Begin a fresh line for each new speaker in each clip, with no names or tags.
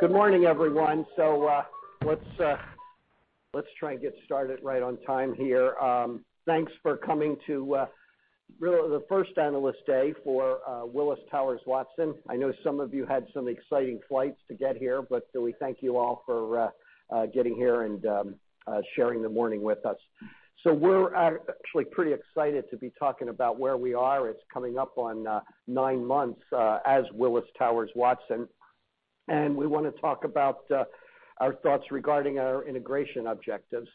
Good morning, everyone. Let's try and get started right on time here. Thanks for coming to the first analyst day for Willis Towers Watson. I know some of you had some exciting flights to get here, but we thank you all for getting here and sharing the morning with us. We're actually pretty excited to be talking about where we are. It's coming up on nine months as Willis Towers Watson, and we want to talk about our thoughts regarding our integration objectives.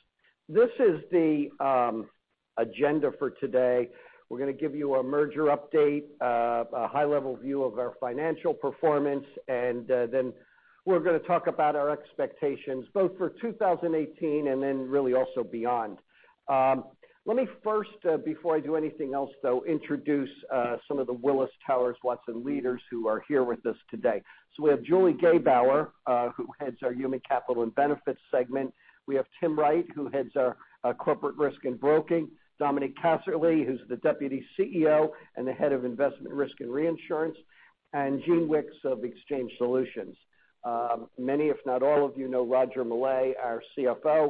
This is the agenda for today. We're going to give you a merger update, a high-level view of our financial performance, then we're going to talk about our expectations, both for 2018 and then really also beyond. Let me first, before I do anything else, though, introduce some of the Willis Towers Watson leaders who are here with us today. We have Julie Gebauer, who heads our Human Capital and Benefits segment. We have Tim Wright, who heads our Corporate Risk and Broking, Dominic Casserley, who's the Deputy CEO and the head of Investment, Risk and Reinsurance, and Gene Wickes of Exchange Solutions. Many, if not all of you know Roger Millay, our CFO.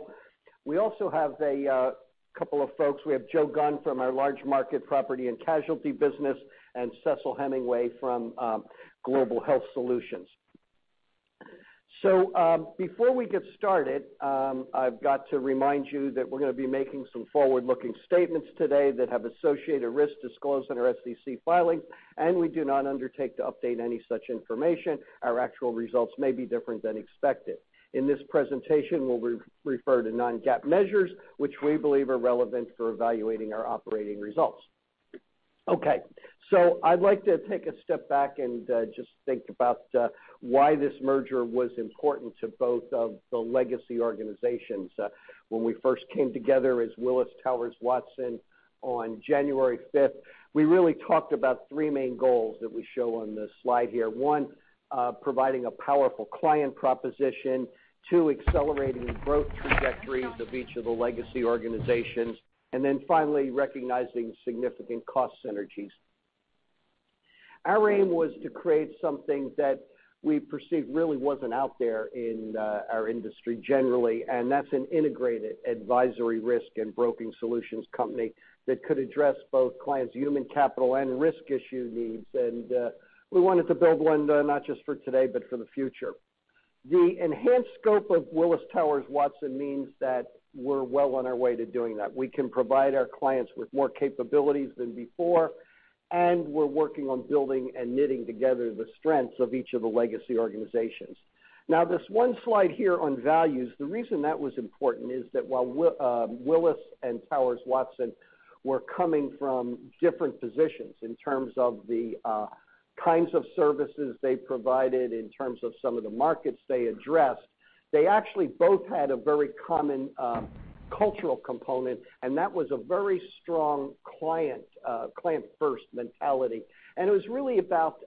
We also have a couple of folks. We have Joe Gunn from our large market property and casualty business and Cecil Hemingway from Global Health Solutions. Before we get started, I've got to remind you that we're going to be making some forward-looking statements today that have associated risks disclosed in our SEC filings, and we do not undertake to update any such information. Our actual results may be different than expected. In this presentation, we'll refer to non-GAAP measures which we believe are relevant for evaluating our operating results. I'd like to take a step back and just think about why this merger was important to both of the legacy organizations. When we first came together as Willis Towers Watson on January 5th, we really talked about three main goals that we show on this slide here. One, providing a powerful client proposition, two, accelerating the growth trajectories of each of the legacy organizations, then finally, recognizing significant cost synergies. Our aim was to create something that we perceived really wasn't out there in our industry generally, that's an integrated advisory risk and broking solutions company that could address both clients' Human Capital and risk issue needs. We wanted to build one not just for today, but for the future. The enhanced scope of Willis Towers Watson means that we're well on our way to doing that. We can provide our clients with more capabilities than before, and we're working on building and knitting together the strengths of each of the legacy organizations. This one slide here on values, the reason that was important is that while Willis and Towers Watson were coming from different positions in terms of the kinds of services they provided, in terms of some of the markets they addressed, they actually both had a very common cultural component, and that was a very strong client first mentality. It was really about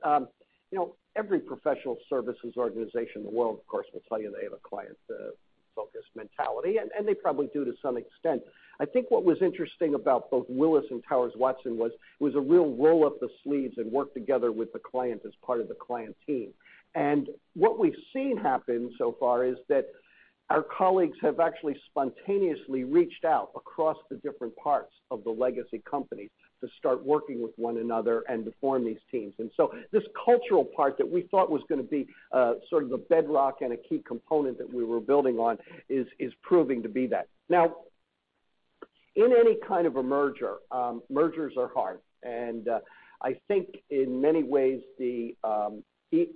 every professional services organization in the world, of course, will tell you they have a client-focused mentality, and they probably do to some extent. I think what was interesting about both Willis and Towers Watson was a real roll up the sleeves and work together with the client as part of the client team. What we've seen happen so far is that our colleagues have actually spontaneously reached out across the different parts of the legacy company to start working with one another and to form these teams. This cultural part that we thought was going to be sort of the bedrock and a key component that we were building on is proving to be that. In any kind of a merger, mergers are hard, and I think in many ways, the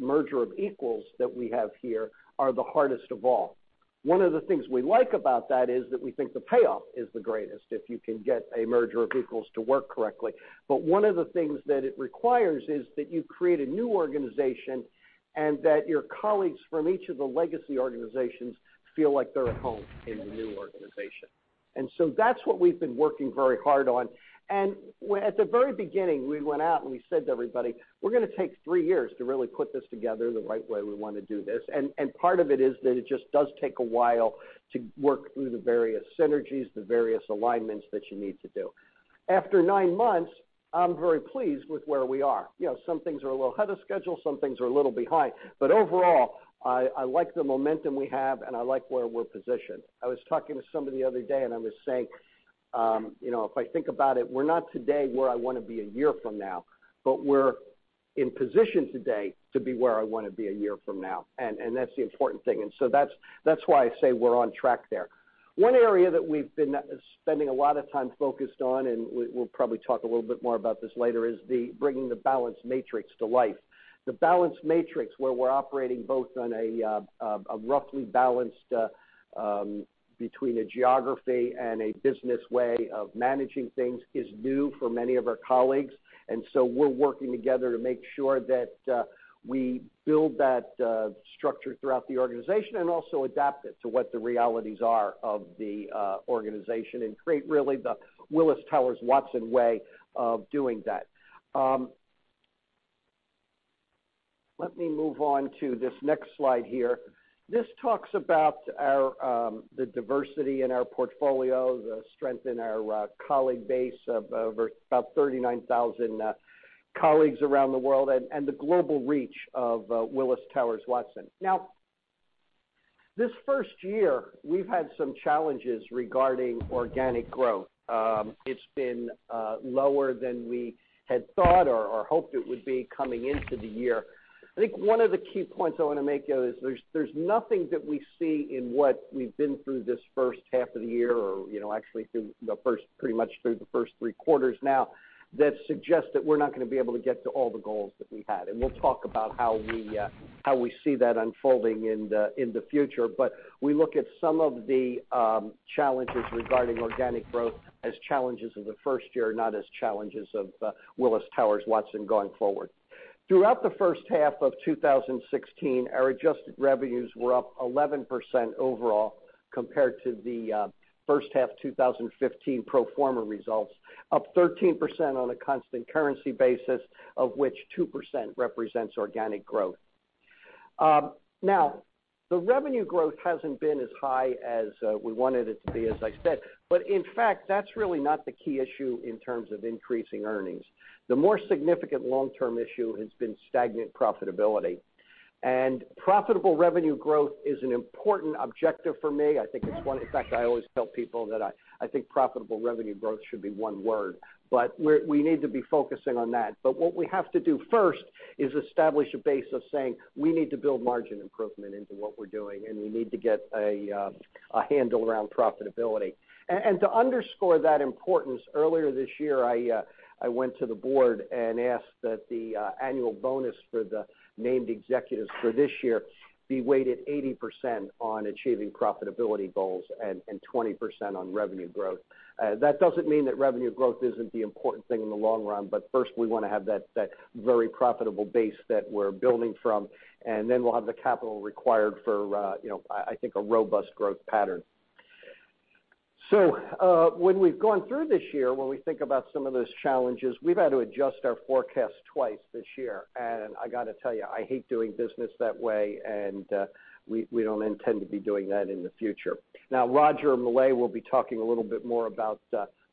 merger of equals that we have here are the hardest of all. One of the things we like about that is that we think the payoff is the greatest if you can get a merger of equals to work correctly. One of the things that it requires is that you create a new organization and that your colleagues from each of the legacy organizations feel like they're at home in the new organization. That's what we've been working very hard on. At the very beginning, we went out, and we said to everybody, "We're going to take 3 years to really put this together the right way we want to do this." Part of it is that it just does take a while to work through the various synergies, the various alignments that you need to do. After nine months, I'm very pleased with where we are. Some things are a little ahead of schedule, some things are a little behind, but overall, I like the momentum we have, and I like where we're positioned. I was talking to somebody the other day, and I was saying, if I think about it, we're not today where I want to be a year from now, but we're in position today to be where I want to be a year from now, and that's the important thing. That's why I say we're on track there. One area that we've been spending a lot of time focused on, and we'll probably talk a little bit more about this later, is bringing the balanced matrix to life. The balanced matrix, where we're operating both on a roughly balanced between a geography and a business way of managing things, is new for many of our colleagues. We're working together to make sure that we build that structure throughout the organization and also adapt it to what the realities are of the organization and create really the Willis Towers Watson way of doing that. Let me move on to this next slide here. This talks about the diversity in our portfolio, the strength in our colleague base of over about 39,000 colleagues around the world, and the global reach of Willis Towers Watson. This first year, we've had some challenges regarding organic growth. It's been lower than we had thought or hoped it would be coming into the year. I think one of the key points I want to make, though, is there is nothing that we see in what we have been through this first half of the year or actually pretty much through the first three quarters now that suggests that we are not going to be able to get to all the goals that we had. We'll talk about how we see that unfolding in the future. We look at some of the challenges regarding organic growth as challenges of the first year, not as challenges of Willis Towers Watson going forward. Throughout the first half of 2016, our adjusted revenues were up 11% overall compared to the first half 2015 pro forma results, up 13% on a constant currency basis, of which 2% represents organic growth. The revenue growth has not been as high as we wanted it to be, as I said. In fact, that's really not the key issue in terms of increasing earnings. The more significant long-term issue has been stagnant profitability. Profitable revenue growth is an important objective for me. I think, in fact, I always tell people that I think profitable revenue growth should be one word, but we need to be focusing on that. What we have to do first is establish a base of saying we need to build margin improvement into what we are doing, and we need to get a handle around profitability. To underscore that importance, earlier this year, I went to the board and asked that the annual bonus for the named executives for this year be weighted 80% on achieving profitability goals and 20% on revenue growth. That doesn't mean that revenue growth isn't the important thing in the long run. First, we want to have that very profitable base that we are building from, and then we'll have the capital required for I think a robust growth pattern. When we have gone through this year, when we think about some of those challenges, we have had to adjust our forecast twice this year. I got to tell you, I hate doing business that way, and we don't intend to be doing that in the future. Roger Millay will be talking a little bit more about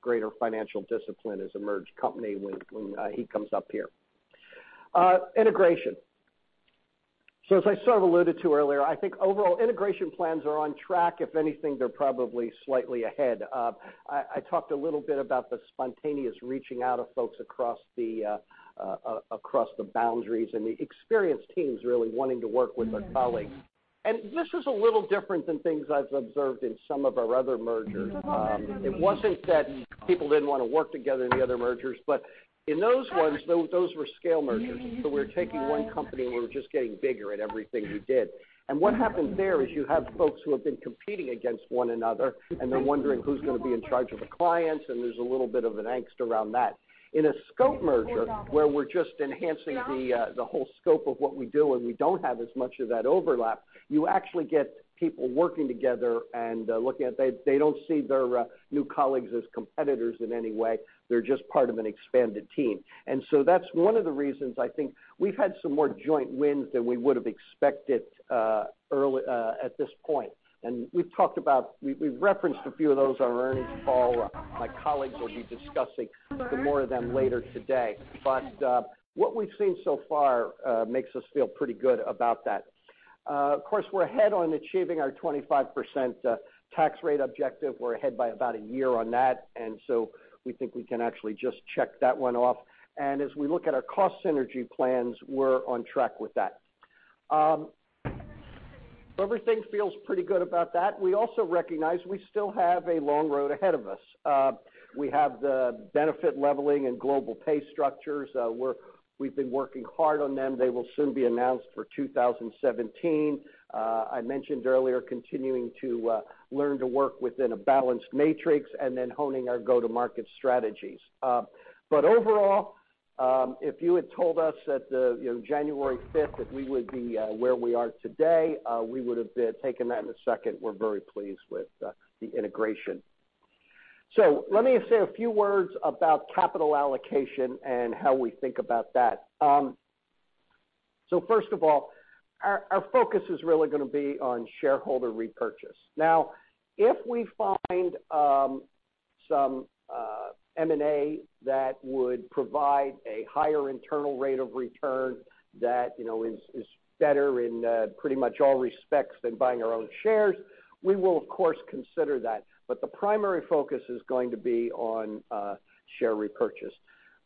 greater financial discipline as a merged company when he comes up here. Integration. As I sort of alluded to earlier, I think overall integration plans are on track. If anything, they're probably slightly ahead. I talked a little bit about the spontaneous reaching out of folks across the boundaries and the experienced teams really wanting to work with their colleagues. This is a little different than things I have observed in some of our other mergers. It wasn't that people didn't want to work together in the other mergers, in those ones, those were scale mergers. We were taking one company, and we were just getting bigger at everything we did. What happens there is you have folks who have been competing against one another, and they're wondering who's going to be in charge of the clients, and there's a little bit of an angst around that. In a scope merger, where we're just enhancing the whole scope of what we do, and we don't have as much of that overlap, you actually get people working together and looking at. They don't see their new colleagues as competitors in any way. They're just part of an expanded team. That's one of the reasons I think we've had some more joint wins than we would have expected at this point. We've referenced a few of those on our earnings call. My colleagues will be discussing some more of them later today. What we've seen so far makes us feel pretty good about that. Of course, we're ahead on achieving our 25% tax rate objective. We're ahead by about a year on that, we think we can actually just check that one off. As we look at our cost synergy plans, we're on track with that. Everything feels pretty good about that. We also recognize we still have a long road ahead of us. We have the benefit leveling and global pay structures. We've been working hard on them. They will soon be announced for 2017. I mentioned earlier continuing to learn to work within a balanced matrix honing our go-to-market strategies. Overall, if you had told us that January 5th that we would be where we are today, we would have taken that in a second. We're very pleased with the integration. Let me say a few words about capital allocation and how we think about that. First of all, our focus is really going to be on shareholder repurchase. Now, if we find some M&A that would provide a higher internal rate of return that is better in pretty much all respects than buying our own shares, we will of course consider that. The primary focus is going to be on share repurchase.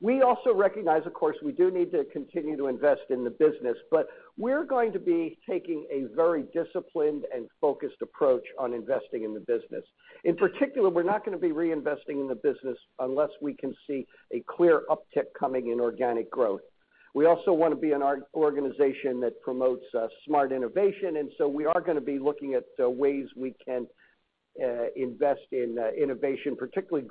We also recognize, of course, we do need to continue to invest in the business, we're going to be taking a very disciplined and focused approach on investing in the business. In particular, we're not going to be reinvesting in the business unless we can see a clear uptick coming in organic growth. We also want to be an organization that promotes smart innovation, we are going to be looking at ways we can invest in innovation, particularly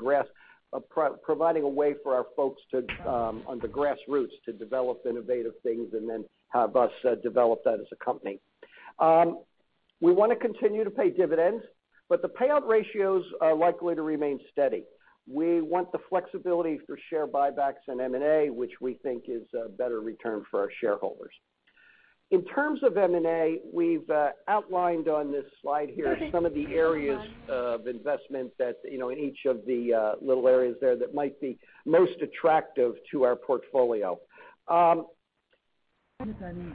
providing a way for our folks on the grassroots to develop innovative things and then have us develop that as a company. We want to continue to pay dividends, the payout ratios are likely to remain steady. We want the flexibility for share buybacks and M&A, which we think is a better return for our shareholders. In terms of M&A, we've outlined on this slide here some of the areas of investment in each of the little areas there that might be most attractive to our portfolio. A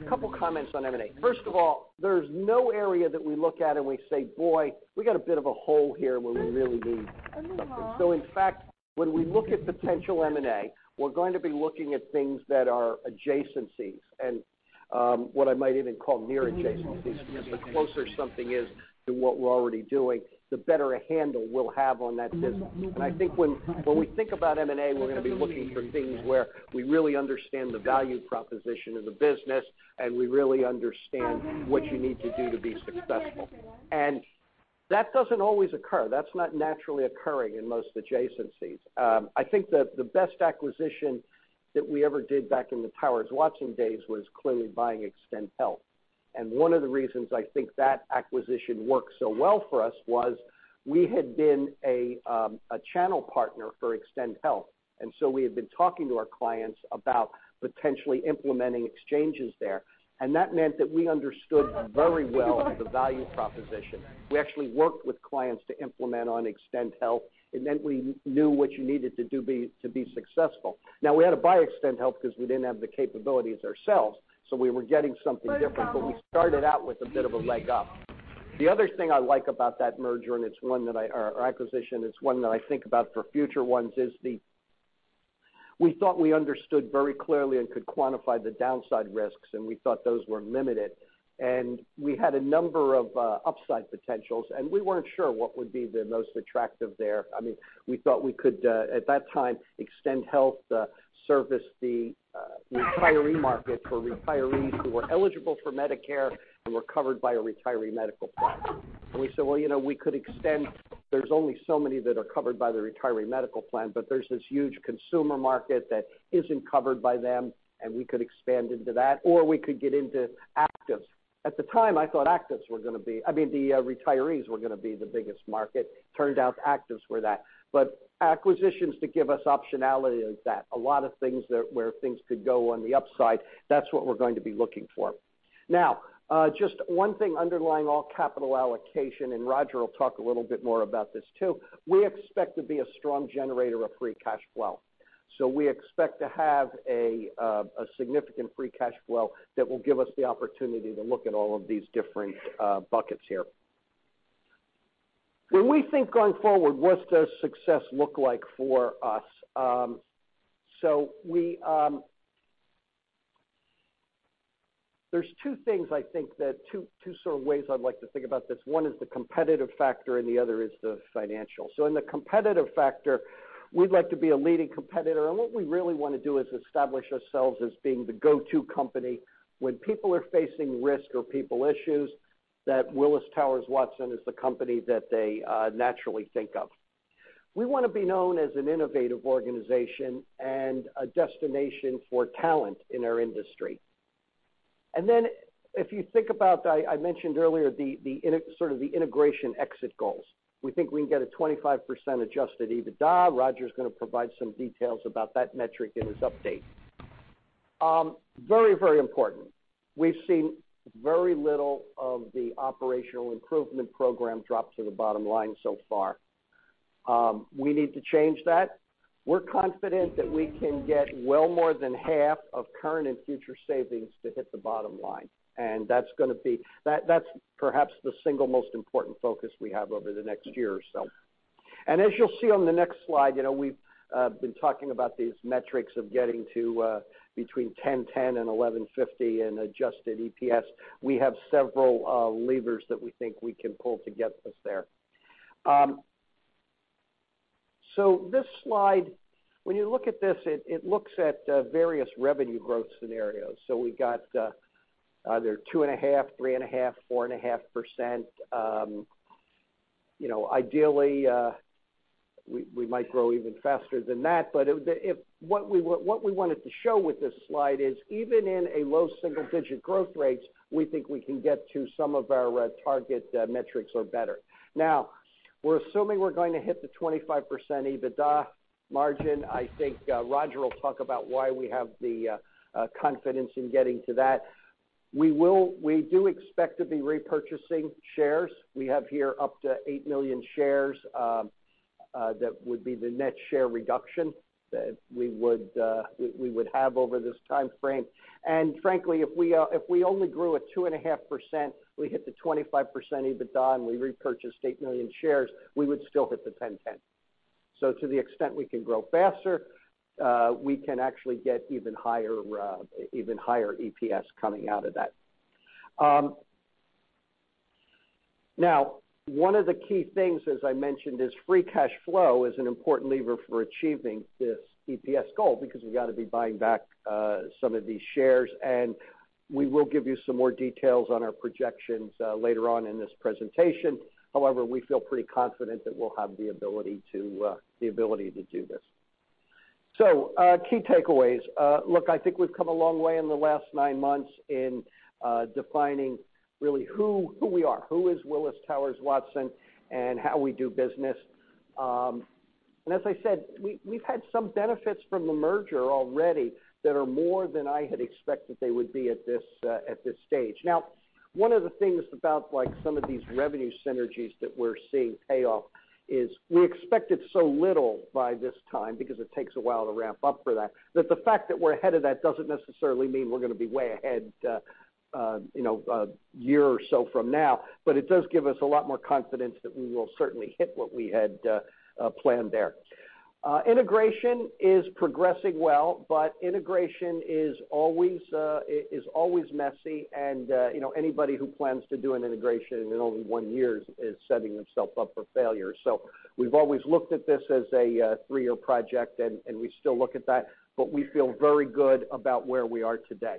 couple comments on M&A. First of all, there's no area that we look at and we say, "Boy, we got a bit of a hole here where we really need something." In fact, when we look at potential M&A, we're going to be looking at things that are adjacencies, what I might even call near adjacencies, because the closer something is to what we're already doing, the better a handle we'll have on that business. I think when we think about M&A, we're going to be looking for things where we really understand the value proposition of the business, we really understand what you need to do to be successful. That doesn't always occur. That's not naturally occurring in most adjacencies. I think that the best acquisition that we ever did back in the Towers Watson days was clearly buying Extend Health. One of the reasons I think that acquisition worked so well for us was we had been a channel partner for Extend Health, we had been talking to our clients about potentially implementing exchanges there. That meant that we understood very well the value proposition. We actually worked with clients to implement on Extend Health, we knew what you needed to do to be successful. Now, we had to buy Extend Health because we didn't have the capabilities ourselves, so we were getting something different. We started out with a bit of a leg up. The other thing I like about that merger, or acquisition, it's one that I think about for future ones, is we thought we understood very clearly and could quantify the downside risks, we thought those were limited. We had a number of upside potentials, we weren't sure what would be the most attractive there. We thought we could, at that time, Extend Health service the retiree market for retirees who were eligible for Medicare and were covered by a retiree medical plan. We said, "Well, we could extend. There's only so many that are covered by the retiree medical plan, but there's this huge consumer market that isn't covered by them, we could expand into that, or we could get into actives." At the time, I thought the retirees were going to be the biggest market. Turned out actives were that. Acquisitions that give us optionality like that, a lot of things where things could go on the upside, that's what we're going to be looking for. Just one thing underlying all capital allocation, Roger will talk a little bit more about this too, we expect to be a strong generator of free cash flow. We expect to have a significant free cash flow that will give us the opportunity to look at all of these different buckets here. When we think going forward, what does success look like for us? There's two things I think that, two sort of ways I'd like to think about this. One is the competitive factor, the other is the financial. In the competitive factor, we'd like to be a leading competitor. What we really want to do is establish ourselves as being the go-to company when people are facing risk or people issues, that Willis Towers Watson is the company that they naturally think of. We want to be known as an innovative organization and a destination for talent in our industry. If you think about, I mentioned earlier, sort of the integration exit goals. We think we can get a 25% adjusted EBITDA. Roger's going to provide some details about that metric in his update. Very important. We've seen very little of the operational improvement program drop to the bottom line so far. We need to change that. We're confident that we can get well more than half of current and future savings to hit the bottom line. That's perhaps the single most important focus we have over the next year or so. As you'll see on the next slide, we've been talking about these metrics of getting to between $10.10 and $11.50 in adjusted EPS. We have several levers that we think we can pull to get us there. This slide, when you look at this, it looks at various revenue growth scenarios. We got either 2.5%, 3.5%, 4.5%. Ideally, we might grow even faster than that. What we wanted to show with this slide is even in a low single-digit growth rates, we think we can get to some of our target metrics or better. We're assuming we're going to hit the 25% EBITDA margin. I think Roger will talk about why we have the confidence in getting to that. We do expect to be repurchasing shares. We have here up to 8 million shares. That would be the net share reduction that we would have over this time frame. Frankly, if we only grew at 2.5%, we hit the 25% EBITDA, and we repurchased 8 million shares, we would still hit the $10.10. To the extent we can grow faster, we can actually get even higher EPS coming out of that. One of the key things, as I mentioned, is free cash flow is an important lever for achieving this EPS goal because we've got to be buying back some of these shares, and we will give you some more details on our projections later on in this presentation. However, we feel pretty confident that we'll have the ability to do this. Key takeaways. I think we've come a long way in the last nine months in defining really who we are, who is Willis Towers Watson, and how we do business. As I said, we've had some benefits from the merger already that are more than I had expected they would be at this stage. One of the things about some of these revenue synergies that we're seeing pay off is we expected so little by this time because it takes a while to ramp up for that the fact that we're ahead of that doesn't necessarily mean we're going to be way ahead a year or so from now, but it does give us a lot more confidence that we will certainly hit what we had planned there. Integration is progressing well, integration is always messy, and anybody who plans to do an integration in only one year is setting themselves up for failure. We've always looked at this as a three-year project, and we still look at that, but we feel very good about where we are today.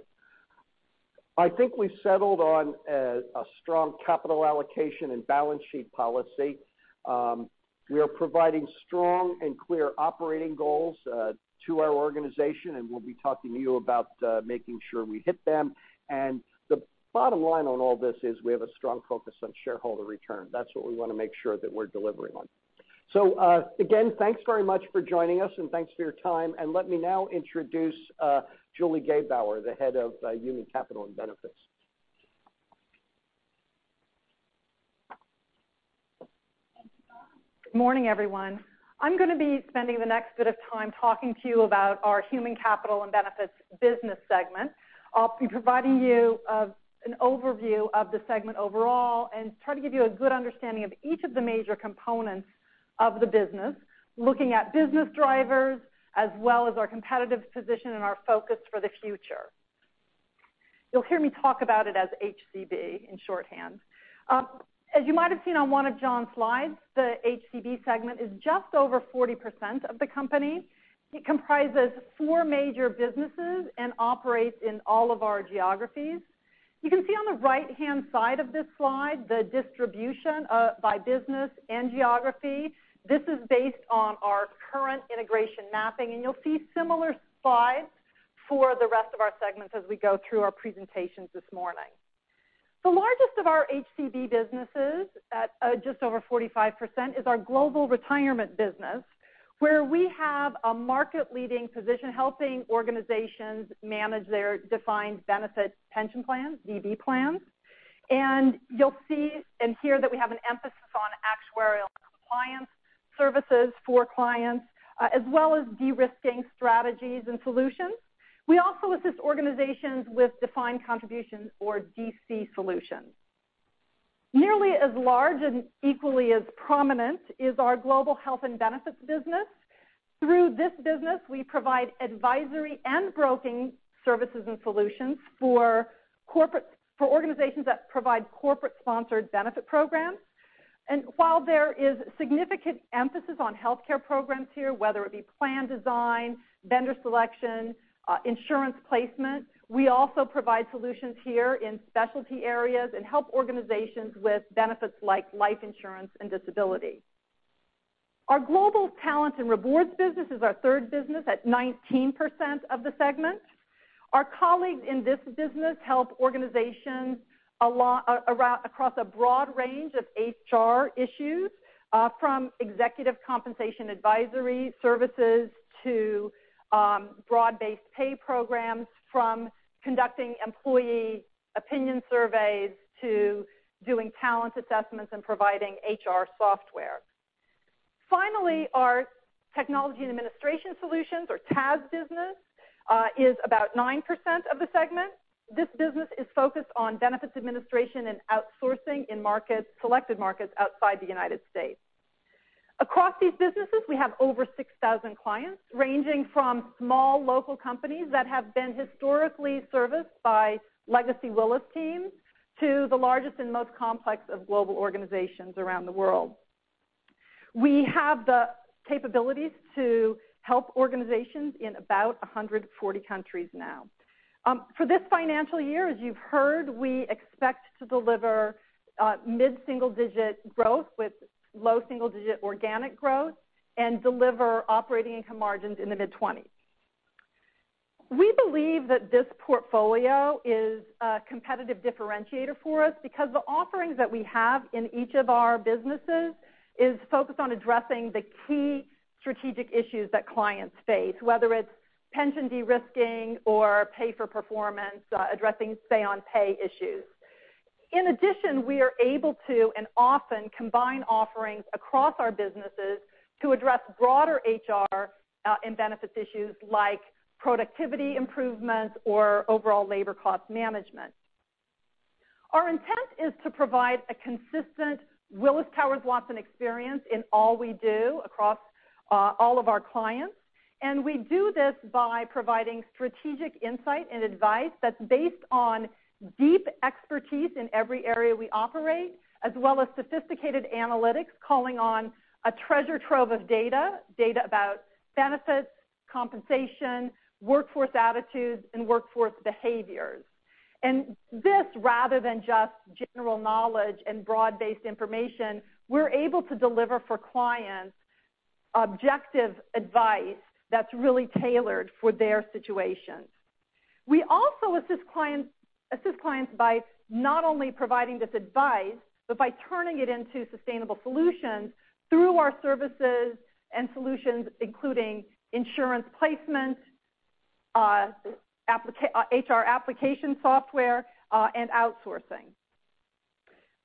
I think we settled on a strong capital allocation and balance sheet policy. We are providing strong and clear operating goals to our organization, and we'll be talking to you about making sure we hit them. The bottom line on all this is we have a strong focus on shareholder return. That's what we want to make sure that we're delivering on. Again, thanks very much for joining us and thanks for your time. Let me now introduce Julie Gebauer, the Head of Human Capital and Benefits.
Thank you, John. Good morning, everyone. I'm going to be spending the next bit of time talking to you about our Human Capital and Benefits business segment. I'll be providing you an overview of the segment overall and try to give you a good understanding of each of the major components of the business, looking at business drivers as well as our competitive position and our focus for the future. You'll hear me talk about it as HCB in shorthand. As you might have seen on one of John's slides, the HCB segment is just over 40% of the company. It comprises four major businesses and operates in all of our geographies. You can see on the right-hand side of this slide, the distribution by business and geography. This is based on our current integration mapping, and you'll see similar slides for the rest of our segments as we go through our presentations this morning. The largest of our HCB businesses, at just over 45%, is our Global Retirement business, where we have a market-leading position helping organizations manage their defined benefit pension plans, DB plans. You'll see and hear that we have an emphasis on actuarial compliance services for clients, as well as de-risking strategies and solutions. We also assist organizations with defined contribution or DC solutions. Nearly as large and equally as prominent is our Global Health and Benefits business. Through this business, we provide advisory and broking services and solutions for organizations that provide corporate-sponsored benefit programs. While there is significant emphasis on healthcare programs here, whether it be plan design, vendor selection, insurance placement, we also provide solutions here in specialty areas and help organizations with benefits like life insurance and disability. Our Global Talent and Rewards business is our third business at 19% of the segment. Our colleagues in this business help organizations across a broad range of HR issues, from executive compensation advisory services to broad-based pay programs, from conducting employee opinion surveys to doing talent assessments and providing HR software. Finally, our Technology and Administration Solutions or TAS business is about 9% of the segment. This business is focused on benefits administration and outsourcing in selected markets outside the U.S. Across these businesses, we have over 6,000 clients, ranging from small local companies that have been historically serviced by legacy Willis teams to the largest and most complex of global organizations around the world. We have the capabilities to help organizations in about 140 countries now. For this financial year, as you've heard, we expect to deliver mid-single-digit growth with low single-digit organic growth and deliver operating income margins in the mid-20s. We believe that this portfolio is a competitive differentiator for us because the offerings that we have in each of our businesses is focused on addressing the key strategic issues that clients face, whether it's pension de-risking or pay for performance, addressing say on pay issues. In addition, we are able to and often combine offerings across our businesses to address broader HR and benefits issues like productivity improvements or overall labor cost management. Our intent is to provide a consistent Willis Towers Watson experience in all we do across all of our clients. We do this by providing strategic insight and advice that is based on deep expertise in every area we operate, as well as sophisticated analytics calling on a treasure trove of data about benefits, compensation, workforce attitudes, and workforce behaviors. This, rather than just general knowledge and broad-based information, we are able to deliver for clients objective advice that is really tailored for their situations. We also assist clients by not only providing this advice, but by turning it into sustainable solutions through our services and solutions, including insurance placement, HR application software, and outsourcing.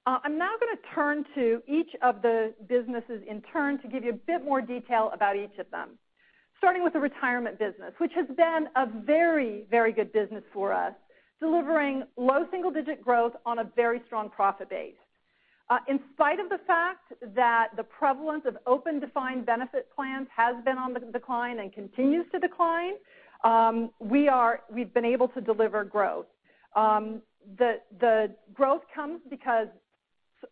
I am now going to turn to each of the businesses in turn to give you a bit more detail about each of them. Starting with the retirement business, which has been a very good business for us, delivering low single-digit growth on a very strong profit base. In spite of the fact that the prevalence of open defined benefit plans has been on the decline and continues to decline, we have been able to deliver growth. The growth comes because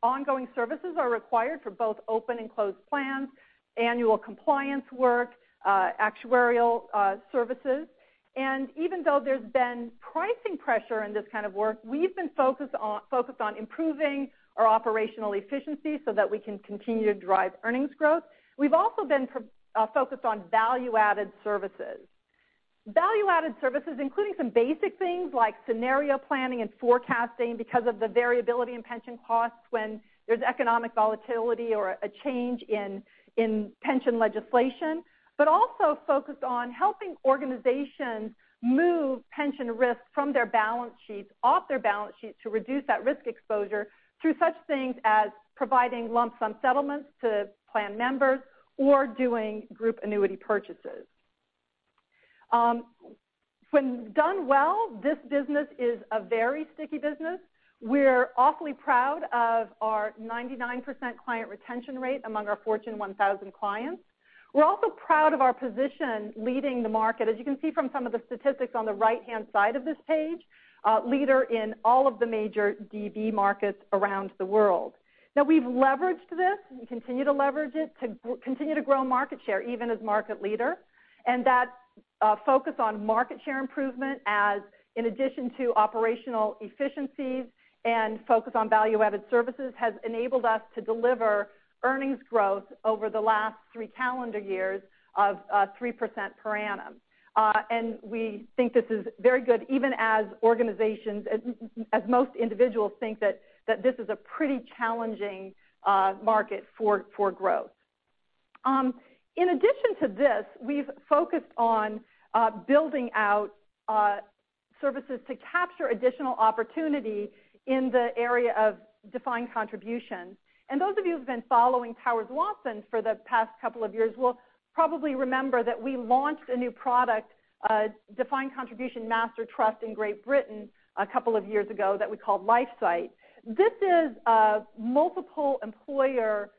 ongoing services are required for both open and closed plans, annual compliance work, actuarial services. Even though there has been pricing pressure in this kind of work, we have been focused on improving our operational efficiency so that we can continue to drive earnings growth. We have also been focused on value-added services. Value-added services, including some basic things like scenario planning and forecasting because of the variability in pension costs when there is economic volatility or a change in pension legislation. Also focused on helping organizations move pension risk from their balance sheets, off their balance sheets, to reduce that risk exposure through such things as providing lump sum settlements to plan members or doing group annuity purchases. When done well, this business is a very sticky business. We are awfully proud of our 99% client retention rate among our Fortune 1000 clients. We are also proud of our position leading the market, as you can see from some of the statistics on the right-hand side of this page, leader in all of the major DB markets around the world. We have leveraged this, and continue to leverage it to continue to grow market share even as market leader. That focus on market share improvement as in addition to operational efficiencies and focus on value-added services has enabled us to deliver earnings growth over the last three calendar years of 3% per annum. We think this is very good even as most individuals think that this is a pretty challenging market for growth. In addition to this, we have focused on building out services to capture additional opportunity in the area of defined contribution. Those of you who have been following Towers Watson for the past couple of years will probably remember that we launched a new product, Defined Contribution Master Trust in Great Britain a couple of years ago that we called LifeSight. This is a multiple employer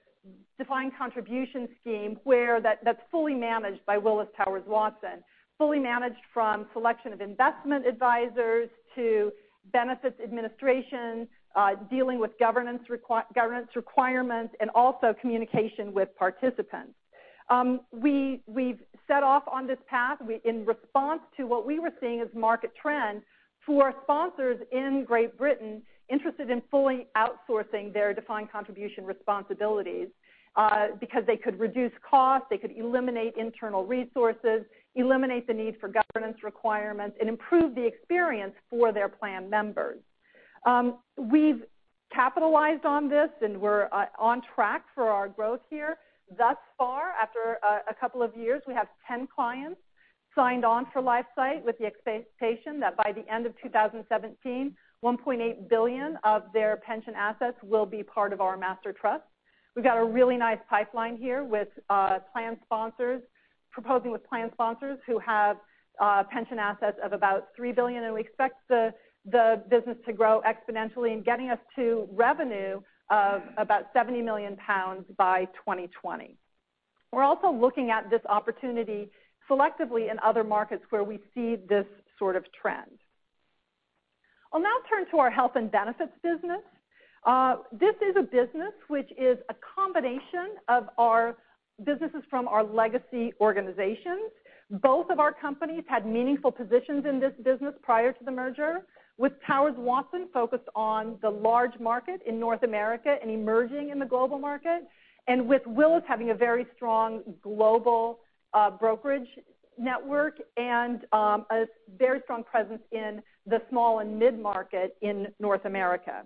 defined contribution scheme that is fully managed by Willis Towers Watson, fully managed from selection of investment advisors to benefits administration, dealing with governance requirements, and also communication with participants. We've set off on this path in response to what we were seeing as market trends for sponsors in Great Britain interested in fully outsourcing their defined contribution responsibilities, because they could reduce costs, they could eliminate internal resources, eliminate the need for governance requirements, and improve the experience for their plan members. We've capitalized on this and we're on track for our growth here. Thus far, after a couple of years, we have 10 clients signed on for LifeSight with the expectation that by the end of 2017, 1.8 billion of their pension assets will be part of our Master Trust. We've got a really nice pipeline here proposing with plan sponsors who have pension assets of about 3 billion, we expect the business to grow exponentially and getting us to revenue of about 70 million pounds by 2020. We're also looking at this opportunity selectively in other markets where we see this sort of trend. I'll now turn to our health and benefits business. This is a business which is a combination of our businesses from our legacy organizations. Both of our companies had meaningful positions in this business prior to the merger, with Towers Watson focused on the large market in North America and emerging in the global market, and with Willis having a very strong global brokerage network and a very strong presence in the small and mid-market in North America.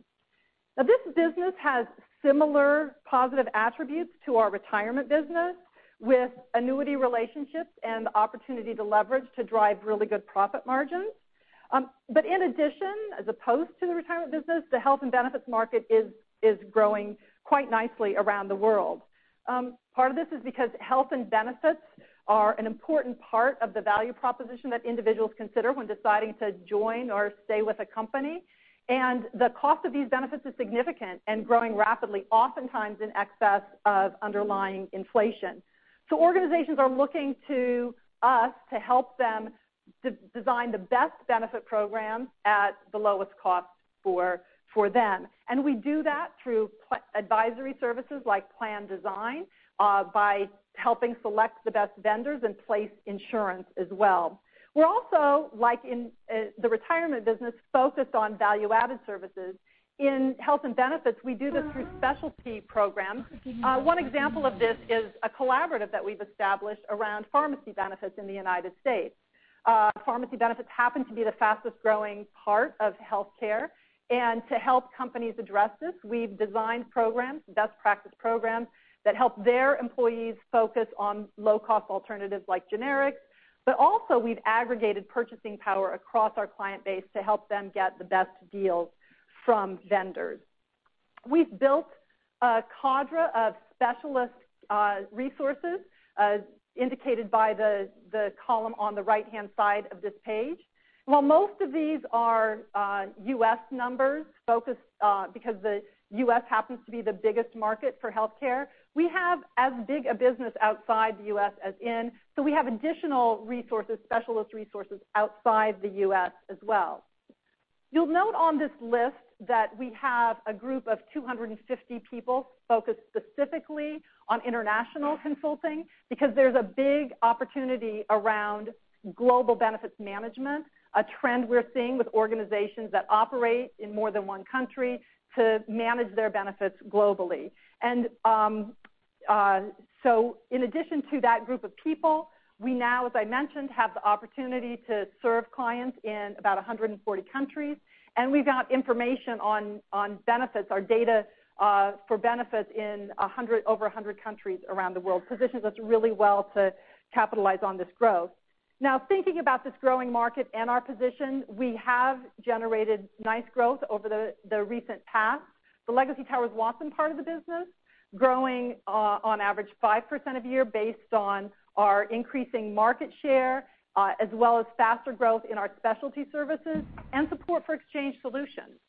This business has similar positive attributes to our retirement business, with annuity relationships and the opportunity to leverage to drive really good profit margins. In addition, as opposed to the retirement business, the health and benefits market is growing quite nicely around the world. Part of this is because health and benefits are an important part of the value proposition that individuals consider when deciding to join or stay with a company. The cost of these benefits is significant and growing rapidly, oftentimes in excess of underlying inflation. Organizations are looking to us to help them design the best benefit programs at the lowest cost for them. We do that through advisory services like plan design, by helping select the best vendors and place insurance as well. We're also, like in the retirement business, focused on value-added services. In health and benefits, we do this through specialty programs. One example of this is a collaborative that we've established around pharmacy benefits in the U.S. Pharmacy benefits happen to be the fastest-growing part of healthcare. To help companies address this, we've designed programs, best practice programs, that help their employees focus on low-cost alternatives like generics. Also we've aggregated purchasing power across our client base to help them get the best deals from vendors. We've built a cadre of specialist resources, indicated by the column on the right-hand side of this page. While most of these are U.S. numbers because the U.S. happens to be the biggest market for healthcare, we have as big a business outside the U.S. as in, so we have additional specialist resources outside the U.S. as well. You'll note on this list that we have a group of 250 people focused specifically on international consulting because there's a big opportunity around global benefits management, a trend we're seeing with organizations that operate in more than one country to manage their benefits globally. In addition to that group of people, we now, as I mentioned, have the opportunity to serve clients in about 140 countries, and we've got information on benefits or data for benefits in over 100 countries around the world, positions us really well to capitalize on this growth. Now, thinking about this growing market and our position, we have generated nice growth over the recent past. The legacy Towers Watson part of the business growing on average 5% a year based on our increasing market share, as well as faster growth in our specialty services and support for exchange solutions.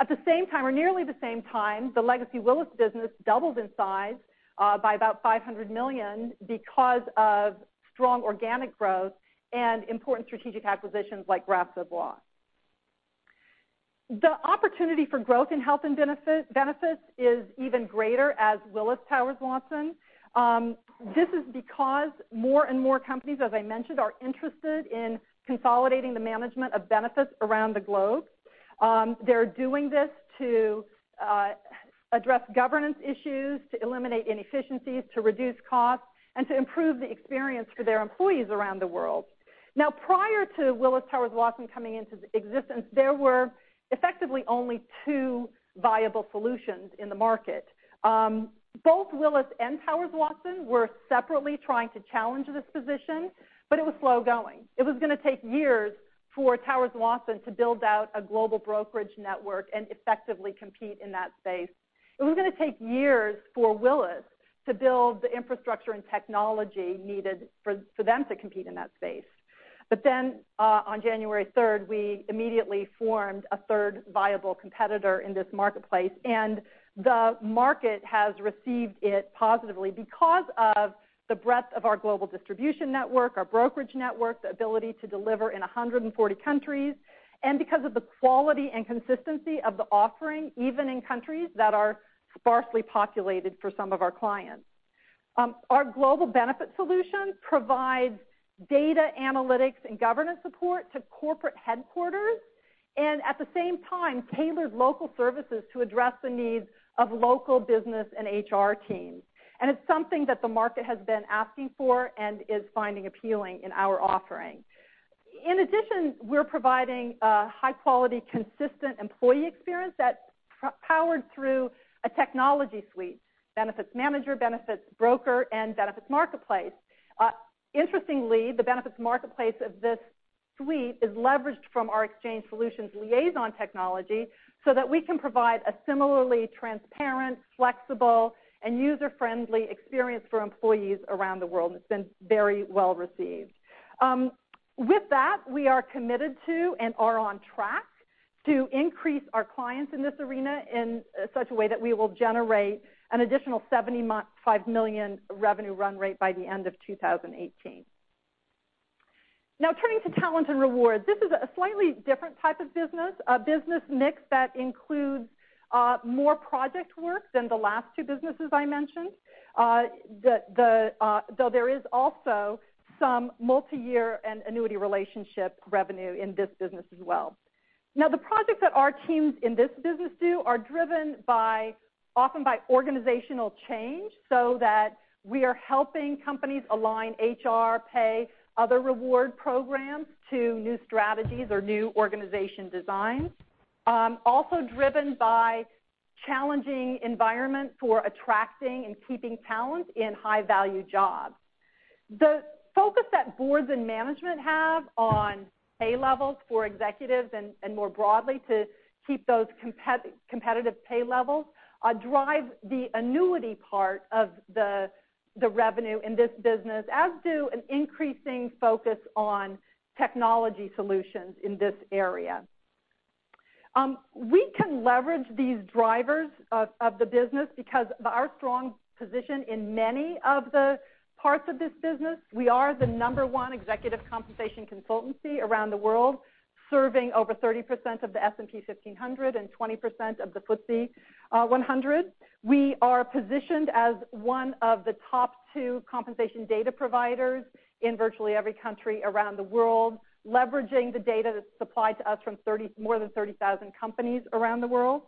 At the same time, or nearly the same time, the legacy Willis business doubled in size by about $500 million because of strong organic growth and important strategic acquisitions like Gras Savoye. The opportunity for growth in health and benefits is even greater as Willis Towers Watson. This is because more and more companies, as I mentioned, are interested in consolidating the management of benefits around the globe. They're doing this to address governance issues, to eliminate inefficiencies, to reduce costs, and to improve the experience for their employees around the world. Now, prior to Willis Towers Watson coming into existence, there were effectively only two viable solutions in the market. Both Willis and Towers Watson were separately trying to challenge this position, but it was slow going. It was going to take years for Towers Watson to build out a global brokerage network and effectively compete in that space. It was going to take years for Willis to build the infrastructure and technology needed for them to compete in that space. On January 5th, we immediately formed a third viable competitor in this marketplace, and the market has received it positively because of the breadth of our global distribution network, our brokerage network, the ability to deliver in 140 countries, and because of the quality and consistency of the offering, even in countries that are sparsely populated for some of our clients. Our global benefit solution provides data analytics and governance support to corporate headquarters, and at the same time, tailored local services to address the needs of local business and HR teams. It's something that the market has been asking for and is finding appealing in our offering. In addition, we're providing a high-quality, consistent employee experience that's powered through a technology suite, Benefits Manager, Benefits Broker, and Benefits Marketplace. Interestingly, the Benefits Marketplace of this suite is leveraged from our exchange solutions Liazon technology so that we can provide a similarly transparent, flexible, and user-friendly experience for employees around the world. It's been very well received. With that, we are committed to and are on track to increase our clients in this arena in such a way that we will generate an additional $75 million revenue run rate by the end of 2018. Now, turning to talent and rewards. This is a slightly different type of business, a business mix that includes more project work than the last two businesses I mentioned. Though there is also some multi-year and annuity relationship revenue in this business as well. The projects that our teams in this business do are driven often by organizational change, so that we are helping companies align HR, pay, other reward programs to new strategies or new organization designs. Also driven by challenging environment for attracting and keeping talent in high-value jobs. The focus that boards and management have on pay levels for executives and more broadly to keep those competitive pay levels drive the annuity part of the revenue in this business, as do an increasing focus on technology solutions in this area. We can leverage these drivers of the business because of our strong position in many of the parts of this business. We are the number one executive compensation consultancy around the world, serving over 30% of the S&P 1500 and 20% of the FTSE 100. We are positioned as one of the top two compensation data providers in virtually every country around the world, leveraging the data that's supplied to us from more than 30,000 companies around the world.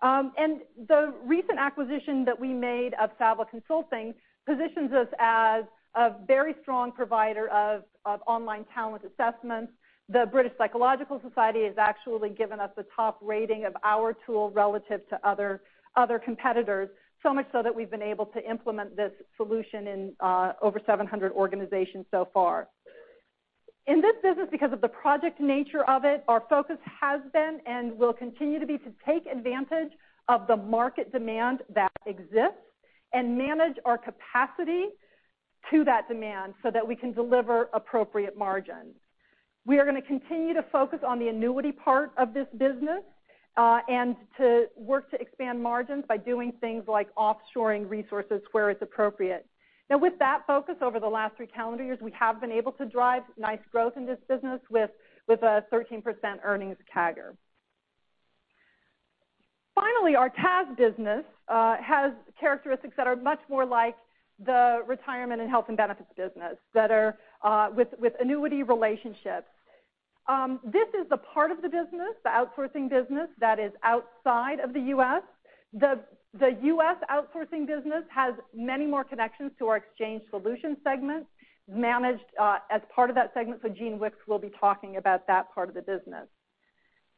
The recent acquisition that we made of Saville Consulting positions us as a very strong provider of online talent assessments. The British Psychological Society has actually given us a top rating of our tool relative to other competitors, so much so that we've been able to implement this solution in over 700 organizations so far. In this business, because of the project nature of it, our focus has been and will continue to be to take advantage of the market demand that exists and manage our capacity to that demand so that we can deliver appropriate margins. We are going to continue to focus on the annuity part of this business, and to work to expand margins by doing things like offshoring resources where it's appropriate. With that focus over the last three calendar years, we have been able to drive nice growth in this business with a 13% earnings CAGR. Finally, our TAS business has characteristics that are much more like the retirement and health and benefits business that are with annuity relationships. This is the part of the business, the outsourcing business, that is outside of the U.S. The U.S. outsourcing business has many more connections to our Exchange Solutions segment, managed as part of that segment, so Gene Wickes will be talking about that part of the business.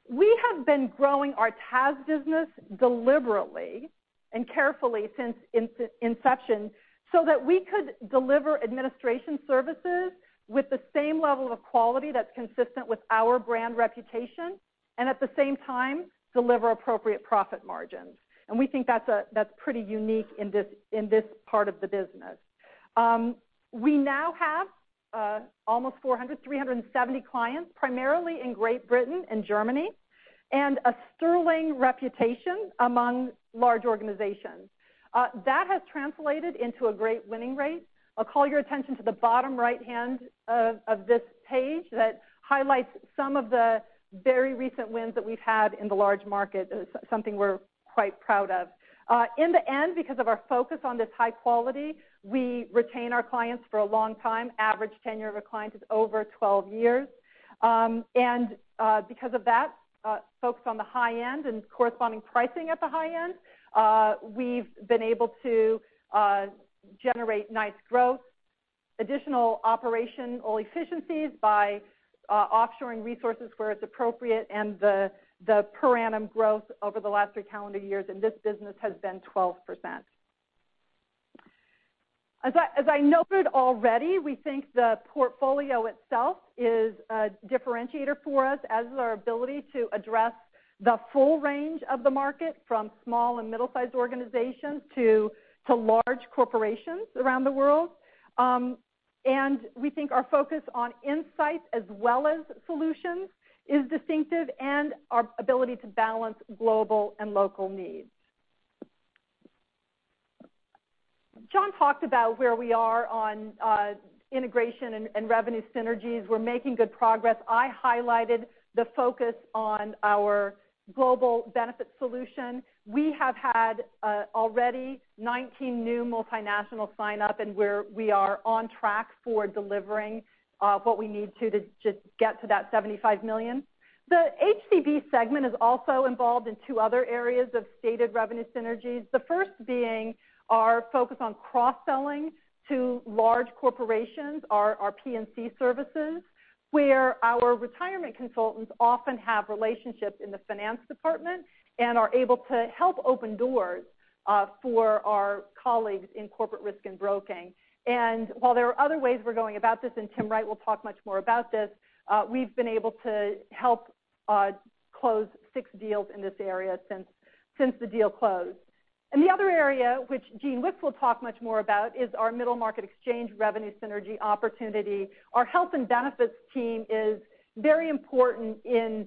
We have been growing our TAS business deliberately and carefully since inception so that we could deliver administration services with the same level of quality that's consistent with our brand reputation, and at the same time, deliver appropriate profit margins. We think that's pretty unique in this part of the business. We now have almost 400, 370 clients, primarily in Great Britain and Germany, and a sterling reputation among large organizations. That has translated into a great winning rate. I'll call your attention to the bottom right hand of this page that highlights some of the very recent wins that we've had in the large market, something we're quite proud of. In the end, because of our focus on this high quality, we retain our clients for a long time. Average tenure of a client is over 12 years. Because of that focus on the high end and corresponding pricing at the high end, we've been able to generate nice growth, additional operational efficiencies by offshoring resources where it's appropriate, and the per annum growth over the last three calendar years in this business has been 12%. As I noted already, we think the portfolio itself is a differentiator for us, as is our ability to address the full range of the market, from small and middle-sized organizations to large corporations around the world. We think our focus on insights as well as solutions is distinctive and our ability to balance global and local needs. John talked about where we are on integration and revenue synergies. We're making good progress. I highlighted the focus on our global benefit solution. We have had already 19 new multinational sign up, and we are on track for delivering what we need to get to that $75 million. The HCB segment is also involved in two other areas of stated revenue synergies. The first being our focus on cross-selling to large corporations, our P&C services, where our retirement consultants often have relationships in the finance department and are able to help open doors for our colleagues in Corporate Risk & Broking. While there are other ways we're going about this, and Tim Wright will talk much more about this, we've been able to help close six deals in this area since the deal closed. The other area, which Gene Wickes will talk much more about, is our middle market exchange revenue synergy opportunity. Our health and benefits team is very important in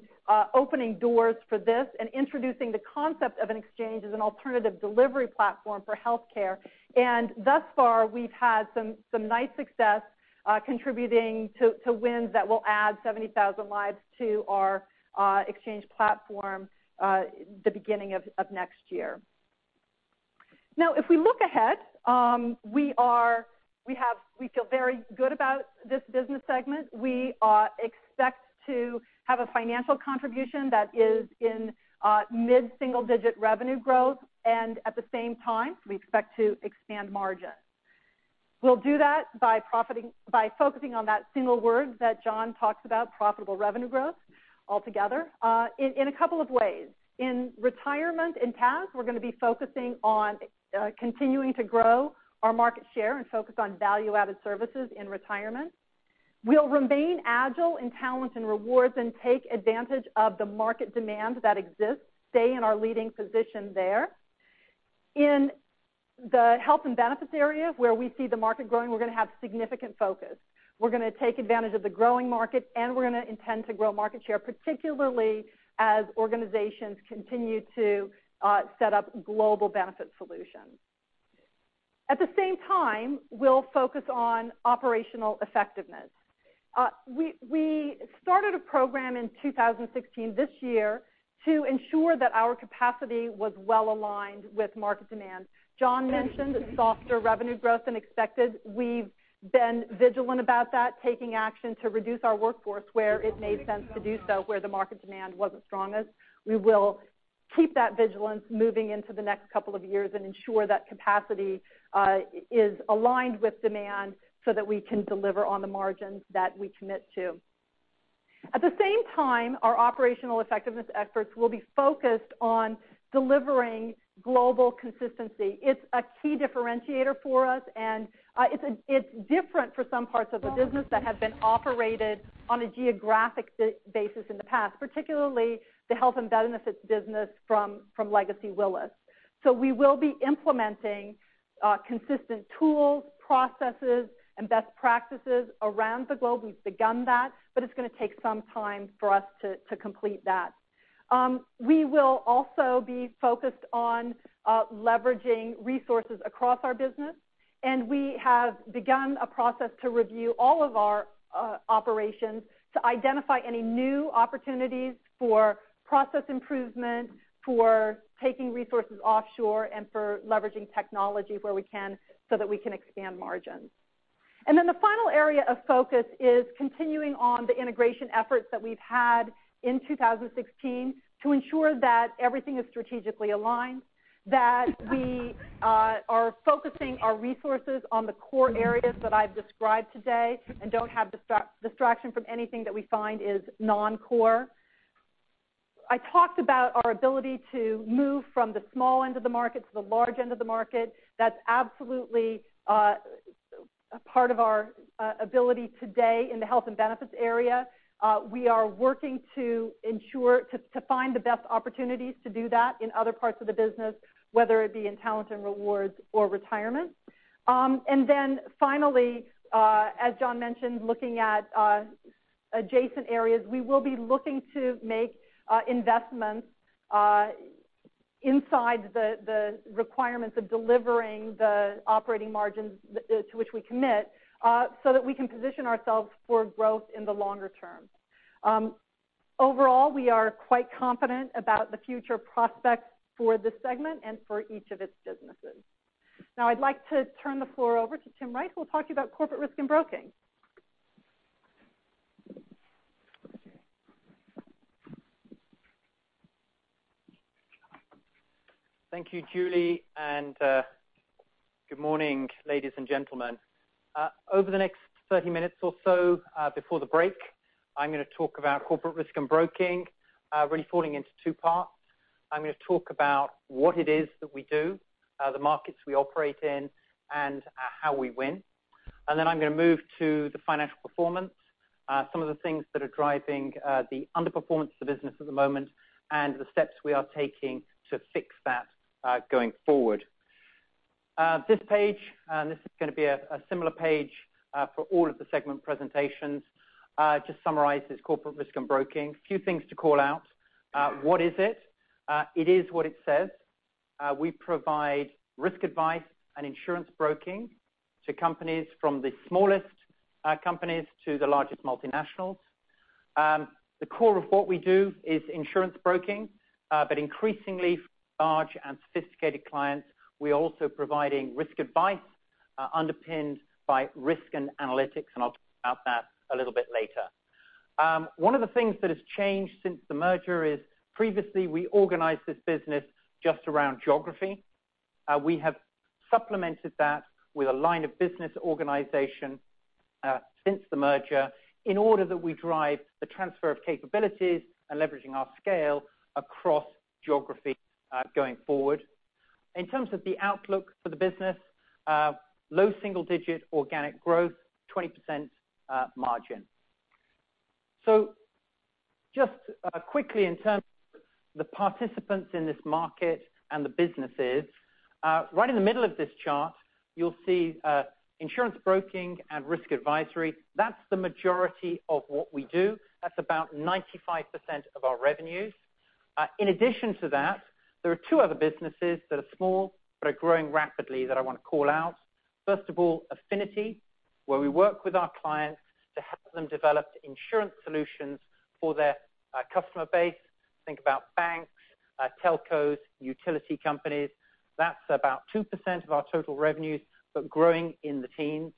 opening doors for this and introducing the concept of an exchange as an alternative delivery platform for healthcare. Thus far, we've had some nice success contributing to wins that will add 70,000 lives to our exchange platform the beginning of next year. Now, if we look ahead, we feel very good about this business segment. We expect to have a financial contribution that is in mid-single digit revenue growth, and at the same time, we expect to expand margins. We'll do that by focusing on that single word that John talks about, profitable revenue growth altogether, in a couple of ways. In retirement and TAS, we're going to be focusing on continuing to grow our market share and focus on value-added services in retirement. We'll remain agile in talent and rewards and take advantage of the market demand that exists, stay in our leading position there. In the health and benefits area, where we see the market growing, we're going to have significant focus. We're going to take advantage of the growing market, and we're going to intend to grow market share, particularly as organizations continue to set up global benefit solutions. At the same time, we'll focus on operational effectiveness. We started a program in 2016, this year, to ensure that our capacity was well-aligned with market demand. John mentioned softer revenue growth than expected. We've been vigilant about that, taking action to reduce our workforce where it made sense to do so, where the market demand wasn't strongest. We will keep that vigilance moving into the next couple of years and ensure that capacity is aligned with demand so that we can deliver on the margins that we commit to. At the same time, our operational effectiveness efforts will be focused on delivering global consistency. It's a key differentiator for us, and it's different for some parts of the business that have been operated on a geographic basis in the past, particularly the health and benefits business from legacy Willis. We will be implementing consistent tools, processes, and best practices around the globe. We've begun that, but it's going to take some time for us to complete that. We will also be focused on leveraging resources across our business. We have begun a process to review all of our operations to identify any new opportunities for process improvement, for taking resources offshore, and for leveraging technology where we can so that we can expand margins. The final area of focus is continuing on the integration efforts that we've had in 2016 to ensure that everything is strategically aligned, that we are focusing our resources on the core areas that I've described today, and don't have distraction from anything that we find is non-core. I talked about our ability to move from the small end of the market to the large end of the market. That's absolutely a part of our ability today in the health and benefits area. We are working to find the best opportunities to do that in other parts of the business, whether it be in talent and rewards or retirement. Finally, as John mentioned, looking at adjacent areas, we will be looking to make investments inside the requirements of delivering the operating margins to which we commit, so that we can position ourselves for growth in the longer term. Overall, we are quite confident about the future prospects for this segment and for each of its businesses. Now I'd like to turn the floor over to Tim Wright, who will talk to you about Corporate Risk and Broking.
Thank you, Julie, and good morning, ladies and gentlemen. Over the next 30 minutes or so before the break, I'm going to talk about Corporate Risk and Broking, really falling into 2 parts. I'm going to talk about what it is that we do, the markets we operate in, and how we win. I'm going to move to the financial performance. Some of the things that are driving the underperformance of the business at the moment and the steps we are taking to fix that going forward. This page, this is going to be a similar page for all of the segment presentations, just summarizes Corporate Risk and Broking. Few things to call out. What is it? It is what it says. We provide risk advice and insurance broking to companies, from the smallest companies to the largest multinationals. The core of what we do is insurance broking. Increasingly for large and sophisticated clients, we are also providing risk advice underpinned by risk and analytics, I'll talk about that a little bit later. One of the things that has changed since the merger is previously we organized this business just around geography. We have supplemented that with a line of business organization since the merger in order that we drive the transfer of capabilities and leveraging our scale across geography going forward. In terms of the outlook for the business, low single-digit organic growth, 20% margin. Just quickly, in terms of the participants in this market and the businesses, right in the middle of this chart, you'll see insurance broking and risk advisory. That's the majority of what we do. That's about 95% of our revenues. In addition to that, there are two other businesses that are small but are growing rapidly that I want to call out. First of all, affinity, where we work with our clients to help them develop insurance solutions for their customer base. Think about banks, telcos, utility companies. That's about 2% of our total revenues, but growing in the teens.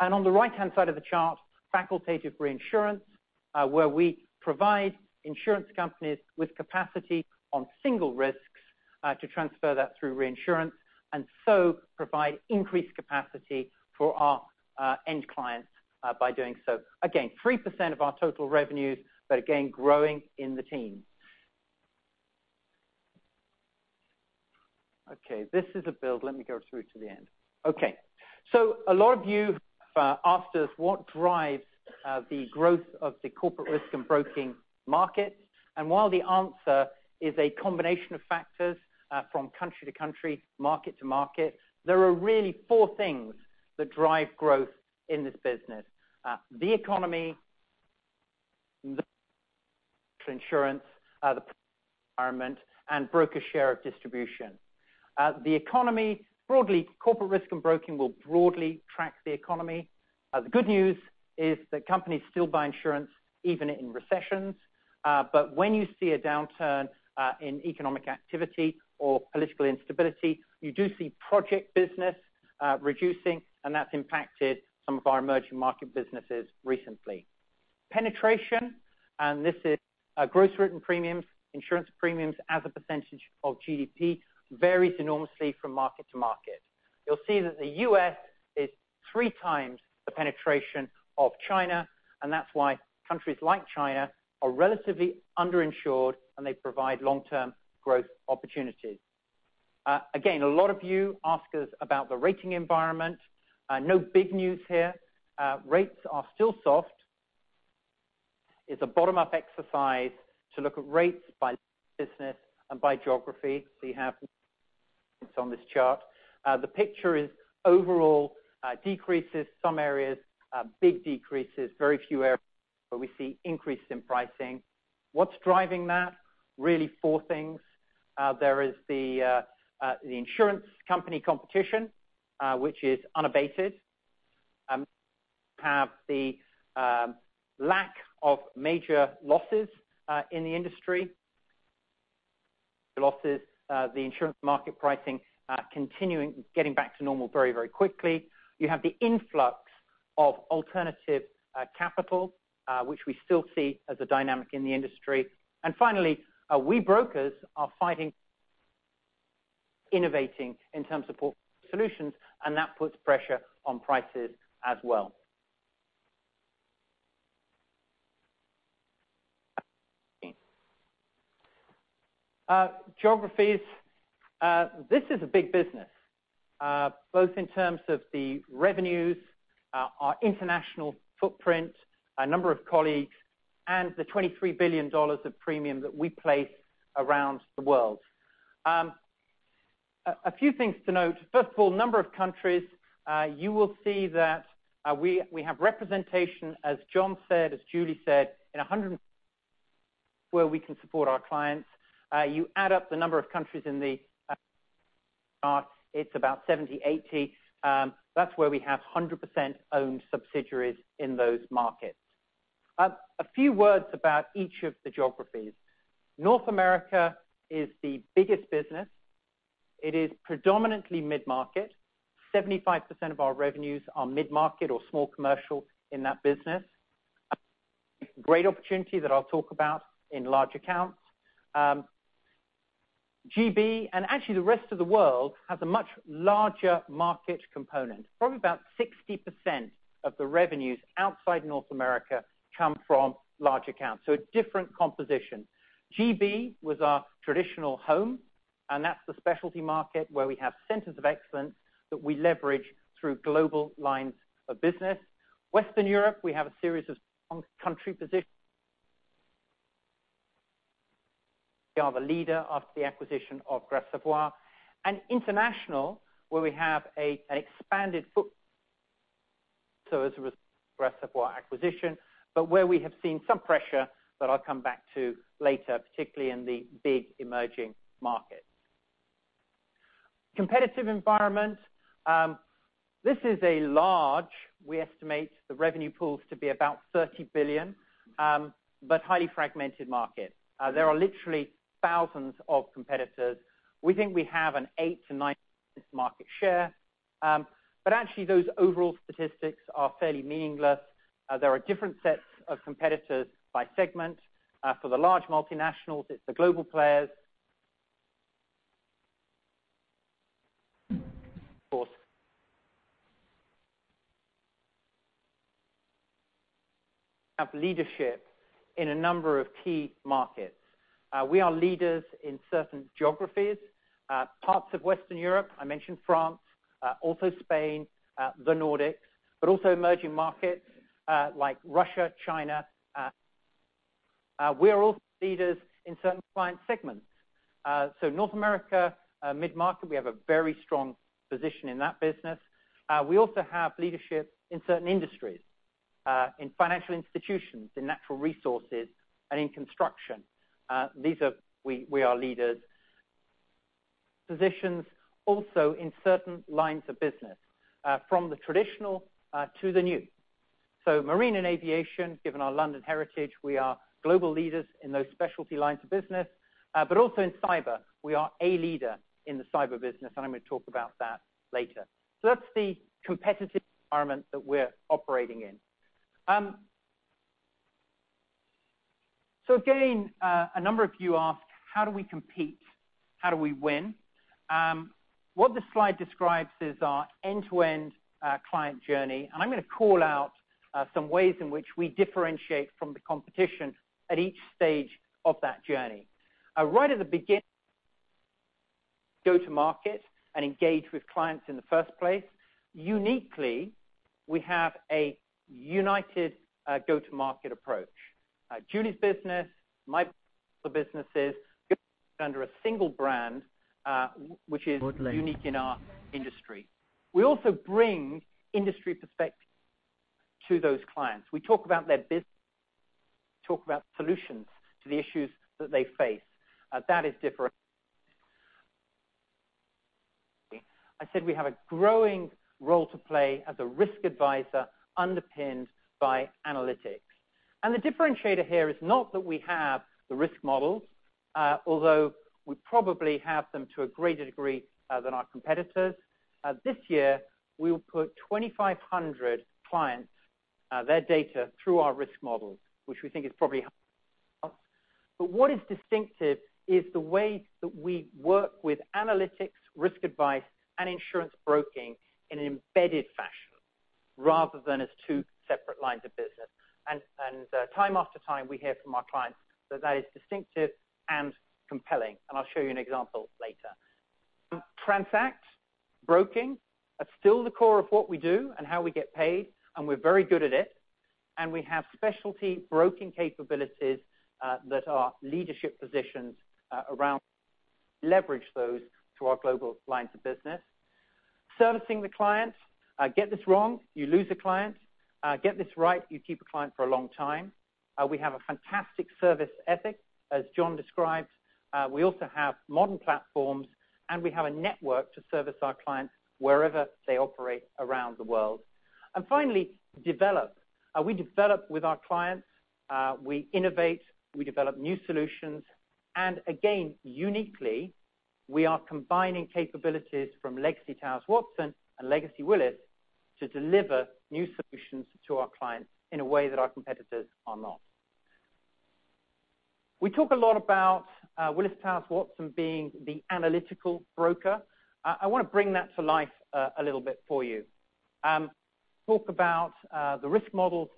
On the right-hand side of the chart, facultative reinsurance, where we provide insurance companies with capacity on single risks to transfer that through reinsurance, and so provide increased capacity for our end clients by doing so. Again, 3% of our total revenues, but again, growing in the teens. This is a build. Let me go through to the end. A lot of you have asked us what drives the growth of the Corporate Risk and Broking market. While the answer is a combination of factors from country to country, market to market, there are really four things that drive growth in this business. The economy, insurance, the environment, and broker share of distribution. The economy, broadly, Corporate Risk and Broking will broadly track the economy. The good news is that companies still buy insurance even in recessions. When you see a downturn in economic activity or political instability, you do see project business reducing, and that's impacted some of our emerging market businesses recently. Penetration, this is gross written premiums, insurance premiums as a percentage of GDP varies enormously from market to market. You'll see that the U.S. is three times the penetration of China, and that's why countries like China are relatively under-insured and they provide long-term growth opportunities. Again, a lot of you ask us about the rating environment. No big news here. Rates are still soft. It's a bottom-up exercise to look at rates by business and by geography. You have on this chart. The picture is overall decreases some areas, big decreases, very few areas where we see increases in pricing. What's driving that? Really four things. There is the insurance company competition, which is unabated. Have the lack of major losses in the industry. Losses, the insurance market pricing, continuing getting back to normal very, very quickly. You have the influx of alternative capital, which we still see as a dynamic in the industry. Finally, we brokers are fighting, innovating in terms of solutions, and that puts pressure on prices as well. Geographies. This is a big business, both in terms of the revenues, our international footprint, our number of colleagues, and the $23 billion of premium that we place around the world. A few things to note. First of all, number of countries, you will see that we have representation, as John said, as Julie said, in 100 where we can support our clients. You add up the number of countries in the it's about 70, 80. That's where we have 100% owned subsidiaries in those markets. A few words about each of the geographies. North America is the biggest business. It is predominantly mid-market. 75% of our revenues are mid-market or small commercial in that business. Great opportunity that I'll talk about in large accounts. The U.K., and actually the rest of the world, has a much larger market component. Probably about 60% of the revenues outside North America come from large accounts, a different composition. The U.K. was our traditional home, that's the specialty market where we have centers of excellence that we leverage through global lines of business. Western Europe, we have a series of country positions. We are the leader after the acquisition of Gras Savoye. International, where we have an expanded foot so as a result of our Gras Savoye acquisition, but where we have seen some pressure that I'll come back to later, particularly in the big emerging markets. Competitive environment. This is a large, we estimate the revenue pools to be about $30 billion, a highly fragmented market. There are literally thousands of competitors. We think we have an 8%-9% market share. Actually those overall statistics are fairly meaningless. There are different sets of competitors by segment. For the large multinationals, it's the global players have leadership in a number of key markets. We are leaders in certain geographies, parts of Western Europe. I mentioned France, also Spain, the Nordics, but also emerging markets like Russia, China. We are also leaders in certain client segments. North America, mid-market, we have a very strong position in that business. We also have leadership in certain industries, in financial institutions, in natural resources, and in construction. These are we are leaders. Positions also in certain lines of business, from the traditional to the new. Marine and aviation, given our London heritage, we are global leaders in those specialty lines of business. Also in cyber, we are a leader in the cyber business, I'm going to talk about that later. That's the competitive environment that we're operating in. Again, a number of you ask, how do we compete? How do we win? What this slide describes is our end-to-end client journey, I'm going to call out some ways in which we differentiate from the competition at each stage of that journey. Right at the beginning go to market and engage with clients in the first place. Uniquely, we have a united go-to-market approach. Julie's business, my businesses under a single brand, which is unique in our industry. We also bring industry perspective to those clients. We talk about their business talk about solutions to the issues that they face. That is different. I said we have a growing role to play as a risk advisor underpinned by analytics. The differentiator here is not that we have the risk models, although we probably have them to a greater degree than our competitors. This year, we will put 2,500 clients, their data through our risk models. What is distinctive is the way that we work with analytics, risk advice, and insurance broking in an embedded fashion rather than as two separate lines of business. Time after time, we hear from our clients that is distinctive and compelling, I'll show you an example later. Transact, broking, are still the core of what we do and how we get paid, we're very good at it. We have specialty broking capabilities that are leadership positions around leverage those to our global lines of business. Servicing the client, get this wrong, you lose the client. Get this right, you keep a client for a long time. We have a fantastic service ethic, as John described. We also have modern platforms, we have a network to service our clients wherever they operate around the world. Finally, develop. We develop with our clients, we innovate, we develop new solutions. Again, uniquely, we are combining capabilities from legacy Towers Watson and legacy Willis to deliver new solutions to our clients in a way that our competitors are not. We talk a lot about Willis Towers Watson being the analytical broker. I want to bring that to life a little bit for you. Talk about the risk models.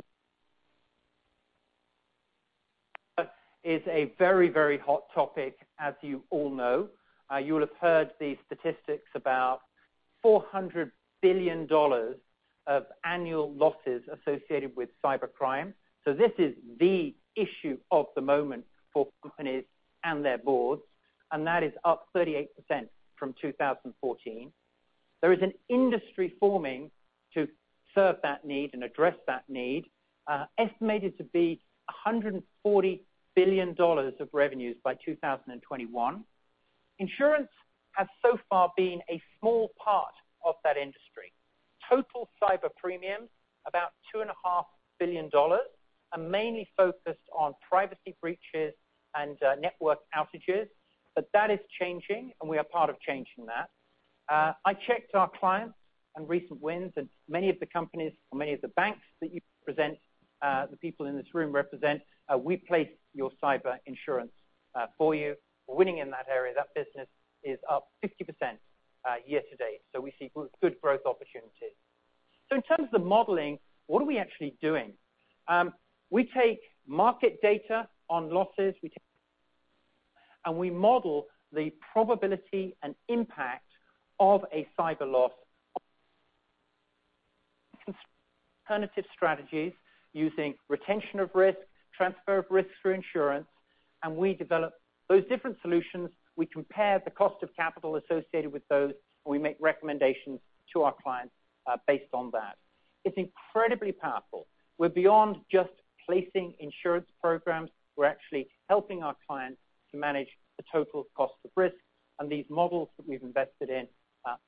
It is a very, very hot topic as you all know. You would have heard the statistics about $400 billion of annual losses associated with cybercrime. This is the issue of the moment for companies and their boards, that is up 38% from 2014. There is an industry forming to serve that need and address that need, estimated to be $140 billion of revenues by 2021. Insurance has so far been a small part of that industry. Total cyber premium, about $2.5 billion, mainly focused on privacy breaches and network outages. That is changing, we are part of changing that. I checked our clients and recent wins, many of the companies or many of the banks that you present, the people in this room represent, we place your cyber insurance for you. We're winning in that area. That business is up 50% year-to-date. We see good growth opportunities. In terms of modeling, what are we actually doing? We take market data on losses, we take and we model the probability and impact of a cyber loss. Alternative strategies using retention of risk, transfer of risk through insurance, we develop those different solutions. We compare the cost of capital associated with those, we make recommendations to our clients based on that. It's incredibly powerful. We're beyond just placing insurance programs. We're actually helping our clients to manage the total cost of risk. These models that we've invested in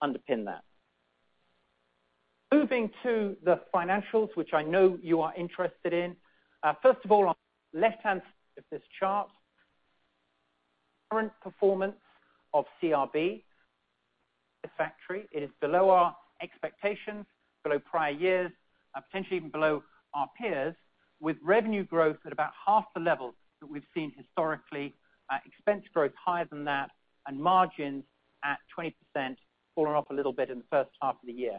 underpin that. Moving to the financials, which I know you are interested in. First of all, on the left hand of this chart, current performance of CRB. It is below our expectations, below prior years, potentially even below our peers, with revenue growth at about half the level that we've seen historically. Expense growth higher than that and margins at 20% fallen off a little bit in the first half of the year.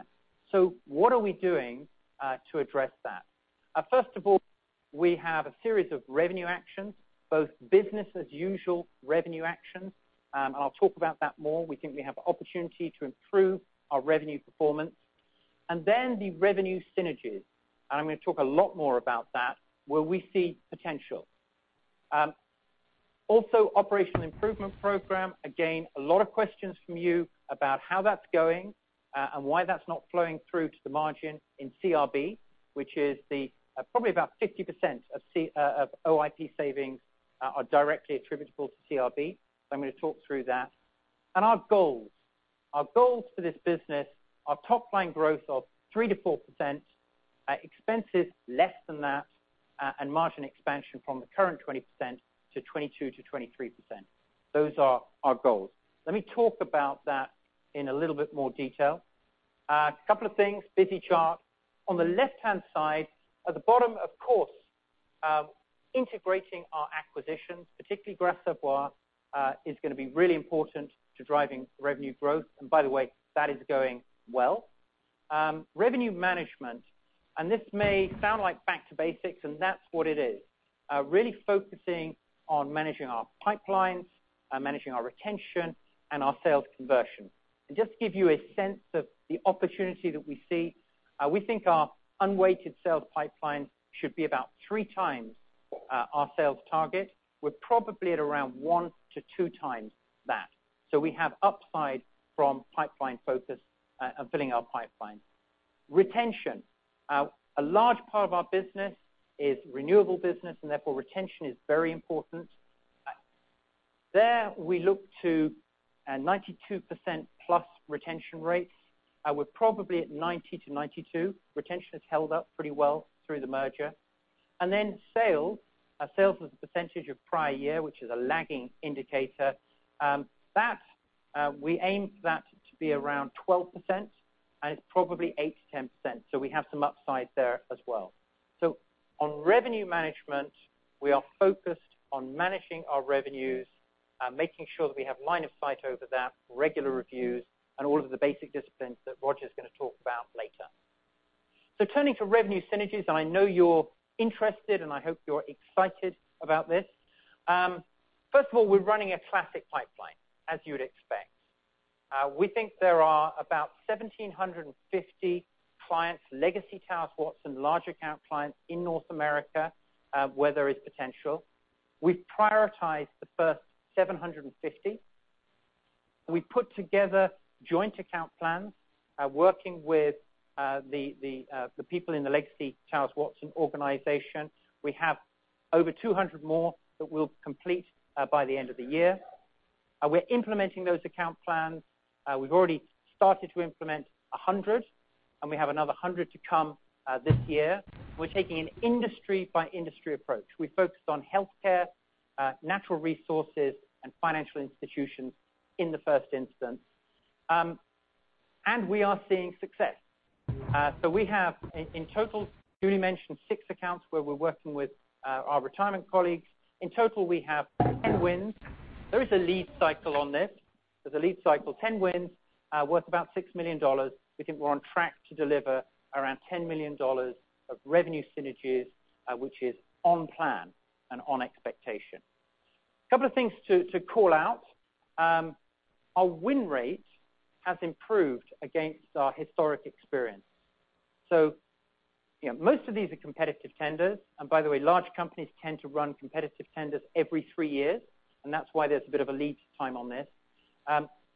What are we doing to address that? First of all, we have a series of revenue actions, both business as usual revenue actions, I'll talk about that more. We think we have an opportunity to improve our revenue performance. The revenue synergies, I'm going to talk a lot more about that, where we see potential. Operational improvement program. A lot of questions from you about how that's going and why that's not flowing through to the margin in CRB, which is probably about 50% of OIP savings are directly attributable to CRB. I'm going to talk through that. Our goals. Our goals for this business are top line growth of 3%-4%, expenses less than that, and margin expansion from the current 20%-22% to 23%. Those are our goals. Let me talk about that in a little bit more detail. A couple of things, busy chart. On the left-hand side, at the bottom, of course, integrating our acquisitions, particularly Gras Savoye, is going to be really important to driving revenue growth. By the way, that is going well. Revenue management, and this may sound like back to basics, and that's what it is. Really focusing on managing our pipelines, managing our retention, and our sales conversion. To just give you a sense of the opportunity that we see, we think our unweighted sales pipeline should be about 3 times our sales target. We're probably at around one to two times that. We have upside from pipeline focus and filling our pipeline. Retention. A large part of our business is renewable business, and therefore, retention is very important. There we look to a 92%-plus retention rates. We're probably at 90%-92%. Retention has held up pretty well through the merger. Sales. Our sales as a percentage of prior year, which is a lagging indicator. We aim for that to be around 12%, and it's probably 8%-10%, we have some upside there as well. On revenue management, we are focused on managing our revenues, making sure that we have line of sight over that, regular reviews, and all of the basic disciplines that Roger's going to talk about later. Turning to revenue synergies, I know you're interested, and I hope you're excited about this. First of all, we're running a classic pipeline, as you would expect. We think there are about 1,750 clients, legacy Towers Watson large account clients in North America, where there is potential. We've prioritized the first 750. We put together joint account plans, working with the people in the legacy Towers Watson organization. We have over 200 more that we'll complete by the end of the year. We're implementing those account plans. We've already started to implement 100, we have another 100 to come this year. We're taking an industry by industry approach. We focused on healthcare, natural resources, and financial institutions in the first instance. We are seeing success. We have in total, Julie mentioned six accounts where we're working with our retirement colleagues. In total, we have 10 wins. There is a lead cycle on this. There is a lead cycle, 10 wins, worth about $6 million. We think we're on track to deliver around $10 million of revenue synergies, which is on plan and on expectation. A couple of things to call out. Our win rate has improved against our historic experience. Most of these are competitive tenders. By the way, large companies tend to run competitive tenders every three years, and that's why there's a bit of a lead time on this.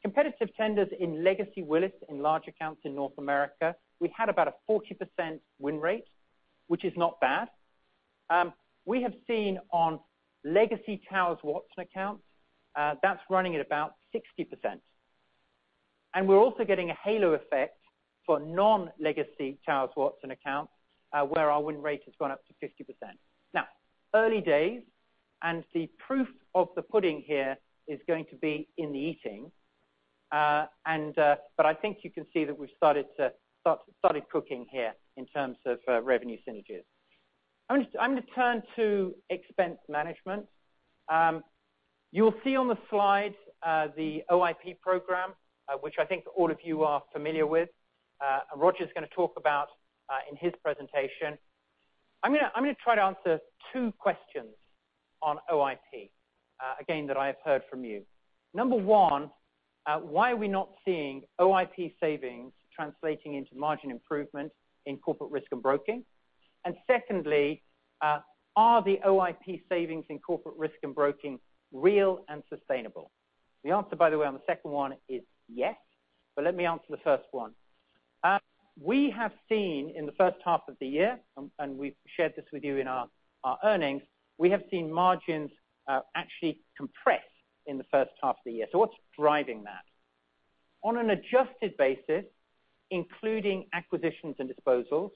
Competitive tenders in legacy Willis and large accounts in North America, we had about a 40% win rate, which is not bad. We have seen on legacy Towers Watson accounts, that's running at about 60%. We're also getting a halo effect for non-legacy Towers Watson accounts, where our win rate has gone up to 50%. Early days, the proof of the pudding here is going to be in the eating. I think you can see that we've started cooking here in terms of revenue synergies. I'm going to turn to expense management. You will see on the slide the OIP program, which I think all of you are familiar with, and Roger's going to talk about in his presentation. I'm going to try to answer two questions on OIP, again, that I have heard from you. Number one, why are we not seeing OIP savings translating into margin improvement in Corporate Risk and Broking? Secondly, are the OIP savings in Corporate Risk and Broking real and sustainable? The answer, by the way, on the second one is yes, let me answer the first one. We have seen in the first half of the year, and we've shared this with you in our earnings, we have seen margins actually compress in the first half of the year. What's driving that? On an adjusted basis, including acquisitions and disposals,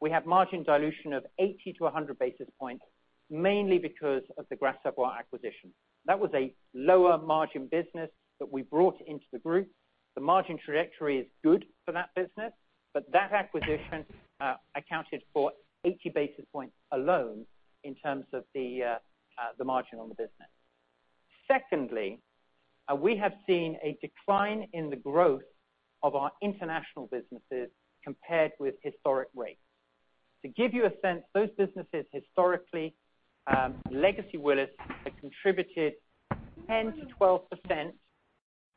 we have margin dilution of 80-100 basis points, mainly because of the Gras Savoye acquisition. That was a lower margin business that we brought into the group. The margin trajectory is good for that business, but that acquisition accounted for 80 basis points alone in terms of the margin on the business. Secondly, we have seen a decline in the growth of our international businesses compared with historic rates. To give you a sense, those businesses historically, legacy Willis, have contributed 10%-12%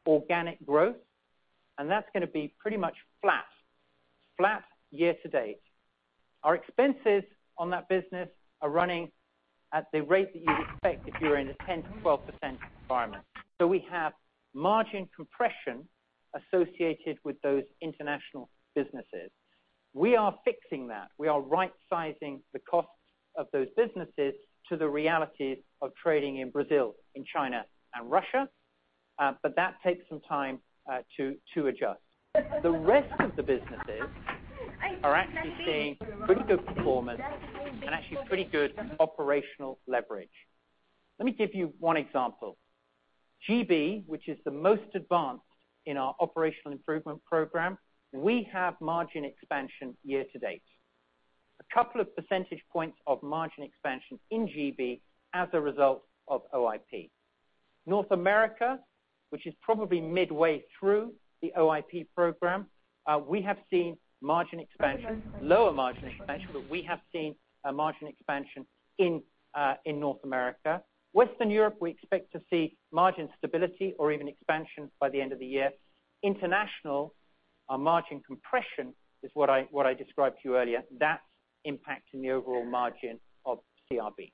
organic growth, that's going to be pretty much flat. Flat year to date. Our expenses on that business are running at the rate that you'd expect if you were in a 10%-12% environment. We have margin compression associated with those international businesses. We are fixing that. We are right sizing the costs of those businesses to the realities of trading in Brazil, in China and Russia. That takes some time to adjust. The rest of the businesses are actually seeing pretty good performance and actually pretty good operational leverage. Let me give you one example. GB, which is the most advanced in our operational improvement program, we have margin expansion year to date. A couple of percentage points of margin expansion in GB as a result of OIP. North America, which is probably midway through the OIP program, we have seen margin expansion, lower margin expansion, we have seen a margin expansion in North America. Western Europe, we expect to see margin stability or even expansion by the end of the year. International, our margin compression is what I described to you earlier. That's impacting the overall margin of CRB.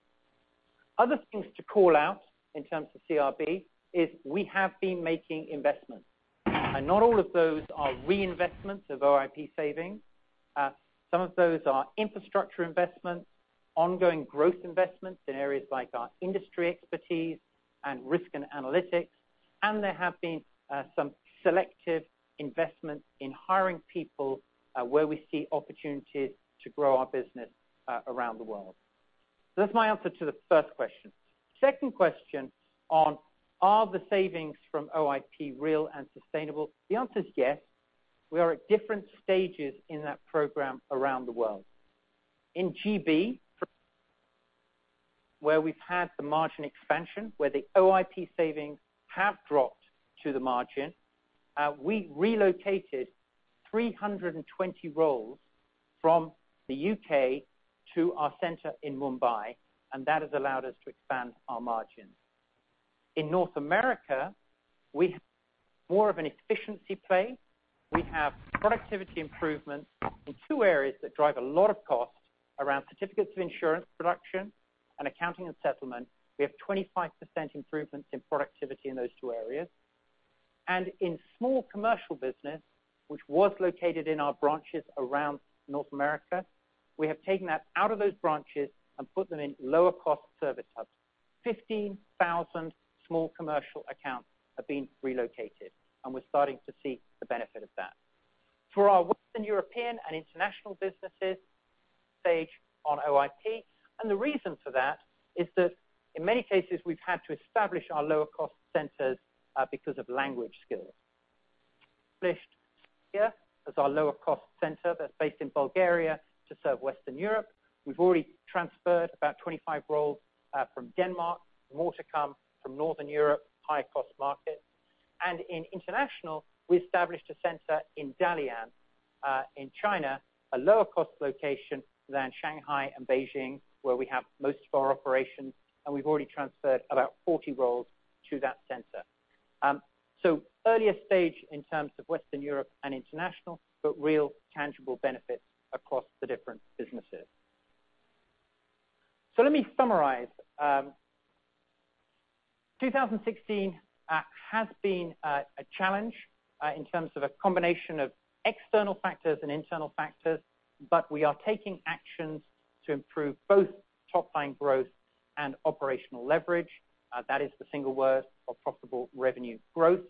Other things to call out in terms of CRB is we have been making investments. Not all of those are reinvestments of OIP savings. Some of those are infrastructure investments, ongoing growth investments in areas like our industry expertise and risk and analytics. There have been some selective investments in hiring people where we see opportunities to grow our business around the world. That's my answer to the first question. Second question on are the savings from OIP real and sustainable? The answer is yes. We are at different stages in that program around the world. In G.B., for where we've had the margin expansion, where the OIP savings have dropped to the margin, we relocated 320 roles from the U.K. to our center in Mumbai, that has allowed us to expand our margin. In North America, we have more of an efficiency play. We have productivity improvements in two areas that drive a lot of cost around certificates of insurance production and accounting and settlement. We have 25% improvements in productivity in those two areas. In small commercial business, which was located in our branches around North America, we have taken that out of those branches and put them in lower cost service hubs. 15,000 small commercial accounts have been relocated, we're starting to see the benefit of that. For our Western European and international businesses, stage on OIP. The reason for that is that in many cases, we've had to establish our lower cost centers because of language skills. as our lower cost center that's based in Bulgaria to serve Western Europe. We've already transferred about 25 roles from Denmark, more to come from Northern Europe, high-cost market. In international, we established a center in Dalian, in China, a lower cost location than Shanghai and Beijing, where we have most of our operations, and we've already transferred about 40 roles to that center. Earlier stage in terms of Western Europe and international, but real tangible benefits across the different businesses. Let me summarize. 2016 has been a challenge in terms of a combination of external factors and internal factors, but we are taking actions to improve both top line growth and operational leverage. That is the single source of profitable revenue growth.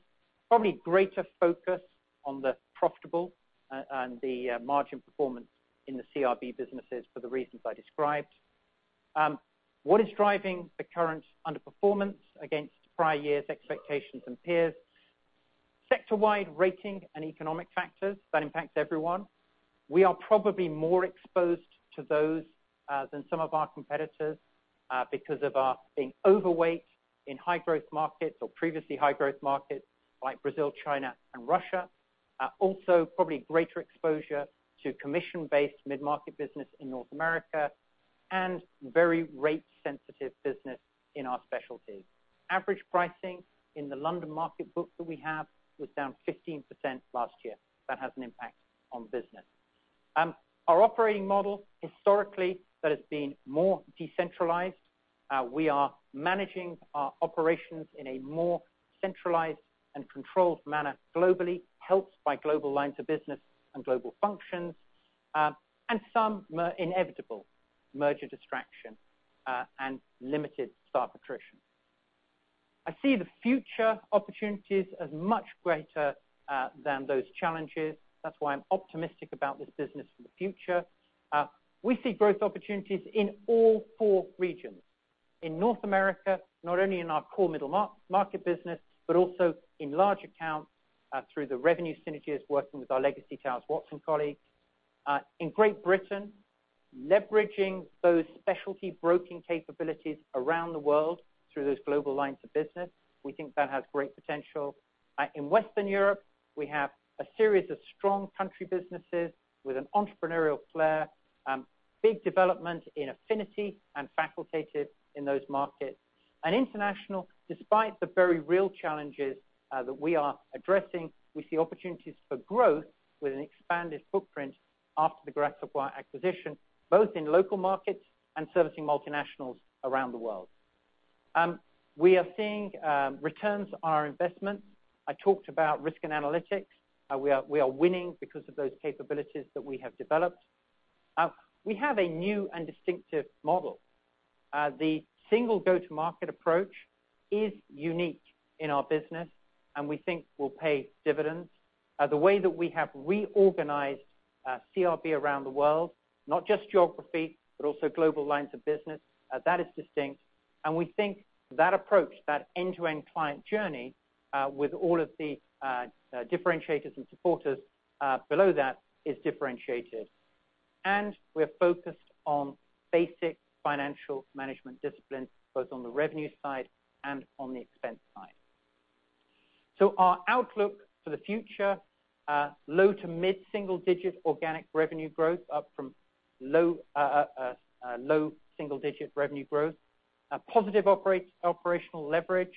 Probably greater focus on the profitable and the margin performance in the CRB businesses for the reasons I described. What is driving the current underperformance against prior years expectations and peers? Sector-wide rating and economic factors, that impacts everyone. We are probably more exposed to those than some of our competitors because of our being overweight in high growth markets or previously high growth markets like Brazil, China, and Russia. Probably greater exposure to commission-based mid-market business in North America and very rate sensitive business in our specialty. Average pricing in the London market book that we have was down 15% last year. That has an impact on business. Our operating model, historically, that has been more decentralized. We are managing our operations in a more centralized and controlled manner globally, helped by global lines of business and global functions, some inevitable merger distraction, and limited staff attrition. I see the future opportunities as much greater than those challenges. That's why I'm optimistic about this business for the future. We see growth opportunities in all four regions. In North America, not only in our core middle market business, but also in large accounts through the revenue synergies working with our legacy Towers Watson colleagues. In Great Britain, leveraging those specialty broking capabilities around the world through those global lines of business. We think that has great potential. In Western Europe, we have a series of strong country businesses with an entrepreneurial flair, big development in affinity and facultative in those markets. International, despite the very real challenges that we are addressing, we see opportunities for growth with an expanded footprint after the Gras Savoye acquisition, both in local markets and servicing multinationals around the world. We are seeing returns on our investment. I talked about risk and analytics. We are winning because of those capabilities that we have developed. We have a new and distinctive model. The single go-to-market approach is unique in our business, and we think will pay dividends. The way that we have reorganized CRB around the world, not just geography, but also global lines of business, that is distinct. We think that approach, that end-to-end client journey with all of the differentiators and supporters below that, is differentiated. We are focused on basic financial management discipline, both on the revenue side and on the expense side. Our outlook for the future, low to mid single digit organic revenue growth up from low single digit revenue growth, positive operational leverage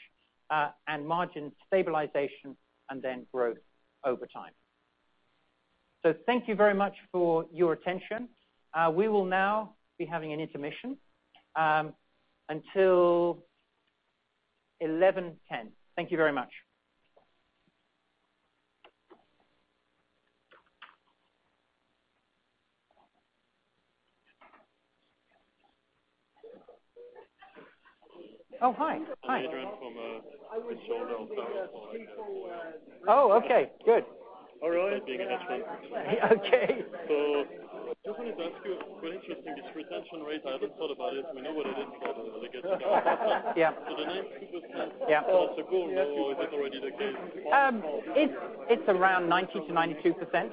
and margin stabilization, growth over time. Thank you very much for your attention. We will now be having an intermission until 11:10 A.M. Thank you very much. Oh, hi.
Adrian from.
Oh, okay. Good.
All right. Being a hedge fund.
Okay.
Just wanted to ask you, quite interesting, this retention rate. I haven't thought about it. We know what it is for the legacy guys.
Yeah.
The 90% months ago, or is it already the case much more?
It's around 90%-92%.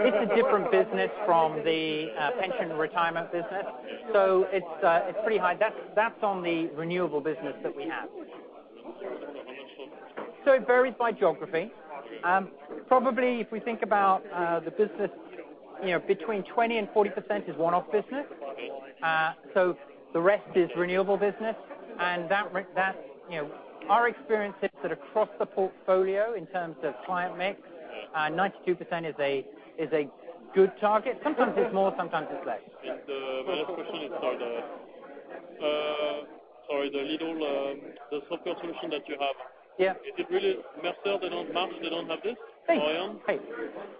It's a different business from the pension retirement business. It's pretty high. That's on the renewable business that we have.
The retention?
It varies by geography. Probably if we think about the business, between 20% and 40% is one-off business. The rest is renewable business, and our experience is that across the portfolio in terms of client mix, 92% is a good target. Sometimes it's more, sometimes it's less.
My last question is sorry, the little software solution that you have.
Yeah.
Is it really Mercer, they don't, Marsh, they don't have this? Or Aon?
Hey.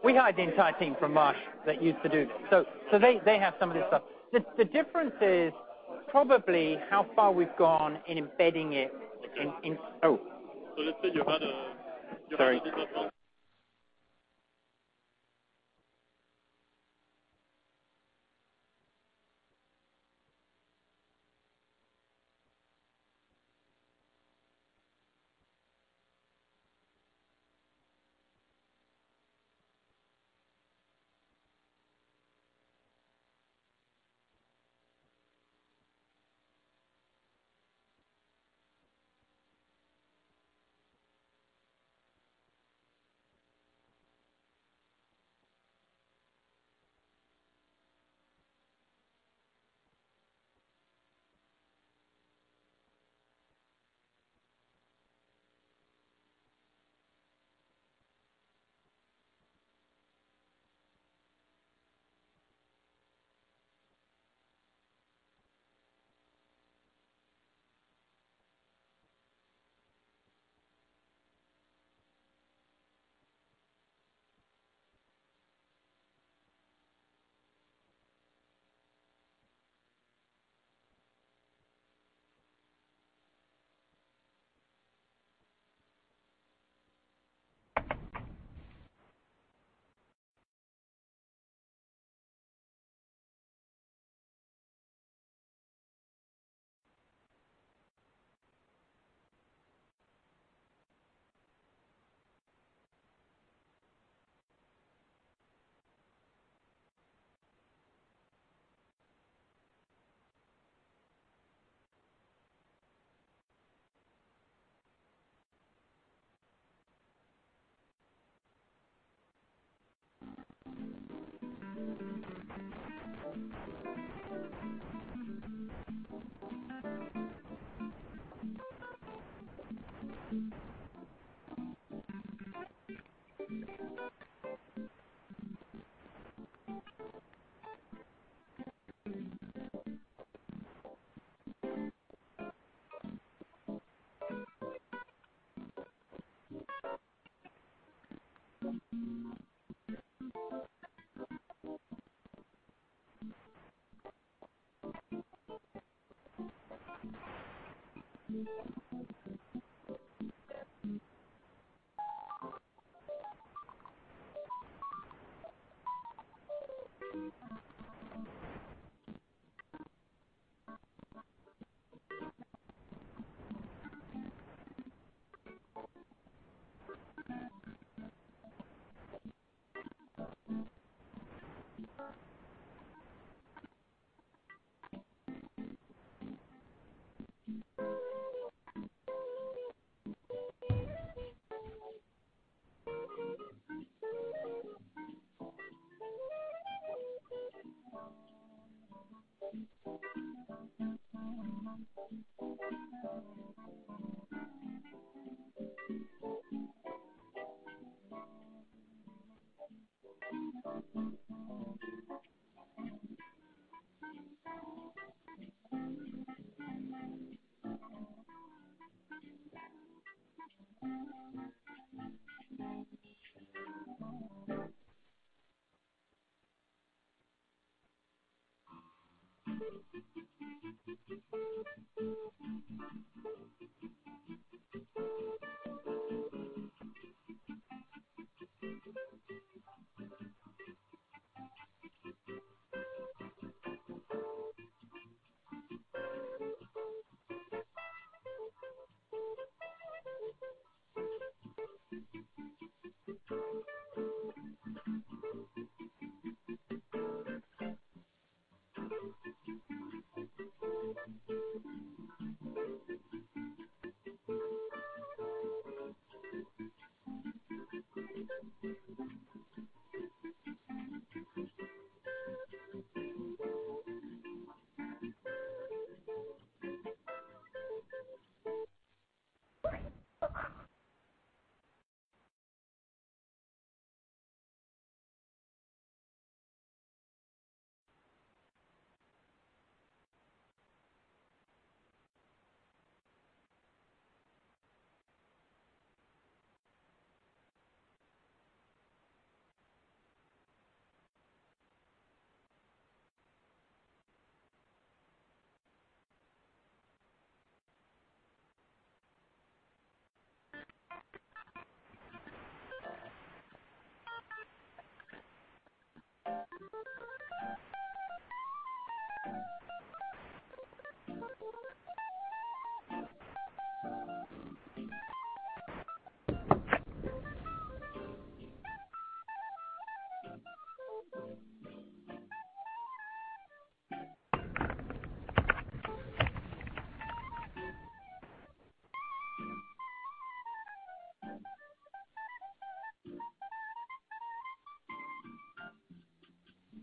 We hired the entire team from Marsh that used to do. They have some of this stuff. The difference is probably how far we've gone in embedding it in-- Oh.
Let's say you had a-
Sorry.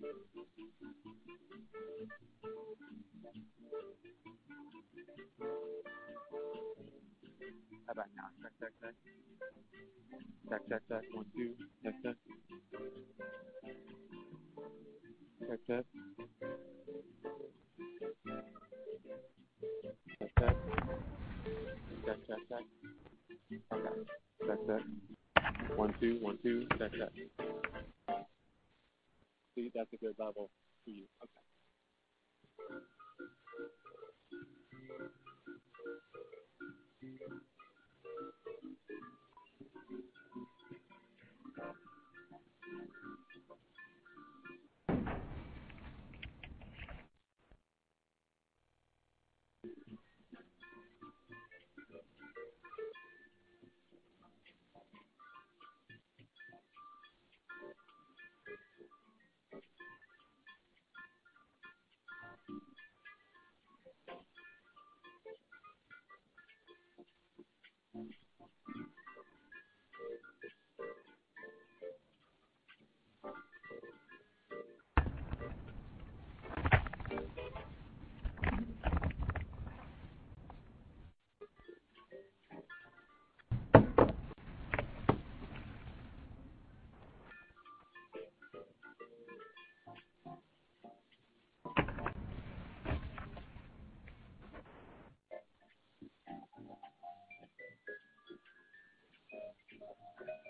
How about now? Check, check. Check, check. One, two. Check, check.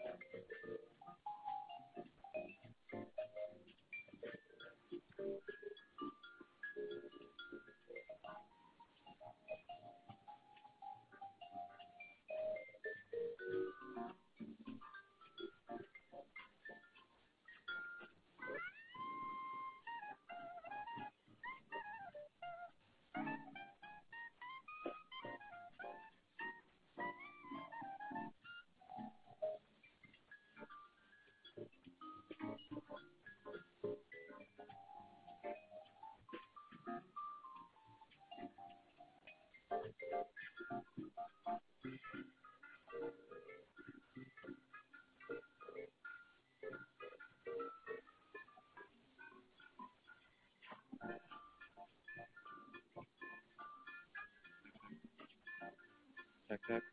Check, check. Check, check.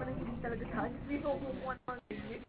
Check, check. How about now? Check, check. One, two. One, two. Check, check.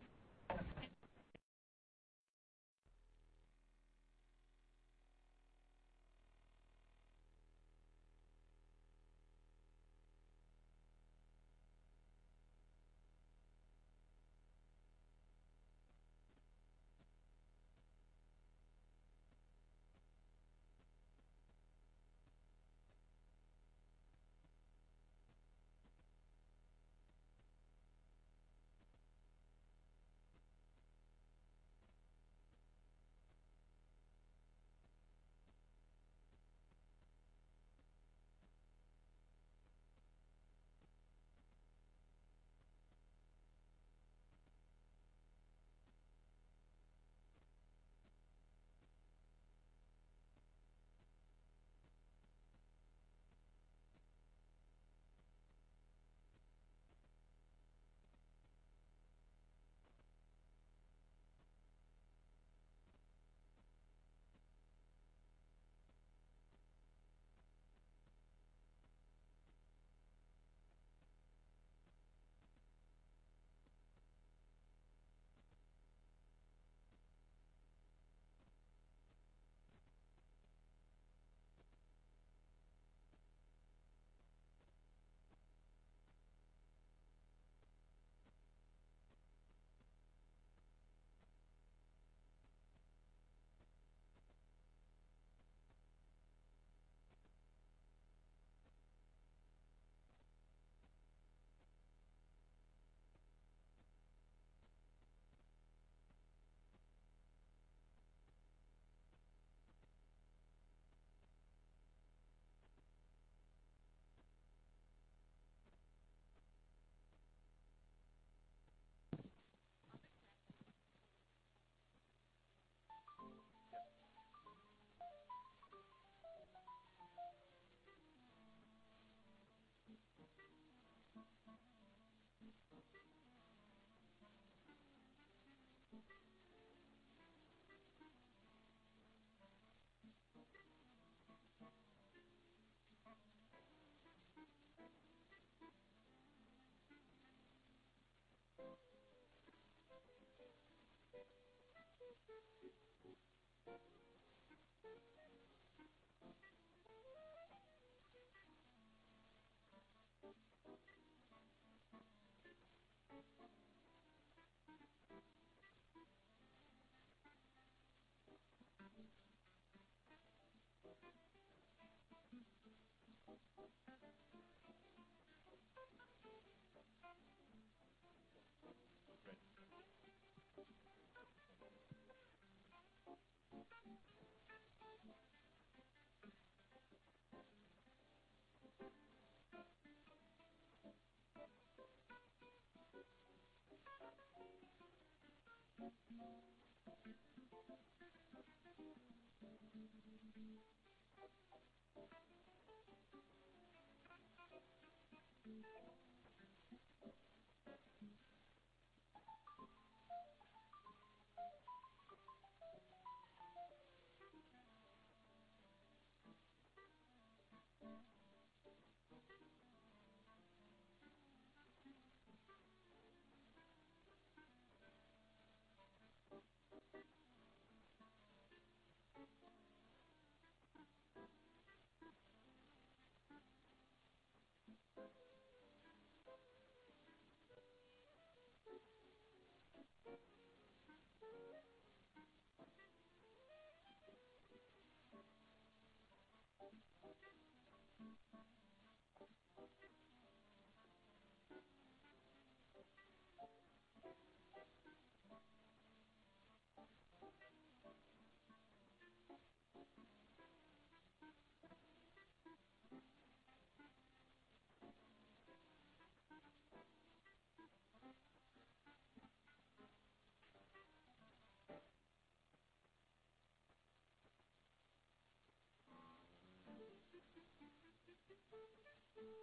See, that's a good level for you. Okay.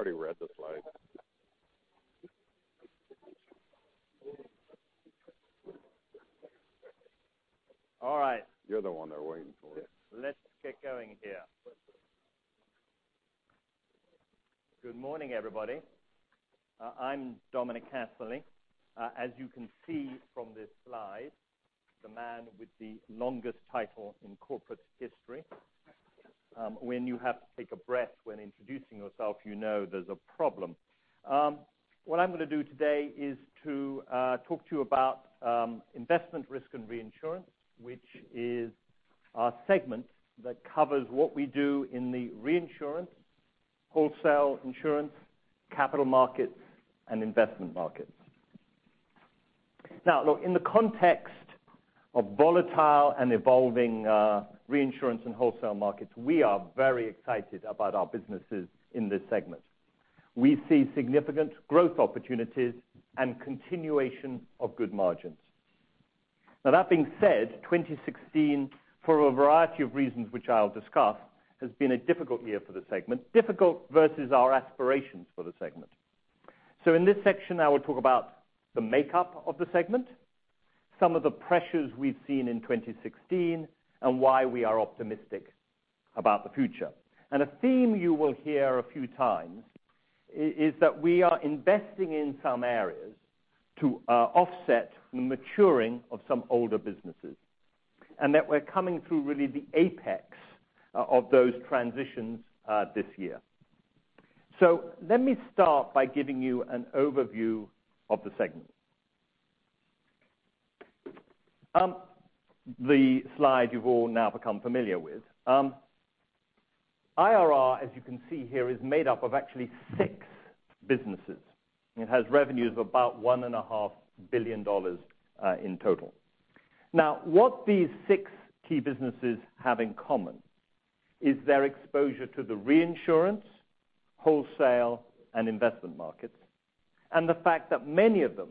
Check, check.
He's already read the slide.
All right.
You're the one they're waiting for.
Let's get going here. Good morning, everybody. I'm Dominic Casserley. As you can see from this slide, the man with the longest title in corporate history. When you have to take a breath when introducing yourself, you know there's a problem. What I'm going to do today is to talk to you about Investment, Risk and Reinsurance, which is our segment that covers what we do in the reinsurance, wholesale insurance, capital markets, and investment markets. Look, in the context of volatile and evolving reinsurance and wholesale markets, we are very excited about our businesses in this segment. We see significant growth opportunities and continuation of good margins. That being said, 2016, for a variety of reasons which I'll discuss, has been a difficult year for the segment. Difficult versus our aspirations for the segment. In this section, I will talk about the makeup of the segment, some of the pressures we've seen in 2016, and why we are optimistic about the future. A theme you will hear a few times is that we are investing in some areas to offset the maturing of some older businesses, and that we're coming through really the apex of those transitions this year. Let me start by giving you an overview of the segment. The slide you've all now become familiar with. IRR, as you can see here, is made up of actually six businesses. It has revenues of about $1.5 billion in total. What these six key businesses have in common Is their exposure to the reinsurance, wholesale, and investment markets, and the fact that many of them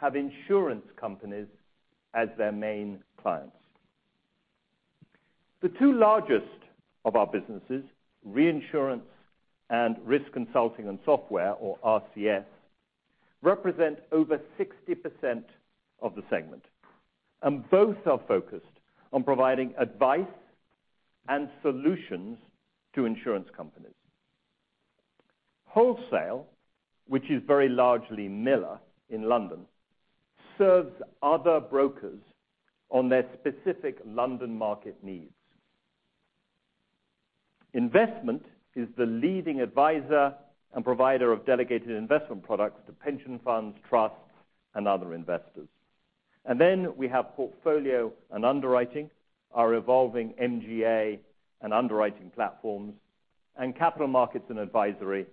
have insurance companies as their main clients. The two largest of our businesses, reinsurance and Risk Consulting and Software, or RCS, represent over 60% of the segment, and both are focused on providing advice and solutions to insurance companies. Wholesale, which is very largely Miller in London, serves other brokers on their specific London market needs. Investment is the leading advisor and provider of delegated investment products to pension funds, trusts, and other investors. And then we have Portfolio and Underwriting, our evolving MGA and underwriting platforms, and Capital Markets and Advisory,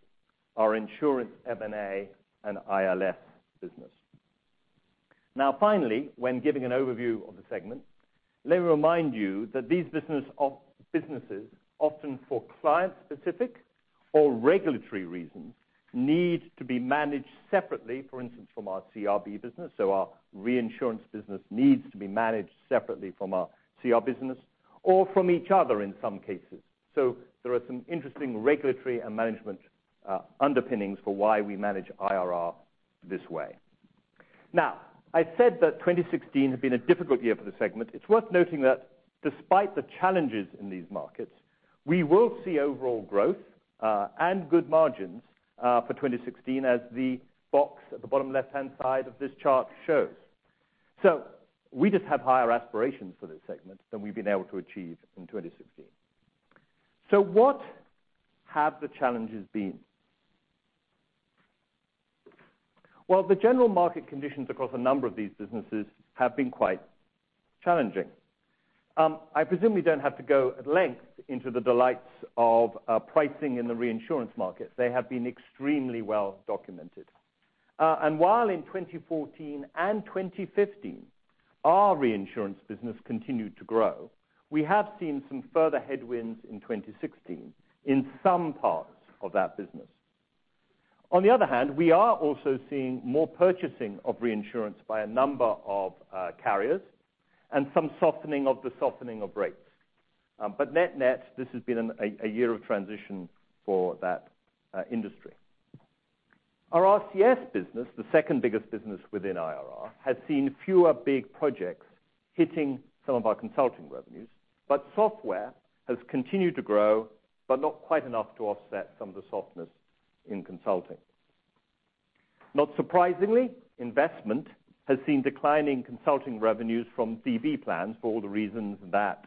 our insurance M&A and ILS business. Finally, when giving an overview of the segment, let me remind you that these businesses, often for client-specific or regulatory reasons, need to be managed separately. For instance, from our CRB business, our reinsurance business needs to be managed separately from our CRB business or from each other in some cases. There are some interesting regulatory and management underpinnings for why we manage IRR this way. I said that 2016 had been a difficult year for the segment. It's worth noting that despite the challenges in these markets, we will see overall growth and good margins for 2016 as the box at the bottom left-hand side of this chart shows. We just have higher aspirations for this segment than we've been able to achieve in 2016. What have the challenges been? The general market conditions across a number of these businesses have been quite challenging. I presumably don't have to go at length into the delights of pricing in the reinsurance market. They have been extremely well documented. While in 2014 and 2015, our reinsurance business continued to grow, we have seen some further headwinds in 2016 in some parts of that business. On the other hand, we are also seeing more purchasing of reinsurance by a number of carriers and some softening of the softening of rates. Net net, this has been a year of transition for that industry. Our RCS business, the second biggest business within IRR, has seen fewer big projects hitting some of our consulting revenues, software has continued to grow, but not quite enough to offset some of the softness in consulting. Not surprisingly, Investment has seen declining consulting revenues from DB plans for all the reasons that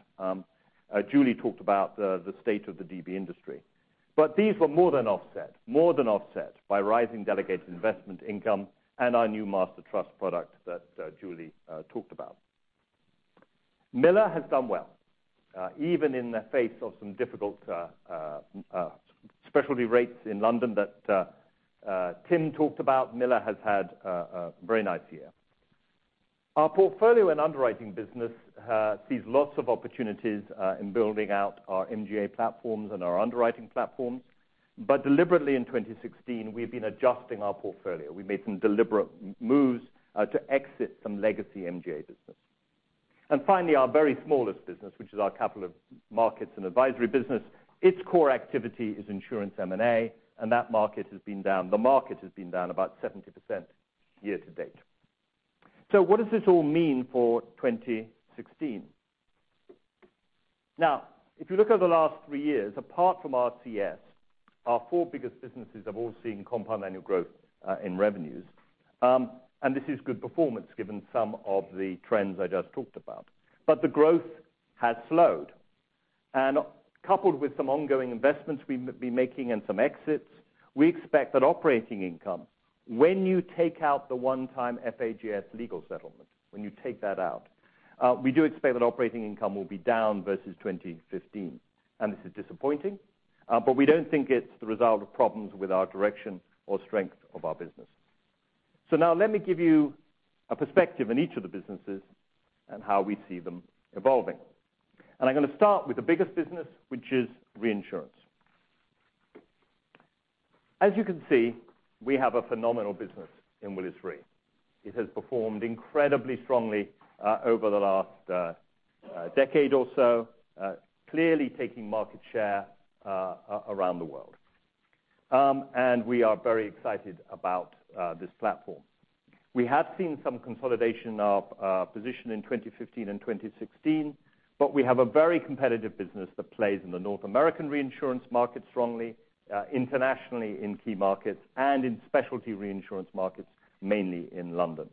Julie talked about the state of the DB industry. These were more than offset by rising delegated investment income and our new master trust product that Julie talked about. Miller has done well, even in the face of some difficult specialty rates in London that Tim talked about. Miller has had a very nice year. Our Portfolio and Underwriting business sees lots of opportunities in building out our MGA platforms and our underwriting platforms. Deliberately in 2016, we've been adjusting our portfolio. We made some deliberate moves to exit some legacy MGA business. Finally, our very smallest business, which is our Capital Markets and Advisory business, its core activity is insurance M&A, and that market has been down. The market has been down about 70% year-to-date. What does this all mean for 2016? If you look over the last three years, apart from RCS, our four biggest businesses have all seen compound annual growth in revenues. This is good performance given some of the trends I just talked about. The growth has slowed. Coupled with some ongoing investments we've been making and some exits, we expect that operating income, when you take out the one-time FAJS legal settlement, when you take that out, we do expect that operating income will be down versus 2015. This is disappointing, but we don't think it's the result of problems with our direction or strength of our business. Now let me give you a perspective in each of the businesses and how we see them evolving. I'm going to start with the biggest business, which is reinsurance. As you can see, we have a phenomenal business in Willis Re. It has performed incredibly strongly over the last decade or so, clearly taking market share around the world. We are very excited about this platform. We have seen some consolidation of position in 2015 and 2016, but we have a very competitive business that plays in the North American reinsurance market strongly, internationally in key markets, and in specialty reinsurance markets, mainly in London.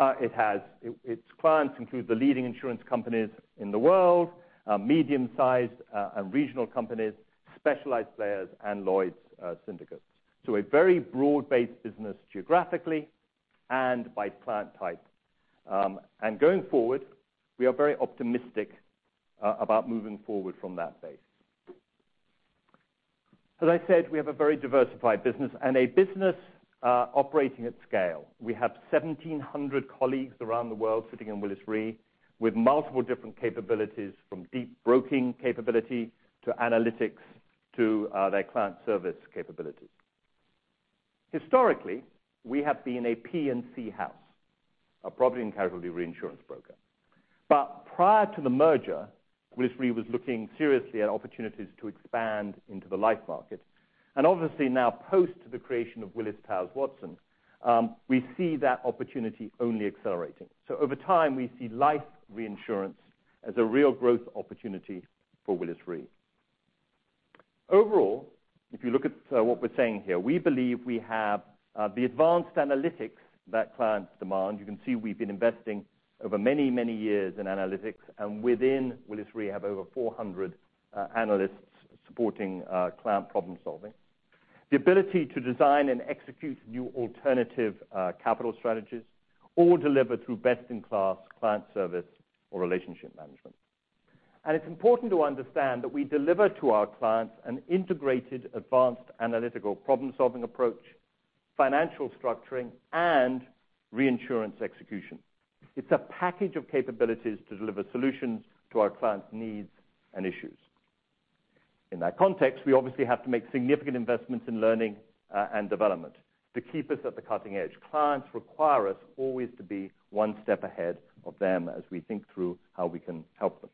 Its clients include the leading insurance companies in the world, medium-sized and regional companies, specialized players, and Lloyd's syndicates. A very broad-based business geographically and by client type. Going forward, we are very optimistic about moving forward from that base. As I said, we have a very diversified business and a business operating at scale. We have 1,700 colleagues around the world sitting in Willis Re with multiple different capabilities, from deep broking capability to analytics to their client service capabilities. Historically, we have been a P&C house, a property and casualty reinsurance broker. Prior to the merger, Willis Re was looking seriously at opportunities to expand into the life market. Obviously now post the creation of Willis Towers Watson, we see that opportunity only accelerating. Over time, we see life reinsurance as a real growth opportunity for Willis Re. Overall, if you look at what we're saying here, we believe we have the advanced analytics that clients demand. You can see we've been investing over many years in analytics, and within Willis Re have over 400 analysts supporting client problem-solving. The ability to design and execute new alternative capital strategies, all delivered through best-in-class client service or relationship management. It's important to understand that we deliver to our clients an integrated, advanced analytical problem-solving approach, financial structuring, and reinsurance execution. It's a package of capabilities to deliver solutions to our clients' needs and issues. In that context, we obviously have to make significant investments in learning and development to keep us at the cutting edge. Clients require us always to be one step ahead of them as we think through how we can help them.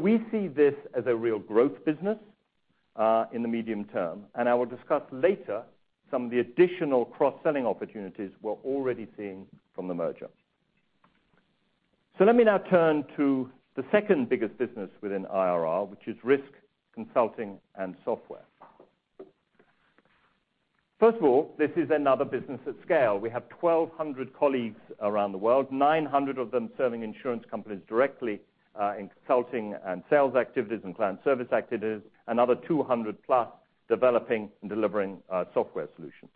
We see this as a real growth business in the medium term, and I will discuss later some of the additional cross-selling opportunities we're already seeing from the merger. Let me now turn to the second biggest business within IRR, which is risk consulting and software. First of all, this is another business at scale. We have 1,200 colleagues around the world, 900 of them serving insurance companies directly in consulting and sales activities and client service activities. Another 200 plus developing and delivering software solutions.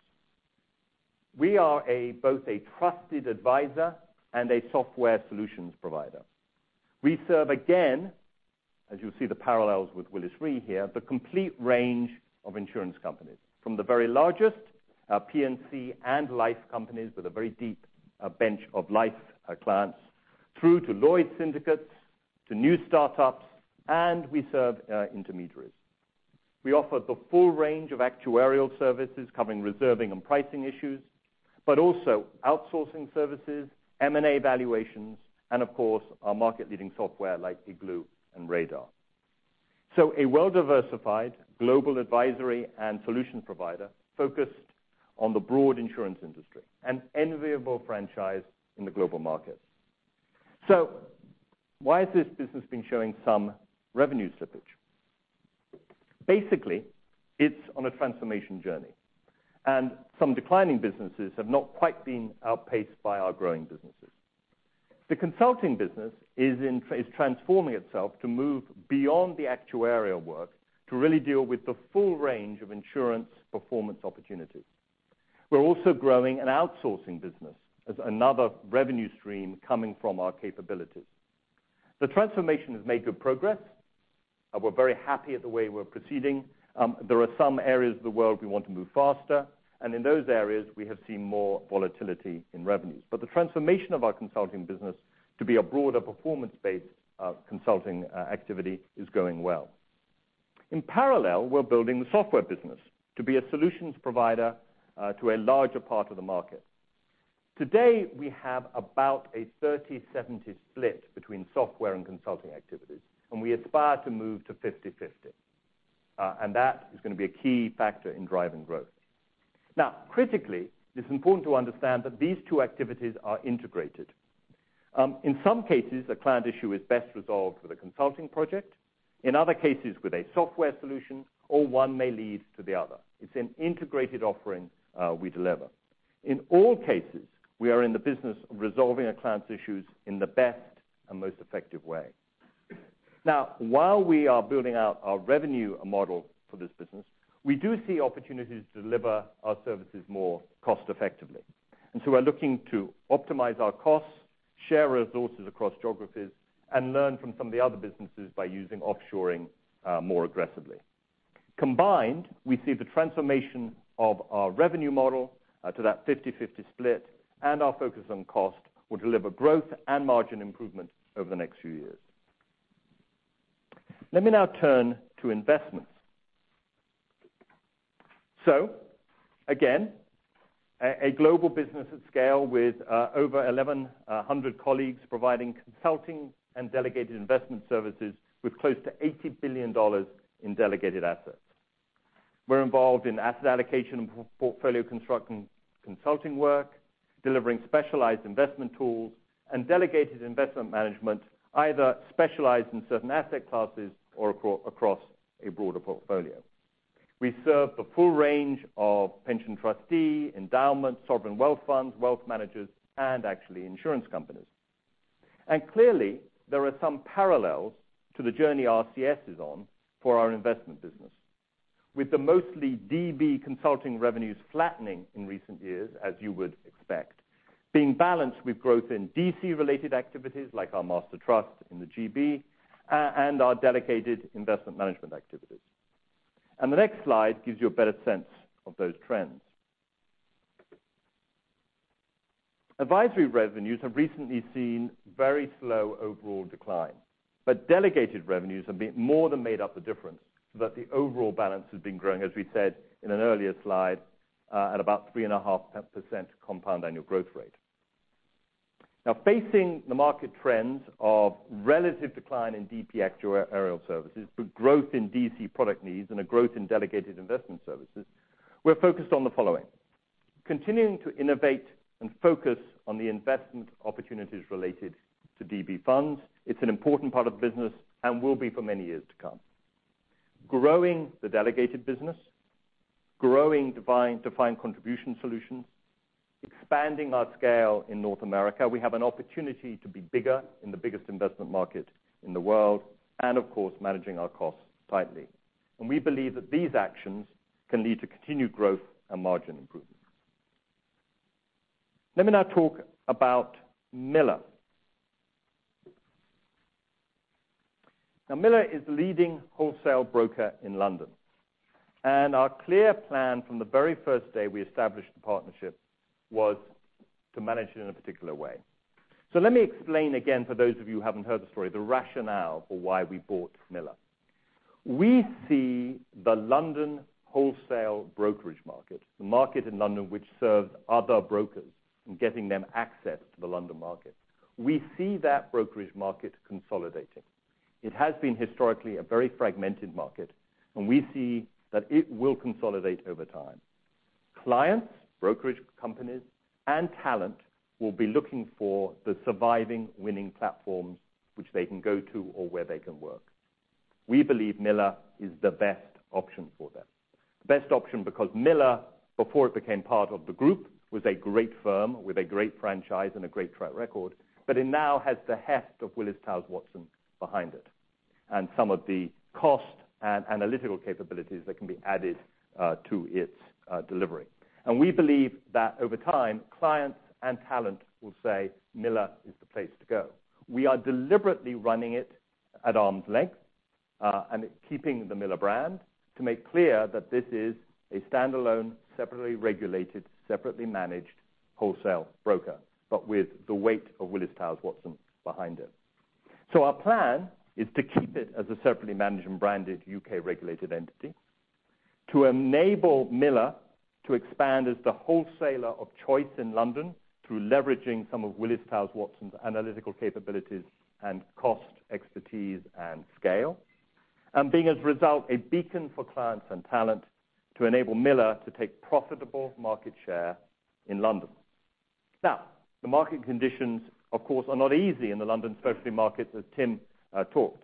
We are both a trusted advisor and a software solutions provider. We serve again, as you'll see the parallels with Willis Re here, the complete range of insurance companies. From the very largest, P&C and life companies with a very deep bench of life clients, through to Lloyd's syndicates, to new startups, and we serve intermediaries. We offer the full range of actuarial services covering reserving and pricing issues, but also outsourcing services, M&A valuations, and of course, our market-leading software like Igloo and Radar. A well-diversified global advisory and solution provider focused on the broad insurance industry, an enviable franchise in the global market. Why has this business been showing some revenue slippage? Basically, it's on a transformation journey, and some declining businesses have not quite been outpaced by our growing businesses. The consulting business is transforming itself to move beyond the actuarial work to really deal with the full range of insurance performance opportunities. We're also growing an outsourcing business as another revenue stream coming from our capabilities. The transformation has made good progress. We're very happy with the way we're proceeding. There are some areas of the world we want to move faster, and in those areas, we have seen more volatility in revenues. The transformation of our consulting business to be a broader performance-based consulting activity is going well. In parallel, we're building the software business to be a solutions provider to a larger part of the market. Today, we have about a 30/70 split between software and consulting activities, and we aspire to move to 50/50. That is going to be a key factor in driving growth. Now, critically, it's important to understand that these two activities are integrated. In some cases, a client issue is best resolved with a consulting project. In other cases, with a software solution, or one may lead to the other. It's an integrated offering we deliver. In all cases, we are in the business of resolving a client's issues in the best and most effective way. Now, while we are building out our revenue model for this business, we do see opportunities to deliver our services more cost effectively. We're looking to optimize our costs, share resources across geographies, and learn from some of the other businesses by using offshoring more aggressively. Combined, we see the transformation of our revenue model to that 50/50 split and our focus on cost will deliver growth and margin improvement over the next few years. Let me now turn to investments. Again, a global business at scale with over 1,100 colleagues providing consulting and delegated investment services with close to $80 billion in delegated assets. We're involved in asset allocation and portfolio construction consulting work, delivering specialized investment tools, and delegated investment management, either specialized in certain asset classes or across a broader portfolio. We serve the full range of pension trustee, endowments, sovereign wealth funds, wealth managers, and actually insurance companies. Clearly, there are some parallels to the journey RCS is on for our investment business. With the mostly DB consulting revenues flattening in recent years, as you would expect Being balanced with growth in DC-related activities like our master trust in the GB and our dedicated investment management activities. The next slide gives you a better sense of those trends. Advisory revenues have recently seen very slow overall decline, but delegated revenues have more than made up the difference, so that the overall balance has been growing, as we said in an earlier slide, at about 3.5% compound annual growth rate. Facing the market trends of relative decline in DB actuarial services, but growth in DC product needs and a growth in delegated investment services, we're focused on the following. Continuing to innovate and focus on the investment opportunities related to DB funds. It's an important part of the business and will be for many years to come. Growing the delegated business. Growing defined contribution solutions. Expanding our scale in North America. We have an opportunity to be bigger in the biggest investment market in the world. Of course, managing our costs tightly. We believe that these actions can lead to continued growth and margin improvement. Let me now talk about Miller. Miller is the leading wholesale broker in London, and our clear plan from the very first day we established the partnership was to manage it in a particular way. Let me explain again, for those of you who haven't heard the story, the rationale for why we bought Miller. We see the London wholesale brokerage market, the market in London which serves other brokers in getting them access to the London market. We see that brokerage market consolidating. It has been historically a very fragmented market, and we see that it will consolidate over time. Clients, brokerage companies, and talent will be looking for the surviving winning platforms which they can go to or where they can work. We believe Miller is the best option for them. The best option because Miller, before it became part of the group, was a great firm with a great franchise and a great track record, but it now has the heft of Willis Towers Watson behind it, and some of the cost and analytical capabilities that can be added to its delivery. We believe that over time, clients and talent will say Miller is the place to go. We are deliberately running it at arm's length, and keeping the Miller brand to make clear that this is a standalone, separately regulated, separately managed wholesale broker, but with the weight of Willis Towers Watson behind it. Our plan is to keep it as a separately managed and branded U.K. regulated entity. To enable Miller to expand as the wholesaler of choice in London through leveraging some of Willis Towers Watson's analytical capabilities and cost expertise and scale. Being, as a result, a beacon for clients and talent to enable Miller to take profitable market share in London. The market conditions, of course, are not easy in the London specialty market, as Tim talked.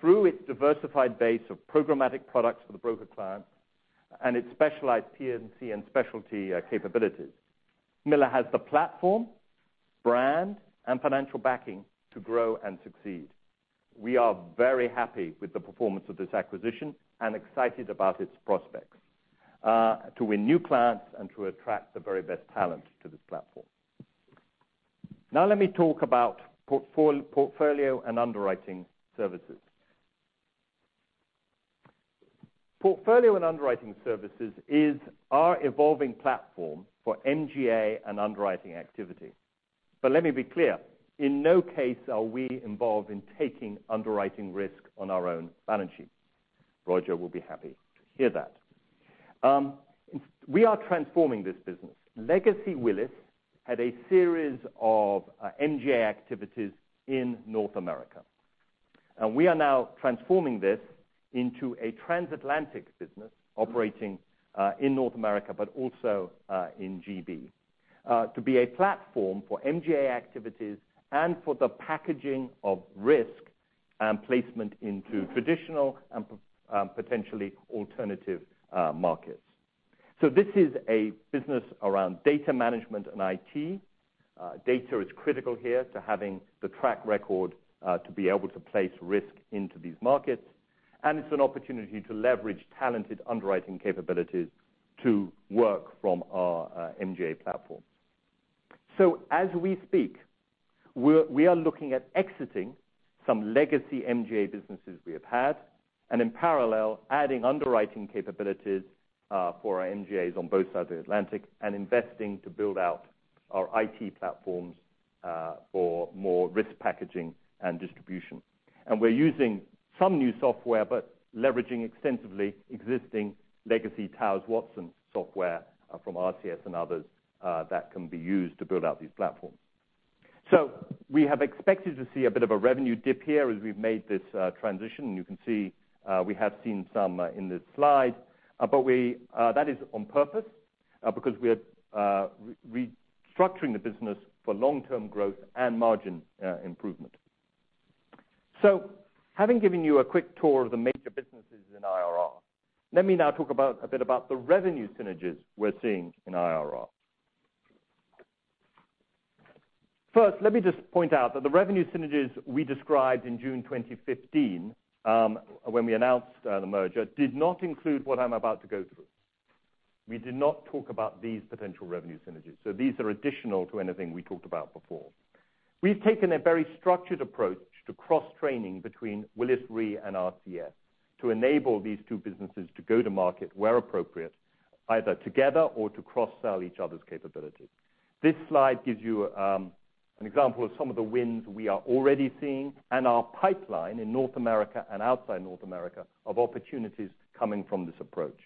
Through its diversified base of programmatic products for the broker client and its specialized P&C and specialty capabilities, Miller has the platform, brand, and financial backing to grow and succeed. We are very happy with the performance of this acquisition and excited about its prospects to win new clients and to attract the very best talent to this platform. Let me talk about portfolio and underwriting services. Portfolio and underwriting services is our evolving platform for MGA and underwriting activity. Let me be clear. In no case are we involved in taking underwriting risk on our own balance sheet. Roger will be happy to hear that. We are transforming this business. Legacy Willis had a series of MGA activities in North America. We are now transforming this into a transatlantic business operating in North America, but also in the U.K., to be a platform for MGA activities and for the packaging of risk and placement into traditional and potentially alternative markets. This is a business around data management and IT. Data is critical here to having the track record to be able to place risk into these markets, and it is an opportunity to leverage talented underwriting capabilities to work from our MGA platform. As we speak, we are looking at exiting some legacy MGA businesses we have had. In parallel, adding underwriting capabilities for our MGAs on both sides of the Atlantic and investing to build out our IT platforms for more risk packaging and distribution. We are using some new software, but leveraging extensively existing legacy Towers Watson software from RCS and others that can be used to build out these platforms. We have expected to see a bit of a revenue dip here as we have made this transition, and you can see we have seen some in this slide. That is on purpose because we are restructuring the business for long-term growth and margin improvement. Having given you a quick tour of the major businesses in IRR, let me now talk a bit about the revenue synergies we are seeing in IRR. First, let me just point out that the revenue synergies we described in June 2015, when we announced the merger, did not include what I am about to go through. We did not talk about these potential revenue synergies, these are additional to anything we talked about before. We have taken a very structured approach to cross-training between Willis Re and RCS to enable these two businesses to go to market where appropriate, either together or to cross-sell each other's capabilities. This slide gives you an example of some of the wins we are already seeing and our pipeline in North America and outside North America of opportunities coming from this approach.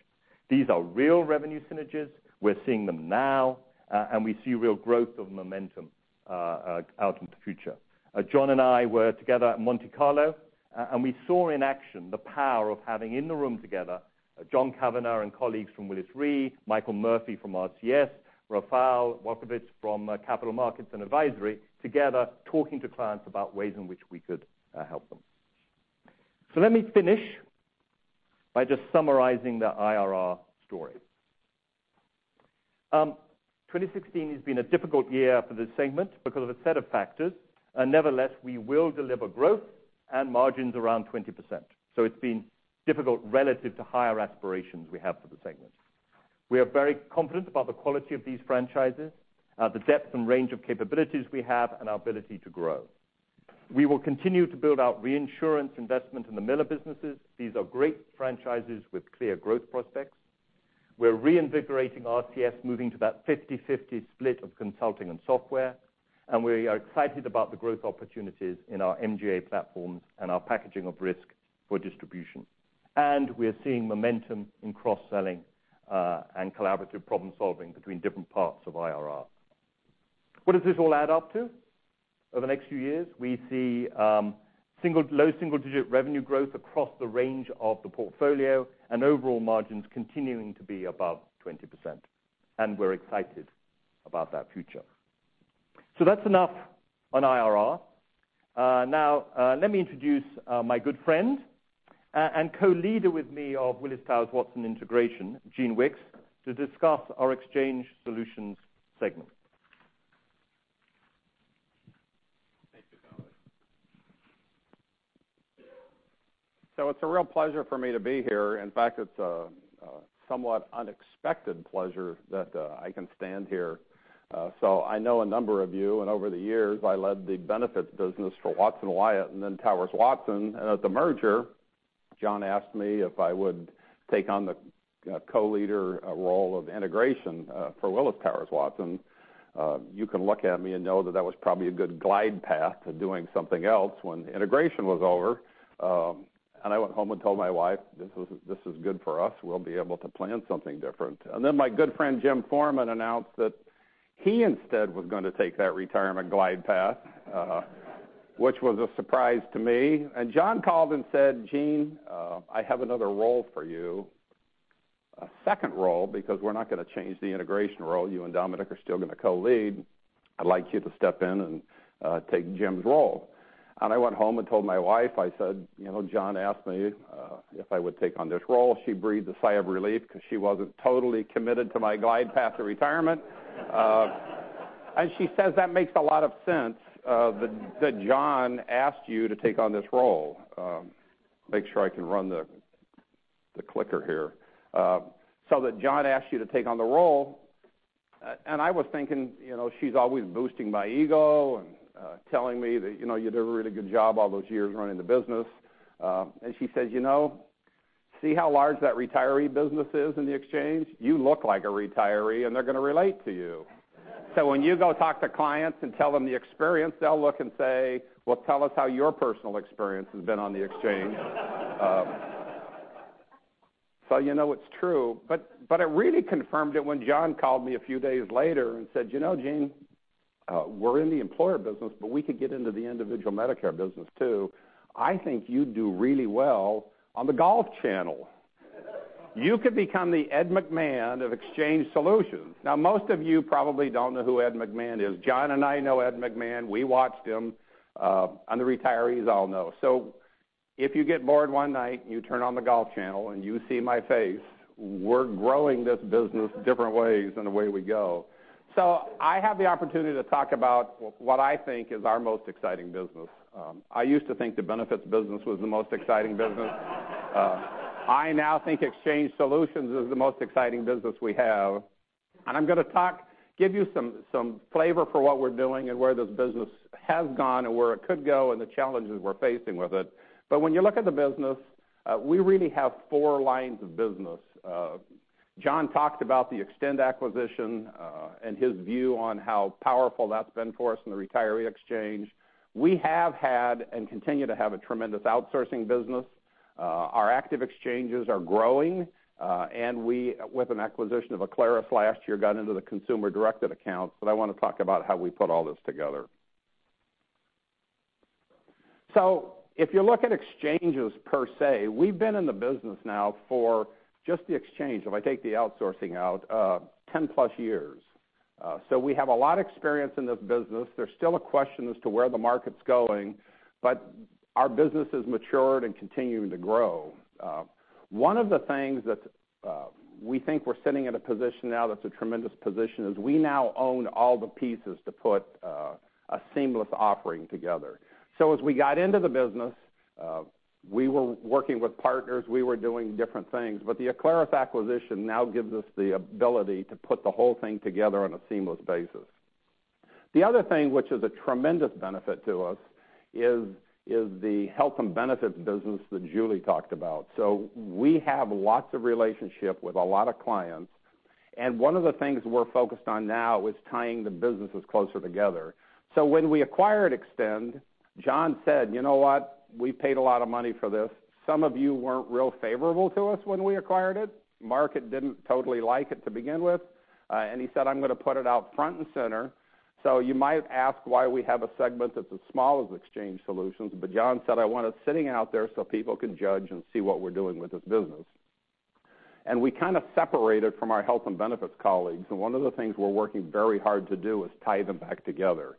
These are real revenue synergies. We are seeing them now, and we see real growth of momentum out into the future. John and I were together at Monte Carlo, and we saw in action the power of having in the room together John Cavanagh and colleagues from Willis Re, Michael Murphy from RCS, Rafal Walkiewicz from Capital Markets and Advisory together talking to clients about ways in which we could help them. Let me finish by just summarizing the IRR story. 2016 has been a difficult year for this segment because of a set of factors. Nevertheless, we will deliver growth and margins around 20%. It has been difficult relative to higher aspirations we have for the segment. We are very confident about the quality of these franchises, the depth and range of capabilities we have, and our ability to grow. We will continue to build out reinsurance investment in the Miller businesses. These are great franchises with clear growth prospects. We are reinvigorating RCS, moving to that 50/50 split of consulting and software. We are excited about the growth opportunities in our MGA platforms and our packaging of risk for distribution. We are seeing momentum in cross-selling, and collaborative problem-solving between different parts of IRR. What does this all add up to? Over the next few years, we see low single-digit revenue growth across the range of the portfolio and overall margins continuing to be above 20%, and we're excited about that future. That's enough on IRR. Now, let me introduce my good friend, and co-leader with me of Willis Towers Watson integration, Gene Wickes, to discuss our exchange solutions segment.
Thank you, Dominic. It's a real pleasure for me to be here. In fact, it's a somewhat unexpected pleasure that I can stand here. I know a number of you, and over the years, I led the benefits business for Watson Wyatt and then Towers Watson. At the merger, John asked me if I would take on the co-leader role of integration for Willis Towers Watson. You can look at me and know that that was probably a good glide path to doing something else when the integration was over. I went home and told my wife, "This is good for us. We'll be able to plan something different." Then my good friend Jim Foreman announced that he instead was going to take that retirement glide path, which was a surprise to me. John called and said, "Gene, I have another role for you, a second role, because we're not going to change the integration role. You and Dominic are still going to co-lead. I'd like you to step in and take Jim's role." I went home and told my wife, I said, "John asked me if I would take on this role." She breathed a sigh of relief because she wasn't totally committed to my glide path to retirement. She says, "That makes a lot of sense that John asked you to take on this role." Make sure I can run the clicker here. So that John asked you to take on the role." I was thinking, she's always boosting my ego and telling me that, "You did a really good job all those years running the business." She says, "See how large that retiree business is in the exchange? You look like a retiree, and they're going to relate to you." "When you go talk to clients and tell them the experience, they'll look and say, 'Well, tell us how your personal experience has been on the exchange.'" You know it's true, but it really confirmed it when John called me a few days later and said, "You know, Gene, we're in the employer business, but we could get into the individual Medicare business too. I think you'd do really well on the Golf Channel." "You could become the Ed McMahon of exchange solutions." Most of you probably don't know who Ed McMahon is. John and I know Ed McMahon. We watched him, and the retirees all know. If you get bored one night and you turn on the Golf Channel and you see my face, we're growing this business different ways and away we go. I have the opportunity to talk about what I think is our most exciting business. I used to think the benefits business was the most exciting business. I now think exchange solutions is the most exciting business we have. I'm going to give you some flavor for what we're doing and where this business has gone and where it could go and the challenges we're facing with it. When you look at the business, we really have four lines of business. John talked about the Extend acquisition, and his view on how powerful that's been for us in the retiree exchange. We have had and continue to have a tremendous outsourcing business. Our active exchanges are growing. We, with an acquisition of Acclaris last year, got into the consumer-directed accounts, but I want to talk about how we put all this together. If you look at exchanges per se, we've been in the business now for just the exchange, if I take the outsourcing out, 10 plus years. We have a lot of experience in this business. There's still a question as to where the market's going, but our business has matured and continuing to grow. One of the things that we think we're sitting at a position now that's a tremendous position is we now own all the pieces to put a seamless offering together. As we got into the business, we were working with partners, we were doing different things, the Acclaris acquisition now gives us the ability to put the whole thing together on a seamless basis. The other thing which is a tremendous benefit to us is the health and benefits business that Julie talked about. We have lots of relationship with a lot of clients, and one of the things we're focused on now is tying the businesses closer together. When we acquired Extend, John said, "You know what? We paid a lot of money for this." Some of you weren't real favorable to us when we acquired it. Market didn't totally like it to begin with. He said, "I'm going to put it out front and center." You might ask why we have a segment that's as small as Exchange Solutions, John said, "I want it sitting out there so people can judge and see what we're doing with this business." We kind of separated from our health and benefits colleagues, and one of the things we're working very hard to do is tie them back together.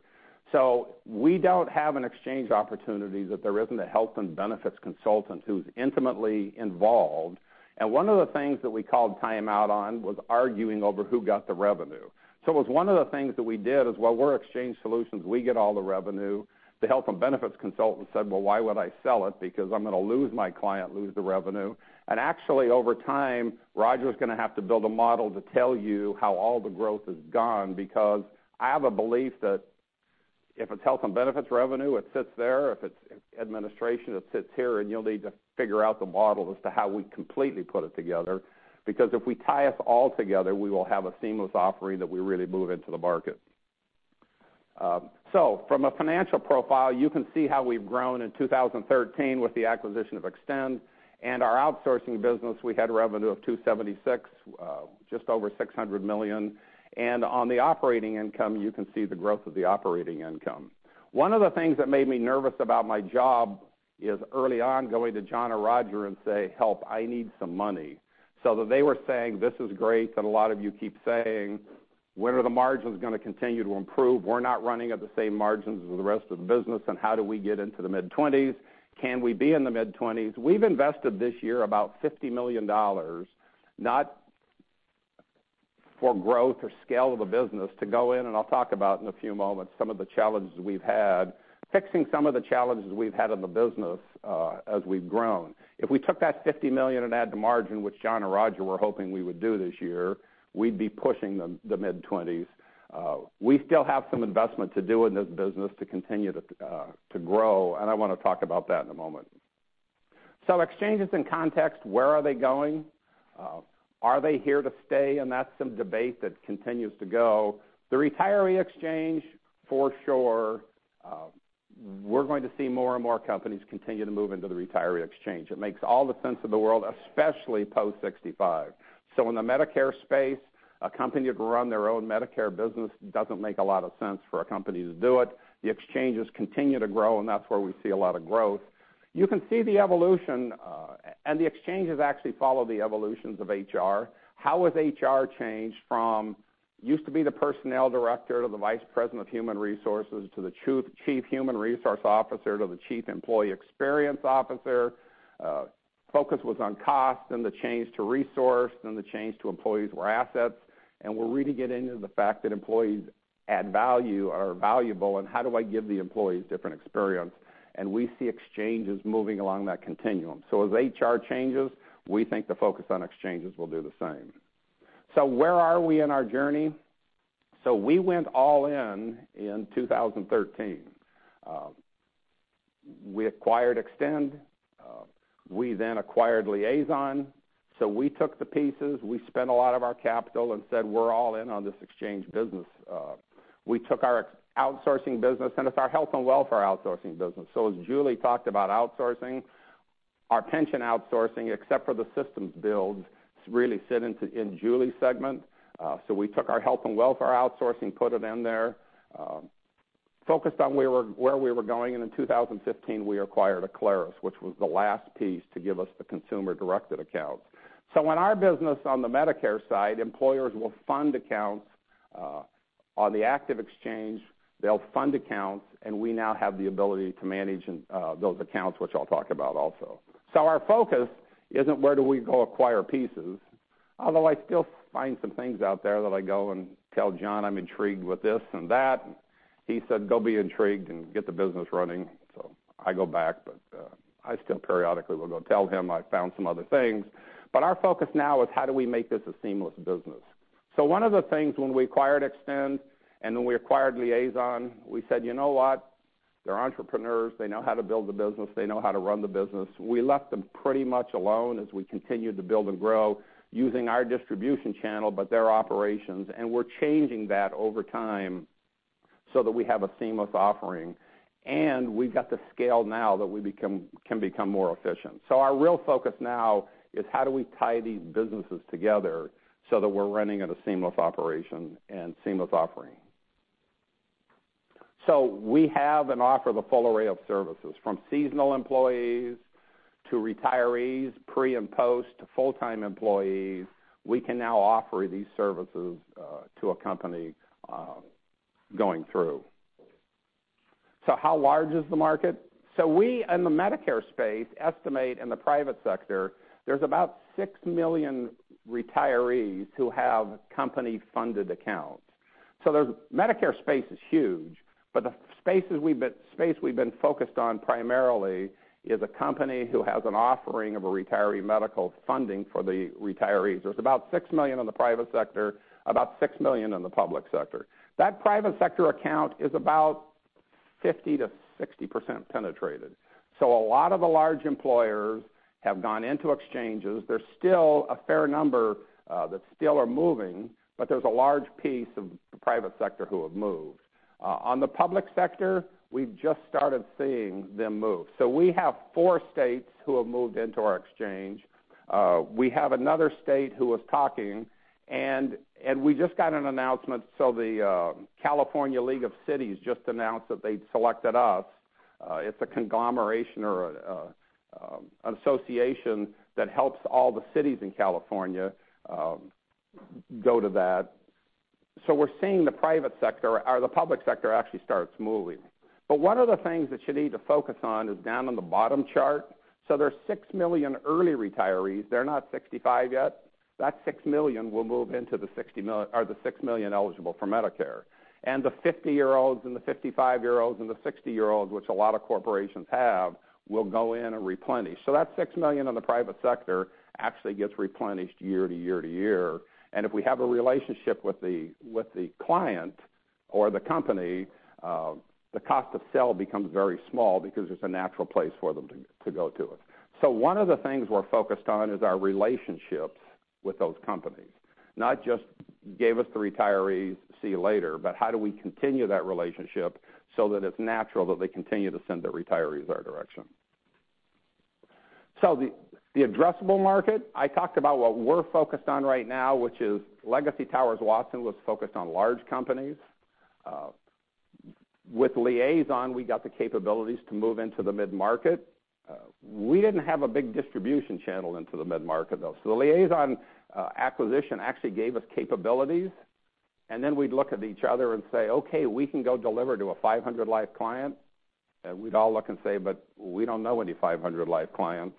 We don't have an exchange opportunity that there isn't a health and benefits consultant who's intimately involved, and one of the things that we called timeout on was arguing over who got the revenue. It was one of the things that we did is, well, we're Exchange Solutions. We get all the revenue. The health and benefits consultant said, "Well, why would I sell it because I'm going to lose my client, lose the revenue?" Actually, over time, Roger's going to have to build a model to tell you how all the growth is gone, because I have a belief that if it's health and benefits revenue, it sits there. If it's administration, it sits here, and you'll need to figure out the model as to how we completely put it together. If we tie us all together, we will have a seamless offering that we really move into the market. From a financial profile, you can see how we've grown in 2013 with the acquisition of Extend and our outsourcing business, we had revenue of $276 million, just over $600 million. On the operating income, you can see the growth of the operating income. One of the things that made me nervous about my job is early on, going to John or Roger and say, "Help, I need some money." They were saying, this is great, that a lot of you keep saying, when are the margins going to continue to improve? We're not running at the same margins as the rest of the business, and how do we get into the mid-20s? Can we be in the mid-20s? We've invested this year about $50 million, not for growth or scale of the business to go in, and I'll talk about in a few moments some of the challenges we've had, fixing some of the challenges we've had in the business as we've grown. If we took that $50 million and add to margin, which John or Roger were hoping we would do this year, we'd be pushing the mid-20s. We still have some investment to do in this business to continue to grow, I want to talk about that in a moment. Exchanges in context, where are they going? Are they here to stay? That's some debate that continues to go. The retiree exchange, for sure. We're going to see more and more companies continue to move into the retiree exchange. It makes all the sense in the world, especially post 65. In the Medicare space, a company to run their own Medicare business doesn't make a lot of sense for a company to do it. The exchanges continue to grow, and that's where we see a lot of growth. You can see the evolution, and the exchanges actually follow the evolutions of HR. How has HR changed from used to be the personnel director to the Vice President of Human Resources to the Chief Human Resource Officer to the Chief Employee Experience Officer? Focus was on cost, then the change to resource, then the change to employees were assets. We're really getting into the fact that employees add value, are valuable, and how do I give the employees different experience? We see exchanges moving along that continuum. As HR changes, we think the focus on exchanges will do the same. Where are we in our journey? We went all in in 2013. We acquired Extend. We then acquired Liazon. We took the pieces, we spent a lot of our capital and said, "We're all in on this exchange business." We took our outsourcing business, it's our health and welfare outsourcing business. As Julie talked about outsourcing, our pension outsourcing, except for the systems build, really sit into in Julie's segment. We took our health and welfare outsourcing, put it in there, focused on where we were going, and in 2015, we acquired Acclaris, which was the last piece to give us the consumer-directed accounts. In our business on the Medicare side, employers will fund accounts. On the active exchange, they'll fund accounts, and we now have the ability to manage those accounts, which I'll talk about also. Our focus isn't where do we go acquire pieces, although I still find some things out there that I go and tell John I'm intrigued with this and that. He said, "Go be intrigued and get the business running." I go back, but I still periodically will go tell him I found some other things. Our focus now is how do we make this a seamless business. One of the things when we acquired Extend and when we acquired Liazon, we said, you know what? They're entrepreneurs. They know how to build the business. They know how to run the business. We left them pretty much alone as we continued to build and grow using our distribution channel, but their operations, and we're changing that over time so that we have a seamless offering. We've got the scale now that we can become more efficient. Our real focus now is how do we tie these businesses together so that we're running at a seamless operation and seamless offering? We have and offer the full array of services, from seasonal employees to retirees, pre and post, to full-time employees. We can now offer these services to a company going through. How large is the market? We, in the Medicare space, estimate in the private sector, there's about 6 million retirees who have company-funded accounts. The Medicare space is huge, but the space we've been focused on primarily is a company who has an offering of a retiree medical funding for the retirees. There's about 6 million in the private sector, about 6 million in the public sector. That private sector account is about 50%-60% penetrated. A lot of the large employers have gone into exchanges. There's still a fair number that still are moving, but there's a large piece of the private sector who have moved. On the public sector, we've just started seeing them move. We have four states who have moved into our exchange. We have another state who is talking, and we just got an announcement. The League of California Cities just announced that they'd selected us. It's a conglomeration or an association that helps all the cities in California go to that. We're seeing the public sector actually starts moving. One of the things that you need to focus on is down on the bottom chart. There's 6 million early retirees. They're not 65 yet. That 6 million will move into the 6 million eligible for Medicare. The 50-year-olds, the 55-year-olds, and the 60-year-olds, which a lot of corporations have, will go in and replenish. That 6 million in the private sector actually gets replenished year to year to year. If we have a relationship with the client or the company, the cost to sell becomes very small because it's a natural place for them to go to it. One of the things we're focused on is our relationships with those companies. Not just, "Gave us the retirees, see you later," but how do we continue that relationship so that it's natural that they continue to send their retirees our direction? The addressable market, I talked about what we're focused on right now, which is Legacy Towers Watson was focused on large companies. With Liazon, we got the capabilities to move into the mid-market. We didn't have a big distribution channel into the mid-market, though. The Liazon acquisition actually gave us capabilities, and then we'd look at each other and say, "Okay, we can go deliver to a 500 life client." And we'd all look and say, "But we don't know any 500 life clients.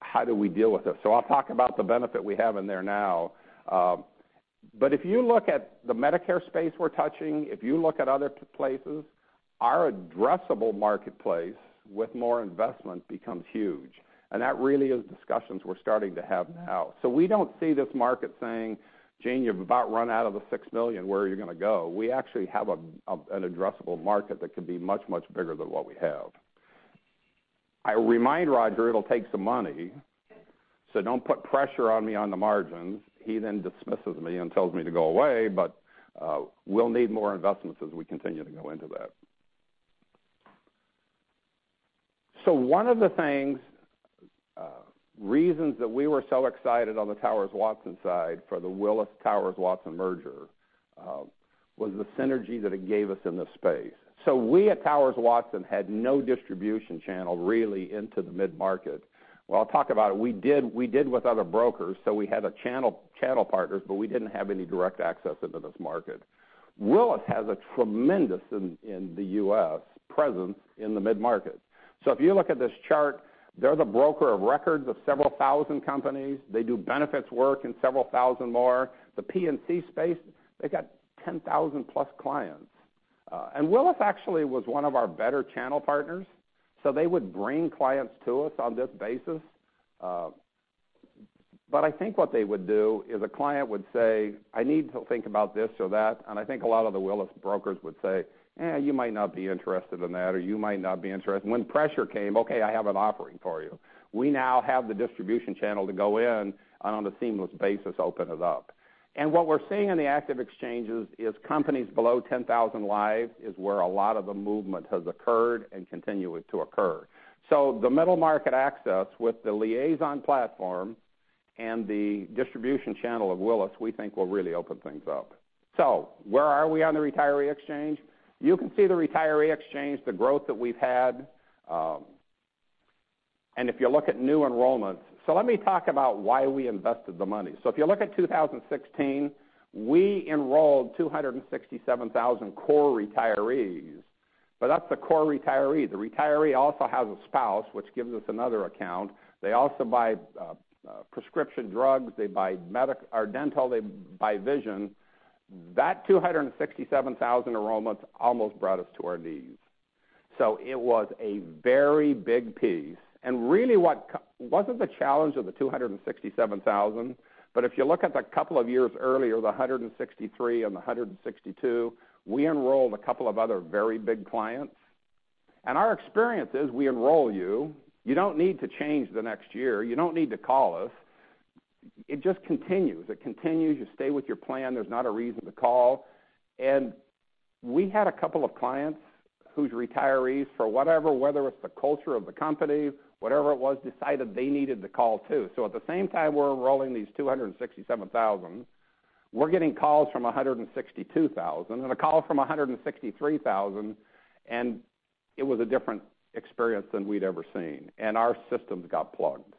How do we deal with this?" I'll talk about the benefit we have in there now. If you look at the Medicare space we're touching, if you look at other places, our addressable marketplace with more investment becomes huge, and that really is discussions we're starting to have now. We don't see this market saying, "Gene, you've about run out of the 6 million, where are you going to go?" We actually have an addressable market that could be much, much bigger than what we have. I remind Roger it'll take some money, so don't put pressure on me on the margins. He dismisses me and tells me to go away, but we'll need more investments as we continue to go into that. One of the reasons that we were so excited on the Towers Watson side for the Willis Towers Watson merger was the synergy that it gave us in this space. We at Towers Watson had no distribution channel really into the mid-market. Well, I'll talk about it. We did with other brokers. We had channel partners, but we didn't have any direct access into this market. Willis has a tremendous, in the U.S., presence in the mid-market. If you look at this chart, they're the broker of records of several thousand companies. They do benefits work in several thousand more. The P&C space, they got 10,000 plus clients. Willis actually was one of our better channel partners, so they would bring clients to us on this basis. I think what they would do is a client would say, "I need to think about this or that." I think a lot of the Willis brokers would say, "You might not be interested in that," or, "You might not be interested." When pressure came, "Okay, I have an offering for you." We now have the distribution channel to go in and on a seamless basis, open it up. What we're seeing in the active exchanges is companies below 10,000 lives is where a lot of the movement has occurred and continues to occur. The middle market access with the Liazon platform and the distribution channel of Willis, we think will really open things up. Where are we on the retiree exchange? You can see the retiree exchange, the growth that we've had. If you look at new enrollments. Let me talk about why we invested the money. If you look at 2016, we enrolled 267,000 core retirees, but that is the core retiree. The retiree also has a spouse, which gives us another account. They also buy prescription drugs. They buy dental. They buy vision. That 267,000 enrollments almost brought us to our knees. It was a very big piece, and really it was not the challenge of the 267,000. If you look at the couple of years earlier, the 163 and the 162, we enrolled a couple of other very big clients. Our experience is we enroll you. You do not need to change the next year. You do not need to call us. It just continues. You stay with your plan. There is not a reason to call. We had a couple of clients whose retirees, for whatever, whether it is the culture of the company, whatever it was, decided they needed to call too. At the same time we are enrolling these 267,000, we are getting calls from 162,000, then a call from 163,000, and it was a different experience than we had ever seen. Our systems got plugged,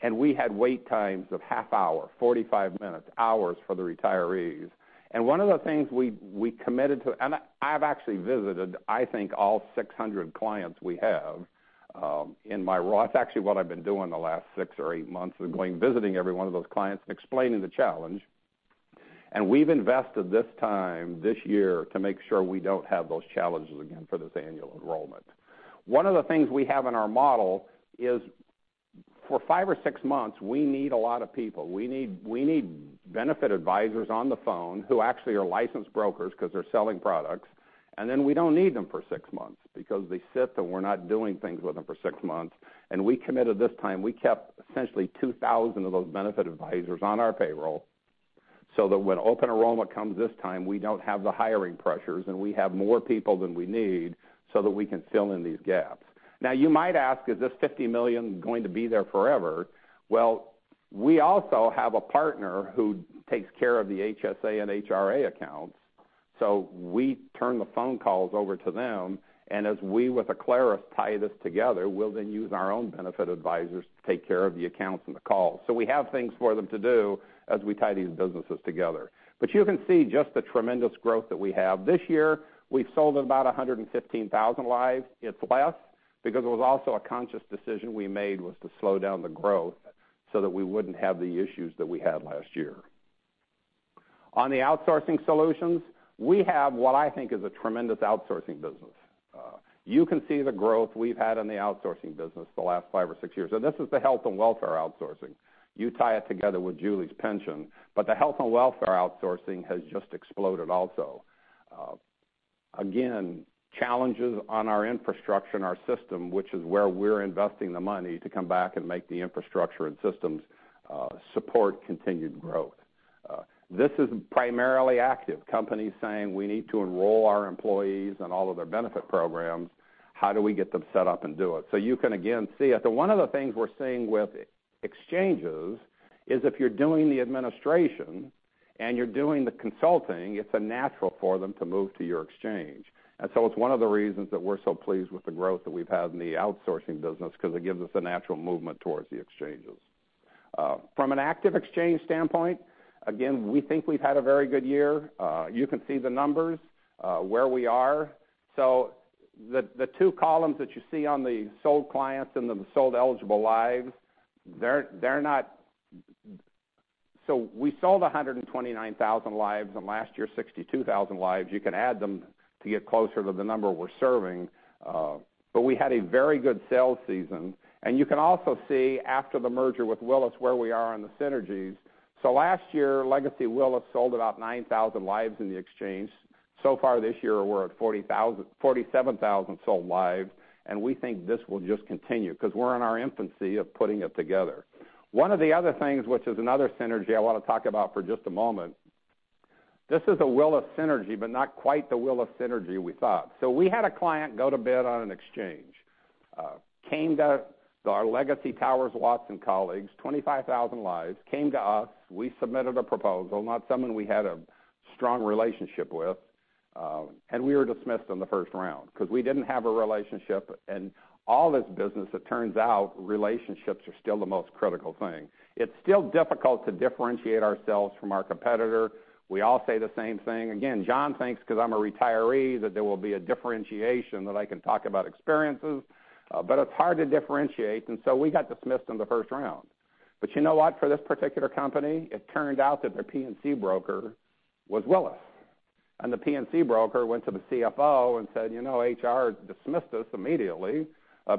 and we had wait times of half hour, 45 minutes, hours for the retirees. One of the things we committed to. I have actually visited, I think, all 600 clients we have in my role. That is actually what I have been doing the last six or eight months is going visiting every one of those clients and explaining the challenge. We have invested this time, this year, to make sure we do not have those challenges again for this annual enrollment. One of the things we have in our model is, for five or six months, we need a lot of people. We need benefit advisors on the phone who actually are licensed brokers because they are selling products, and then we do not need them for six months because they sit, and we are not doing things with them for six months. We committed this time, we kept essentially 2,000 of those benefit advisors on our payroll so that when open enrollment comes this time, we do not have the hiring pressures, and we have more people than we need so that we can fill in these gaps. You might ask, is this $50 million going to be there forever? We also have a partner who takes care of the HSA and HRA accounts. We turn the phone calls over to them, and as we, with Acclaris, tie this together, we will then use our own benefit advisors to take care of the accounts and the calls. We have things for them to do as we tie these businesses together. You can see just the tremendous growth that we have. This year, we have sold about 115,000 lives. It is less because it was also a conscious decision we made was to slow down the growth so that we would not have the issues that we had last year. On the outsourcing solutions, we have what I think is a tremendous outsourcing business. You can see the growth we have had in the outsourcing business the last five or six years, and this is the health and welfare outsourcing. You tie it together with Julie's pension, but the health and welfare outsourcing has just exploded also. Challenges on our infrastructure and our system, which is where we're investing the money to come back and make the infrastructure and systems support continued growth. This is primarily active. Companies saying, "We need to enroll our employees on all of their benefit programs. How do we get them set up and do it?" You can again see it. One of the things we're seeing with exchanges is if you're doing the administration and you're doing the consulting, it's a natural for them to move to your exchange. It's one of the reasons that we're so pleased with the growth that we've had in the outsourcing business, because it gives us a natural movement towards the exchanges. From an active exchange standpoint, again, we think we've had a very good year. You can see the numbers, where we are. The two columns that you see on the sold clients and the sold eligible lives, we sold 129,000 lives, and last year, 62,000 lives. You can add them to get closer to the number we're serving. We had a very good sales season. You can also see, after the merger with Willis, where we are on the synergies. Last year, legacy Willis sold about 9,000 lives in the exchange. Far this year, we're at 47,000 sold lives, and we think this will just continue because we're in our infancy of putting it together. One of the other things, which is another synergy I want to talk about for just a moment. This is a Willis synergy, but not quite the Willis synergy we thought. We had a client go to bid on an exchange. Our legacy Towers Watson colleagues, 25,000 lives, came to us. We submitted a proposal, not someone we had a strong relationship with, and we were dismissed in the first round because we didn't have a relationship. In all this business, it turns out relationships are still the most critical thing. It's still difficult to differentiate ourselves from our competitor. We all say the same thing. John thinks because I'm a retiree that there will be a differentiation, that I can talk about experiences, but it's hard to differentiate, and we got dismissed in the first round. You know what? For this particular company, it turned out that their P&C broker was Willis, and the P&C broker went to the CFO and said, "HR dismissed us immediately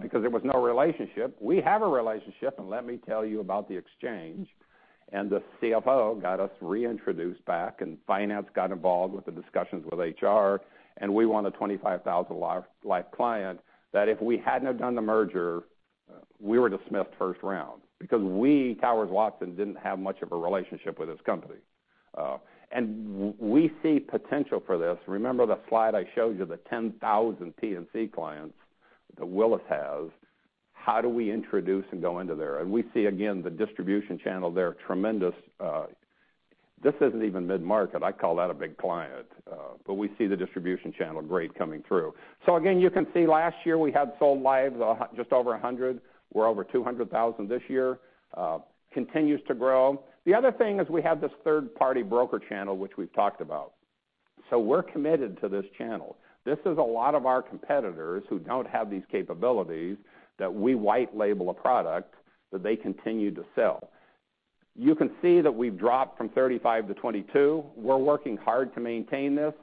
because there was no relationship. We have a relationship, and let me tell you about the exchange." The CFO got us reintroduced back, and finance got involved with the discussions with HR, and we won the 25,000 life client that if we hadn't have done the merger, we were dismissed first round because we, Towers Watson, didn't have much of a relationship with this company. We see potential for this. Remember the slide I showed you, the 10,000 P&C clients that Willis has. How do we introduce and go into there? We see again, the distribution channel there, tremendous. This isn't even mid-market. I call that a big client. We see the distribution channel great coming through. Again, you can see last year we had sold lives, just over 100. We're over 200,000 this year. Continues to grow. The other thing is we have this third-party broker channel, which we've talked about. We're committed to this channel. This is a lot of our competitors who don't have these capabilities that we white label a product that they continue to sell. You can see that we've dropped from 35 to 22. We're working hard to maintain this.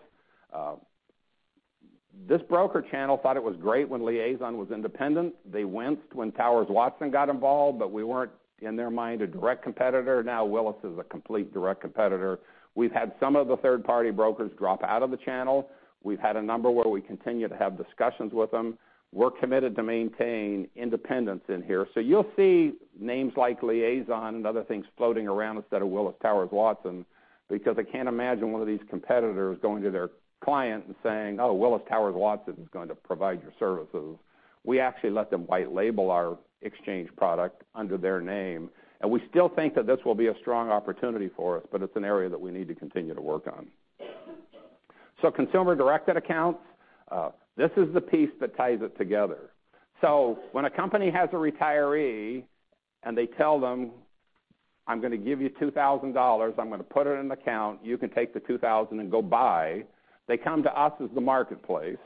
This broker channel thought it was great when Liazon was independent. They winced when Towers Watson got involved, but we weren't, in their mind, a direct competitor. Now Willis is a complete direct competitor. We've had some of the third-party brokers drop out of the channel. We've had a number where we continue to have discussions with them. We're committed to maintain independence in here. You'll see names like Liazon and other things floating around instead of Willis Towers Watson, because I can't imagine one of these competitors going to their client and saying, "Oh, Willis Towers Watson is going to provide your services." We actually let them white label our exchange product under their name, and we still think that this will be a strong opportunity for us, but it's an area that we need to continue to work on. Consumer-directed accounts, this is the piece that ties it together. When a company has a retiree and they tell them, "I'm going to give you $2,000. I'm going to put it in an account. You can take the $2,000 and go buy," they come to us as the marketplace,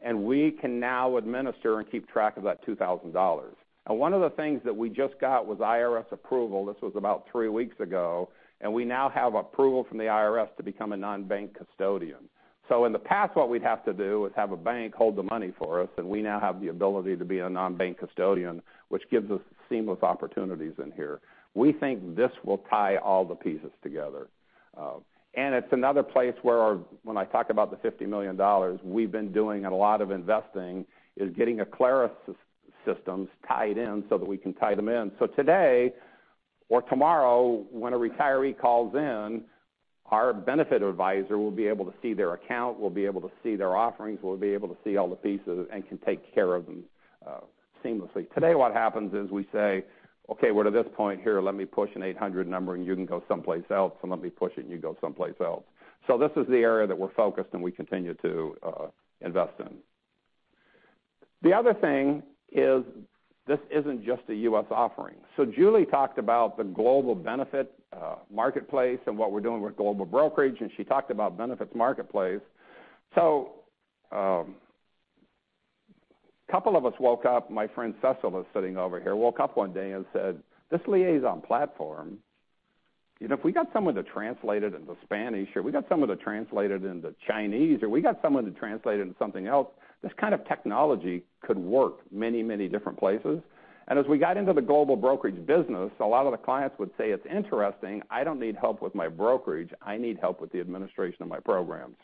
and we can now administer and keep track of that $2,000. One of the things that we just got was IRS approval, this was about three weeks ago, and we now have approval from the IRS to become a non-bank custodian. In the past, what we'd have to do was have a bank hold the money for us, and we now have the ability to be a non-bank custodian, which gives us seamless opportunities in here. We think this will tie all the pieces together. It's another place where, when I talk about the $50 million, we've been doing a lot of investing, is getting Acclaris systems tied in so that we can tie them in. Today or tomorrow, when a retiree calls in, our benefit advisor will be able to see their account, will be able to see their offerings, will be able to see all the pieces, and can take care of them seamlessly. Today what happens is we say, "Okay, we're to this point here. Let me push an 800 number and you can go someplace else, and let me push it and you go someplace else." This is the area that we're focused and we continue to invest in. The other thing is this isn't just a U.S. offering. Julie talked about the global Benefits Marketplace and what we're doing with global brokerage, and she talked about Benefits Marketplace. A couple of us woke up, my friend Cecil is sitting over here, woke up one day and said, "This Liazon platform, if we got someone to translate it into Spanish, or we got someone to translate it into Chinese, or we got someone to translate it into something else, this kind of technology could work many different places." As we got into the global brokerage business, a lot of the clients would say, "It's interesting. I don't need help with my brokerage. I need help with the administration of my programs."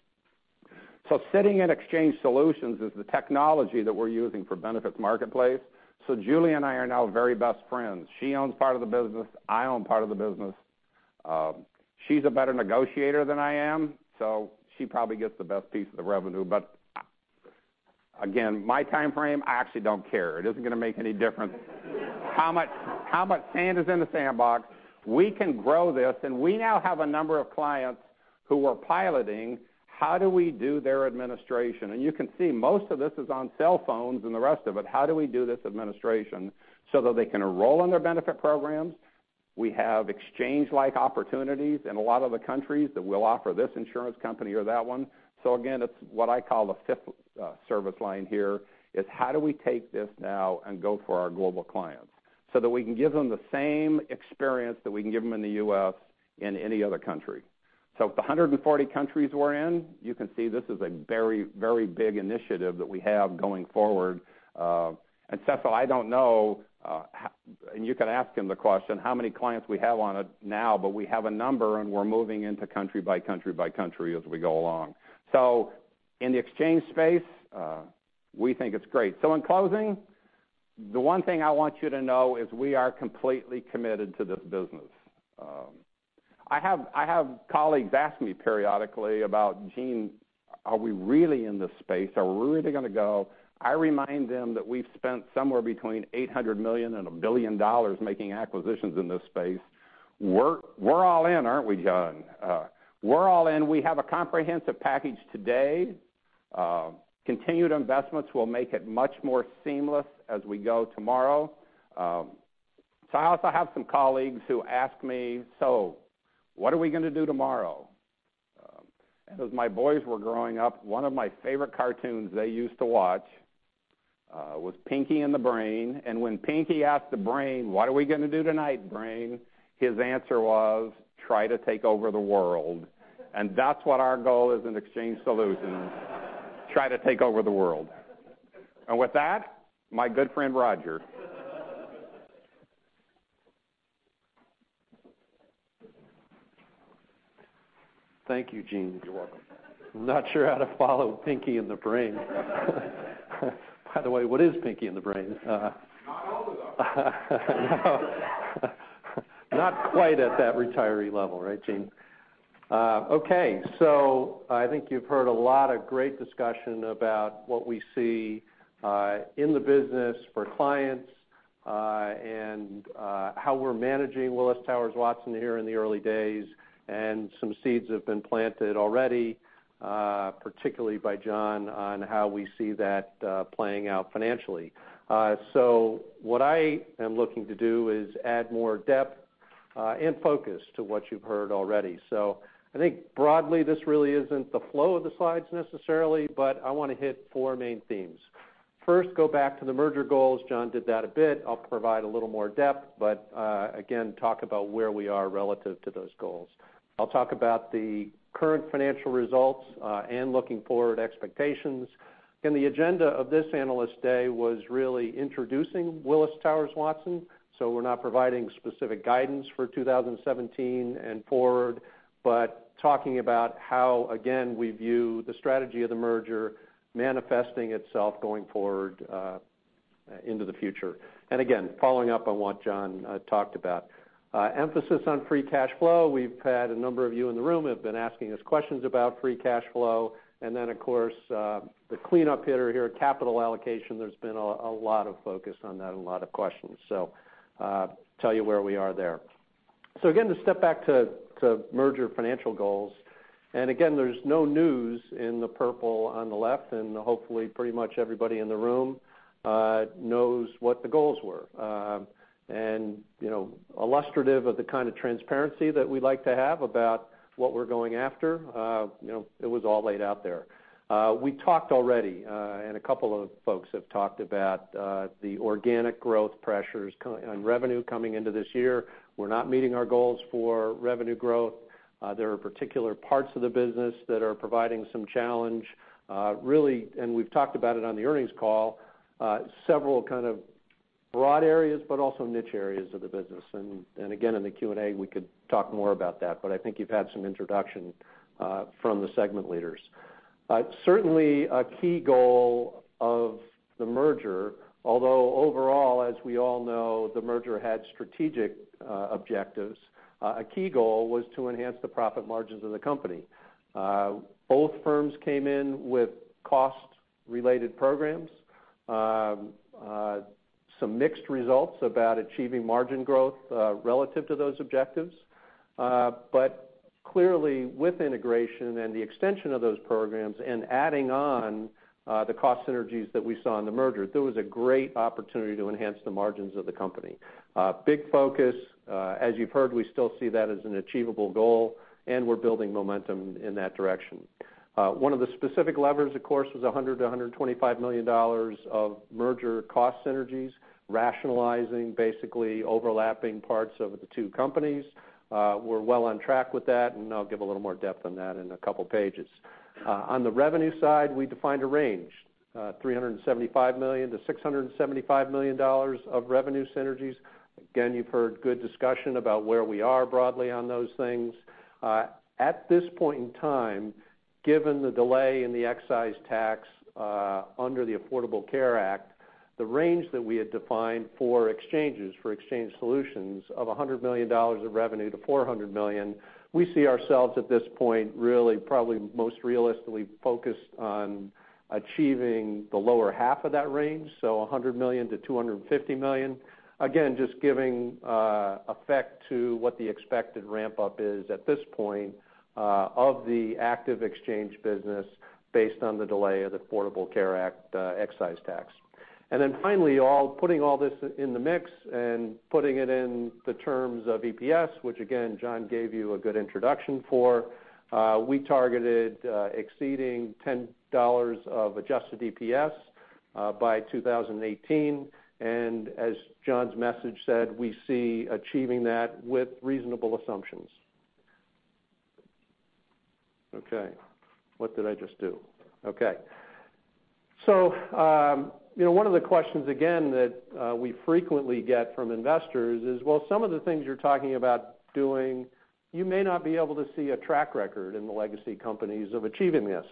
Sitting in Exchange Solutions is the technology that we're using for Benefits Marketplace. Julie and I are now very best friends. She owns part of the business. I own part of the business. She's a better negotiator than I am, so she probably gets the best piece of the revenue. Again, my timeframe, I actually don't care. It isn't going to make any difference how much sand is in the sandbox. We can grow this, we now have a number of clients who are piloting, how do we do their administration? You can see most of this is on cell phones and the rest of it, how do we do this administration so that they can enroll in their benefit programs? We have exchange-like opportunities in a lot of the countries that will offer this insurance company or that one. Again, it's what I call the fifth service line here, is how do we take this now and go for our global clients so that we can give them the same experience that we can give them in the U.S. in any other country? With the 140 countries we're in, you can see this is a very big initiative that we have going forward. Cecil, I don't know, you can ask him the question, how many clients we have on it now, but we have a number, we're moving into country by country by country as we go along. In the exchange space, we think it's great. In closing, the one thing I want you to know is we are completely committed to this business. I have colleagues ask me periodically about, "Gene, are we really in this space? Are we really going to go?" I remind them that we've spent somewhere between $800 million and $1 billion making acquisitions in this space. We're all in, aren't we, John? We're all in. We have a comprehensive package today. Continued investments will make it much more seamless as we go tomorrow. I also have some colleagues who ask me, "What are we going to do tomorrow?" As my boys were growing up, one of my favorite cartoons they used to watch was Pinky and the Brain, when Pinky asked the Brain, "What are we going to do tonight, Brain?" His answer was, "Try to take over the world." That's what our goal is in Exchange Solutions, try to take over the world. With that, my good friend, Roger.
Thank you, Gene.
You're welcome.
I'm not sure how to follow Pinky and the Brain. By the way, what is Pinky and the Brain?
You're not old enough.
Not quite at that retiree level, right, Gene? I think you've heard a lot of great discussion about what we see in the business for clients and how we're managing Willis Towers Watson here in the early days, and some seeds have been planted already, particularly by John, on how we see that playing out financially. What I am looking to do is add more depth and focus to what you've heard already. I think broadly, this really isn't the flow of the slides necessarily, but I want to hit four main themes. First, go back to the merger goals. John did that a bit. I'll provide a little more depth. Again, talk about where we are relative to those goals. I'll talk about the current financial results and looking forward expectations. The agenda of this Analyst Day was really introducing Willis Towers Watson. We're not providing specific guidance for 2017 and forward. Talking about how, again, we view the strategy of the merger manifesting itself going forward into the future. Again, following up on what John talked about. Emphasis on free cash flow. We've had a number of you in the room who have been asking us questions about free cash flow. Of course, the cleanup hitter here, capital allocation. There's been a lot of focus on that, a lot of questions. Tell you where we are there. Again, to step back to merger financial goals. Again, there's no news in the purple on the left. Hopefully pretty much everybody in the room knows what the goals were. Illustrative of the kind of transparency that we like to have about what we're going after, it was all laid out there. We talked already. A couple of folks have talked about the organic growth pressures on revenue coming into this year. We're not meeting our goals for revenue growth. There are particular parts of the business that are providing some challenge. Really, we've talked about it on the earnings call, several kind of broad areas. Also, niche areas of the business. Again, in the Q&A, we could talk more about that. I think you've had some introduction from the segment leaders. Certainly, a key goal of the merger, although overall, as we all know, the merger had strategic objectives. A key goal was to enhance the profit margins of the company. Both firms came in with cost-related programs. Some mixed results about achieving margin growth relative to those objectives. Clearly, with integration and the extension of those programs and adding on the cost synergies that we saw in the merger, there was a great opportunity to enhance the margins of the company. Big focus. As you've heard, we still see that as an achievable goal. We're building momentum in that direction. One of the specific levers, of course, was $100 million-$125 million of merger cost synergies, rationalizing basically overlapping parts of the two companies. We're well on track with that. I'll give a little more depth on that in a couple pages. On the revenue side, we defined a range, $375 million-$675 million of revenue synergies. Again, you've heard good discussion about where we are broadly on those things. At this point in time, given the delay in the excise tax under the Affordable Care Act, the range that we had defined for exchanges, for exchange solutions, of $100 million of revenue to $400 million, we see ourselves at this point really probably most realistically focused on achieving the lower half of that range, so $100 million-$250 million. Again, just giving effect to what the expected ramp-up is at this point of the active exchange business based on the delay of the Affordable Care Act excise tax. Finally, putting all this in the mix and putting it in the terms of EPS, which again, John gave you a good introduction for, we targeted exceeding $10 of adjusted EPS by 2018. As John's message said, we see achieving that with reasonable assumptions. Okay. What did I just do? Okay. One of the questions again that we frequently get from investors is, well, some of the things you're talking about doing, you may not be able to see a track record in the legacy companies of achieving this.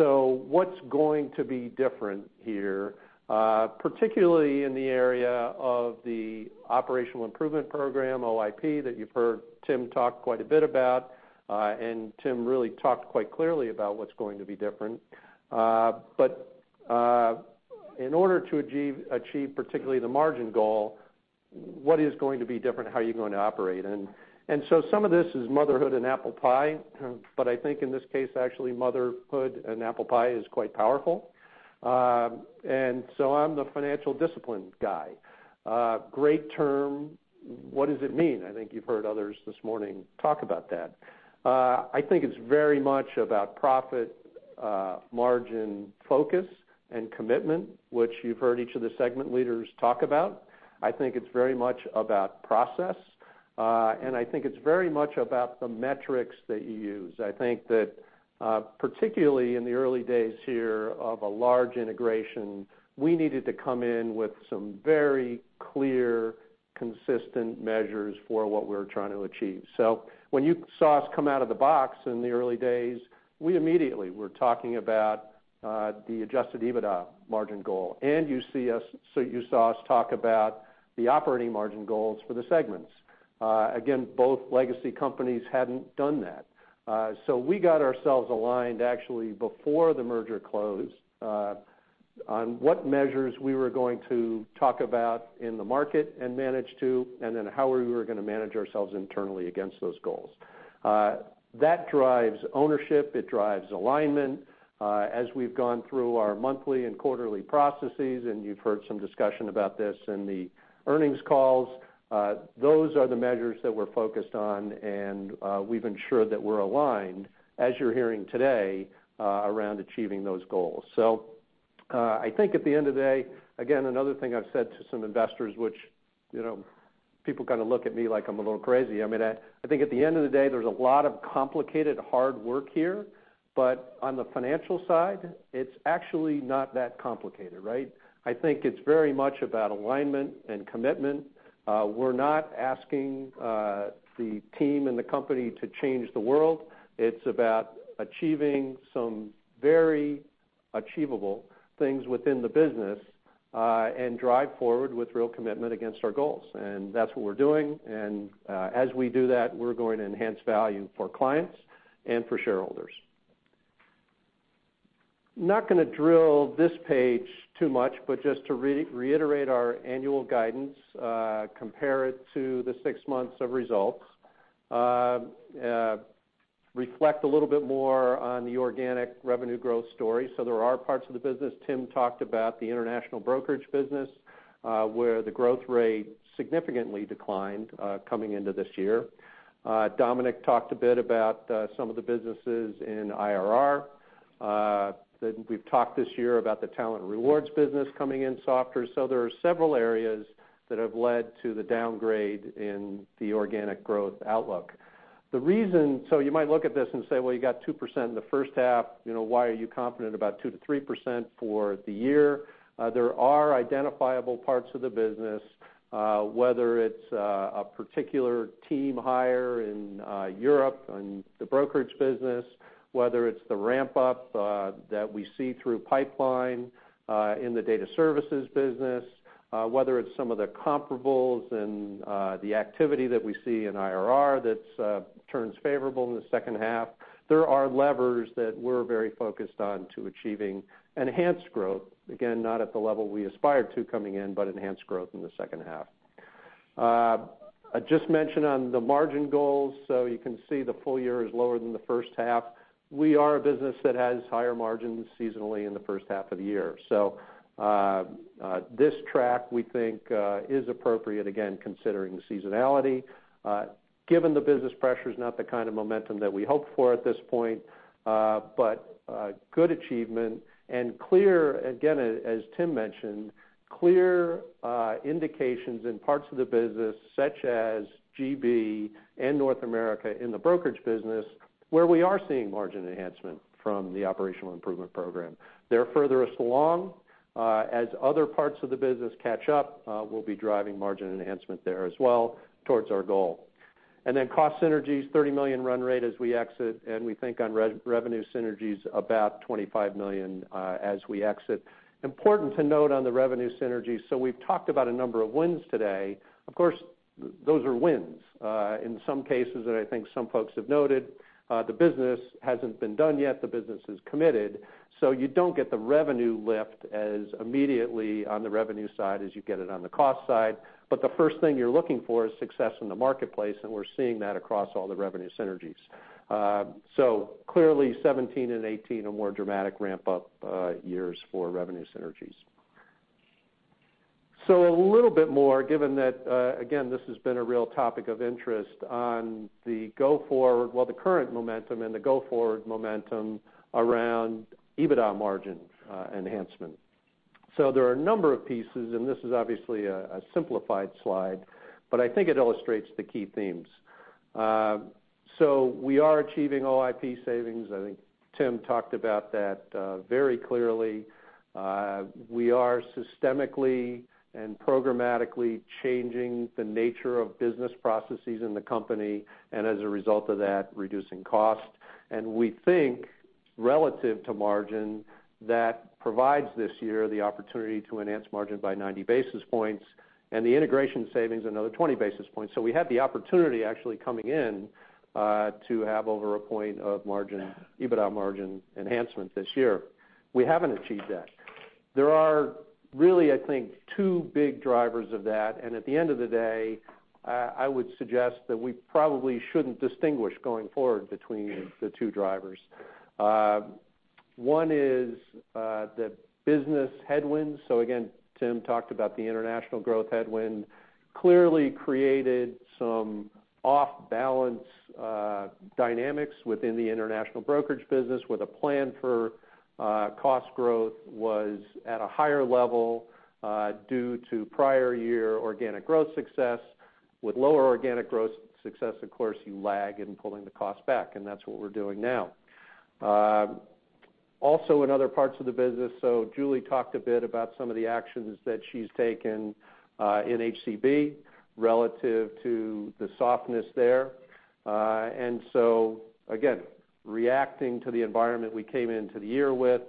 What's going to be different here, particularly in the area of the operational improvement program, OIP, that you've heard Tim talk quite a bit about, and Tim really talked quite clearly about what's going to be different. In order to achieve particularly the margin goal, what is going to be different, how are you going to operate? Some of this is motherhood and apple pie, but I think in this case, actually, motherhood and apple pie is quite powerful. I'm the financial discipline guy. Great term. What does it mean? I think you've heard others this morning talk about that. I think it's very much about profit margin focus and commitment, which you've heard each of the segment leaders talk about. I think it's very much about process. I think it's very much about the metrics that you use. I think that particularly in the early days here of a large integration, we needed to come in with some very clear, consistent measures for what we're trying to achieve. When you saw us come out of the box in the early days, we immediately were talking about the adjusted EBITDA margin goal. You saw us talk about the operating margin goals for the segments. Again, both legacy companies hadn't done that. We got ourselves aligned actually before the merger closed on what measures we were going to talk about in the market and manage to, and then how we were going to manage ourselves internally against those goals. That drives ownership. It drives alignment. As we've gone through our monthly and quarterly processes, and you've heard some discussion about this in the earnings calls, those are the measures that we're focused on, and we've ensured that we're aligned, as you're hearing today, around achieving those goals. I think at the end of the day, again, another thing I've said to some investors, which people kind of look at me like I'm a little crazy. I think at the end of the day, there's a lot of complicated, hard work here. On the financial side, it's actually not that complicated, right? I think it's very much about alignment and commitment. We're not asking the team and the company to change the world. It's about achieving some very achievable things within the business, drive forward with real commitment against our goals. That's what we're doing. As we do that, we're going to enhance value for clients and for shareholders. Not going to drill this page too much, just to reiterate our annual guidance, compare it to the six months of results, reflect a little bit more on the organic revenue growth story. There are parts of the business Tim talked about, the international brokerage business, where the growth rate significantly declined coming into this year. Dominic talked a bit about some of the businesses in IRR. We've talked this year about the talent rewards business coming in softer. There are several areas that have led to the downgrade in the organic growth outlook. You might look at this and say, "Well, you got 2% in the first half. Why are you confident about 2% to 3% for the year?" There are identifiable parts of the business, whether it's a particular team hire in Europe on the brokerage business, whether it's the ramp-up that we see through pipeline in the data services business, whether it's some of the comparables and the activity that we see in IRR that turns favorable in the second half. There are levers that we're very focused on to achieving enhanced growth. Again, not at the level we aspire to coming in, enhanced growth in the second half. I just mentioned on the margin goals, you can see the full year is lower than the first half. We are a business that has higher margins seasonally in the first half of the year. This track, we think, is appropriate, again, considering the seasonality. Given the business pressures, not the kind of momentum that we hoped for at this point, good achievement and clear, again, as Tim mentioned, clear indications in parts of the business such as GB and North America in the brokerage business, where we are seeing margin enhancement from the operational improvement program. They're furthest along. As other parts of the business catch up, we'll be driving margin enhancement there as well towards our goal. Cost synergies, $30 million run rate as we exit, we think on revenue synergies about $25 million as we exit. Important to note on the revenue synergies, we've talked about a number of wins today. Of course, those are wins. In some cases that I think some folks have noted, the business hasn't been done yet. The business is committed, you don't get the revenue lift as immediately on the revenue side as you get it on the cost side. The first thing you're looking for is success in the marketplace, we're seeing that across all the revenue synergies. Clearly 2017 and 2018 are more dramatic ramp-up years for revenue synergies. A little bit more, given that, again, this has been a real topic of interest on the current momentum and the go-forward momentum around EBITDA margin enhancement. There are a number of pieces, this is obviously a simplified slide, I think it illustrates the key themes. We are achieving OIP savings. I think Tim talked about that very clearly. We are systemically and programmatically changing the nature of business processes in the company and as a result of that, reducing cost. We think relative to margin, that provides this year the opportunity to enhance margin by 90 basis points and the integration savings another 20 basis points. We had the opportunity actually coming in to have over a point of EBITDA margin enhancement this year. We haven't achieved that. There are really, I think, two big drivers of that, and at the end of the day, I would suggest that we probably shouldn't distinguish going forward between the two drivers. One is the business headwinds. Again, Tim talked about the international growth headwind. Clearly created some off-balance dynamics within the international brokerage business with a plan for cost growth was at a higher level due to prior year organic growth success. With lower organic growth success, of course, you lag in pulling the cost back, and that's what we're doing now. Also in other parts of the business, Julie talked a bit about some of the actions that she's taken in HCB relative to the softness there. Again, reacting to the environment we came into the year with,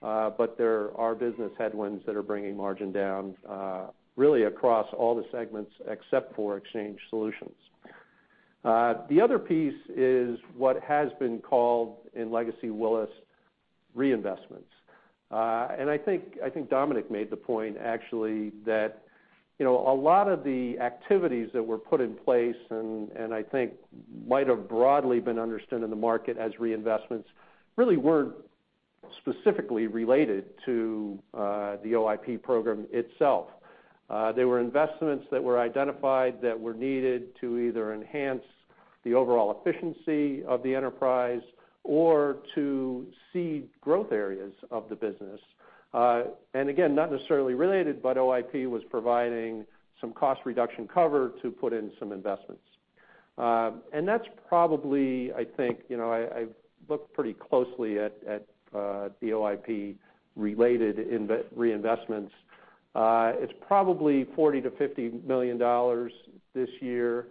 but there are business headwinds that are bringing margin down really across all the segments except for Exchange Solutions. The other piece is what has been called in legacy Willis reinvestments. I think Dominic made the point actually that a lot of the activities that were put in place and I think might have broadly been understood in the market as reinvestments, really weren't specifically related to the OIP program itself. They were investments that were identified that were needed to either enhance the overall efficiency of the enterprise or to seed growth areas of the business. Again, not necessarily related, but OIP was providing some cost reduction cover to put in some investments. That's probably, I look pretty closely at the OIP-related reinvestments. It's probably $40 million to $50 million this year.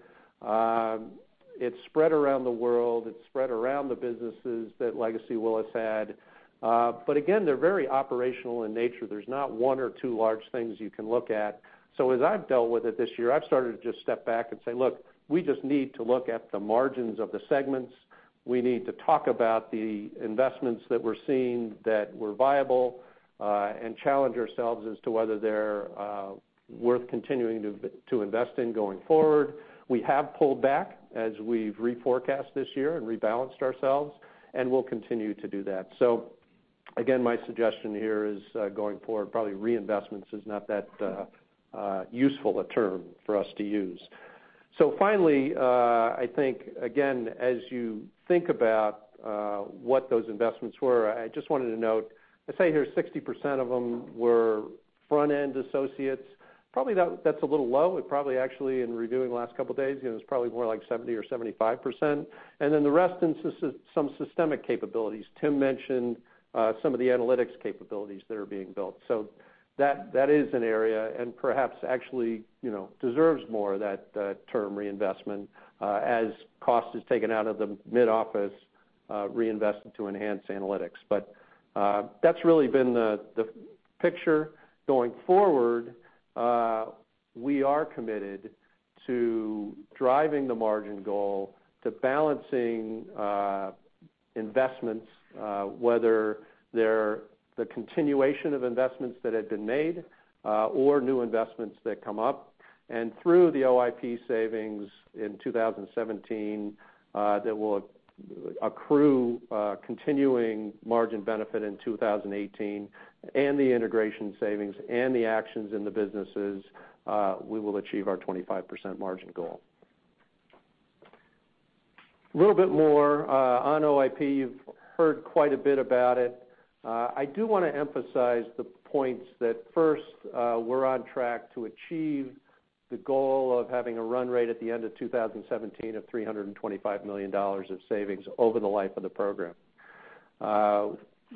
It's spread around the world. It's spread around the businesses that legacy Willis had. But again, they're very operational in nature. There's not one or two large things you can look at. As I've dealt with it this year, I've started to just step back and say, look, we just need to look at the margins of the segments. We need to talk about the investments that we're seeing that were viable, and challenge ourselves as to whether they're worth continuing to invest in going forward. We have pulled back as we've reforecast this year and rebalanced ourselves, we'll continue to do that. Again, my suggestion here is, going forward, probably reinvestments is not that useful a term for us to use. Finally, I think, again, as you think about what those investments were, I just wanted to note, I say here 60% of them were front-end associates. Probably that's a little low. It probably actually, in reviewing the last couple of days, it was probably more like 70% or 75%. The rest in some systemic capabilities. Tim mentioned some of the analytics capabilities that are being built. That is an area, and perhaps actually deserves more of that term reinvestment, as cost is taken out of the mid-office reinvestment to enhance analytics. That's really been the picture going forward. We are committed to driving the margin goal, to balancing investments, whether they're the continuation of investments that had been made, or new investments that come up. Through the OIP savings in 2017, that will accrue continuing margin benefit in 2018, and the integration savings, and the actions in the businesses, we will achieve our 25% margin goal. A little bit more on OIP. You've heard quite a bit about it. I do want to emphasize the points that first, we're on track to achieve the goal of having a run rate at the end of 2017 of $325 million of savings over the life of the program.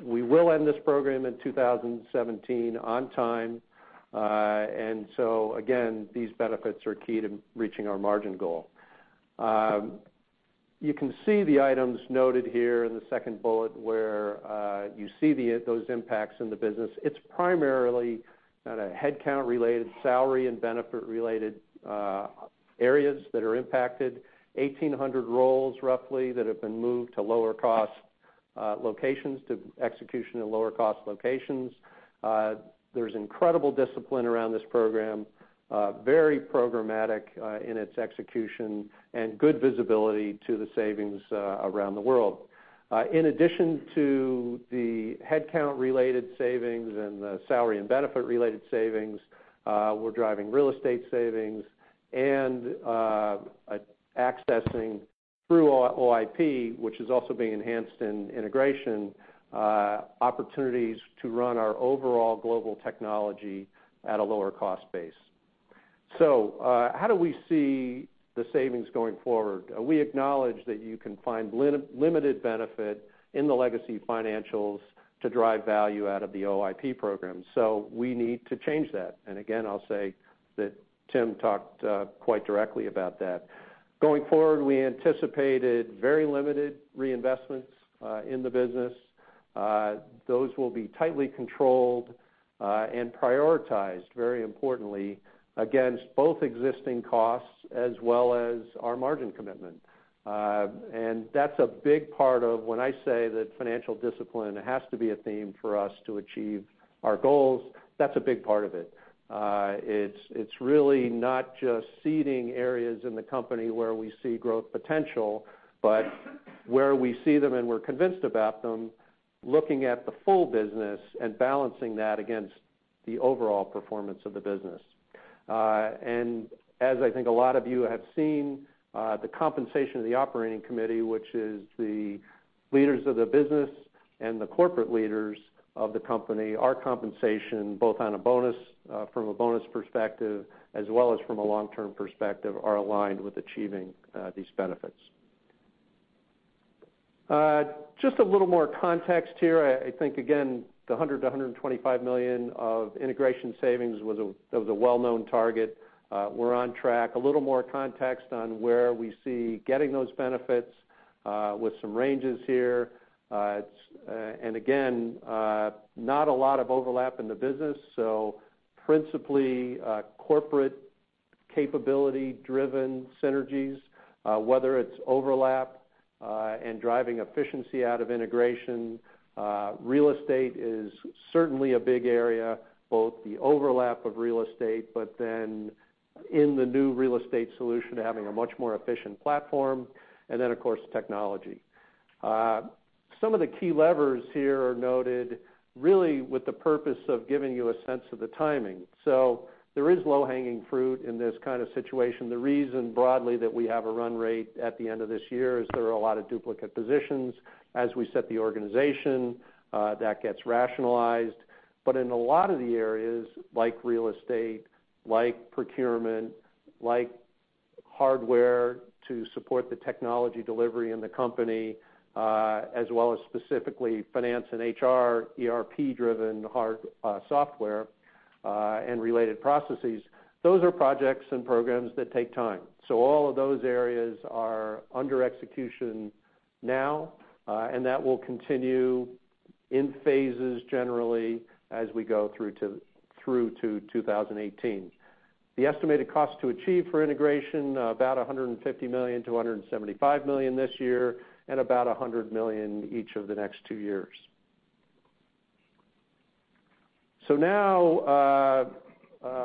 We will end this program in 2017 on time. Again, these benefits are key to reaching our margin goal. You can see the items noted here in the second bullet where you see those impacts in the business. It's primarily headcount-related salary and benefit-related areas that are impacted, 1,800 roles roughly that have been moved to lower-cost locations to execution in lower-cost locations. There's incredible discipline around this program, very programmatic in its execution, and good visibility to the savings around the world. In addition to the headcount-related savings and the salary and benefit-related savings, we're driving real estate savings and accessing through OIP, which is also being enhanced in integration, opportunities to run our overall global technology at a lower cost base. How do we see the savings going forward? We acknowledge that you can find limited benefit in the legacy financials to drive value out of the OIP program. Again, I'll say that Tim talked quite directly about that. Going forward, we anticipated very limited reinvestments in the business. Those will be tightly controlled and prioritized very importantly against both existing costs as well as our margin commitment. That's a big part of when I say that financial discipline has to be a theme for us to achieve our goals. That's a big part of it. It's really not just seeding areas in the company where we see growth potential, but where we see them and we're convinced about them, looking at the full business and balancing that against the overall performance of the business. As I think a lot of you have seen, the compensation of the operating committee, which is the leaders of the business and the corporate leaders of the company, our compensation, both from a bonus perspective as well as from a long-term perspective, are aligned with achieving these benefits. Just a little more context here. I think, again, the $100 million-$125 million of integration savings was a well-known target. We're on track. A little more context on where we see getting those benefits with some ranges here. Again, not a lot of overlap in the business, principally corporate capability-driven synergies, whether it is overlap and driving efficiency out of integration. Real estate is certainly a big area, both the overlap of real estate, in the new real estate solution, having a much more efficient platform, of course, technology. Some of the key levers here are noted really with the purpose of giving you a sense of the timing. There is low-hanging fruit in this kind of situation. The reason broadly that we have a run rate at the end of this year is there are a lot of duplicate positions. As we set the organization, that gets rationalized. In a lot of the areas like real estate, like procurement, like hardware to support the technology delivery in the company, as well as specifically finance and HR, ERP-driven software, and related processes, those are projects and programs that take time. All of those areas are under execution now, and that will continue in phases generally as we go through to 2018. The estimated cost to achieve for integration, about $150 million-$175 million this year, and about $100 million each of the next two years. Now,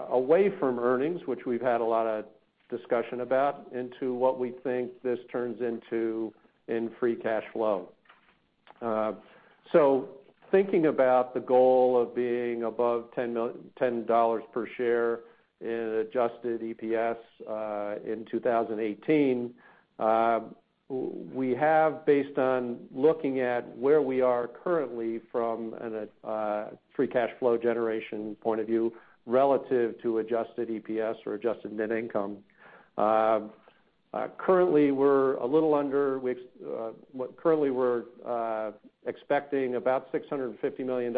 away from earnings, which we have had a lot of discussion about, into what we think this turns into in free cash flow. Thinking about the goal of being above $10 per share in adjusted EPS in 2018, we have, based on looking at where we are currently from a free cash flow generation point of view, relative to adjusted EPS or adjusted net income. Currently, we are expecting about $650 million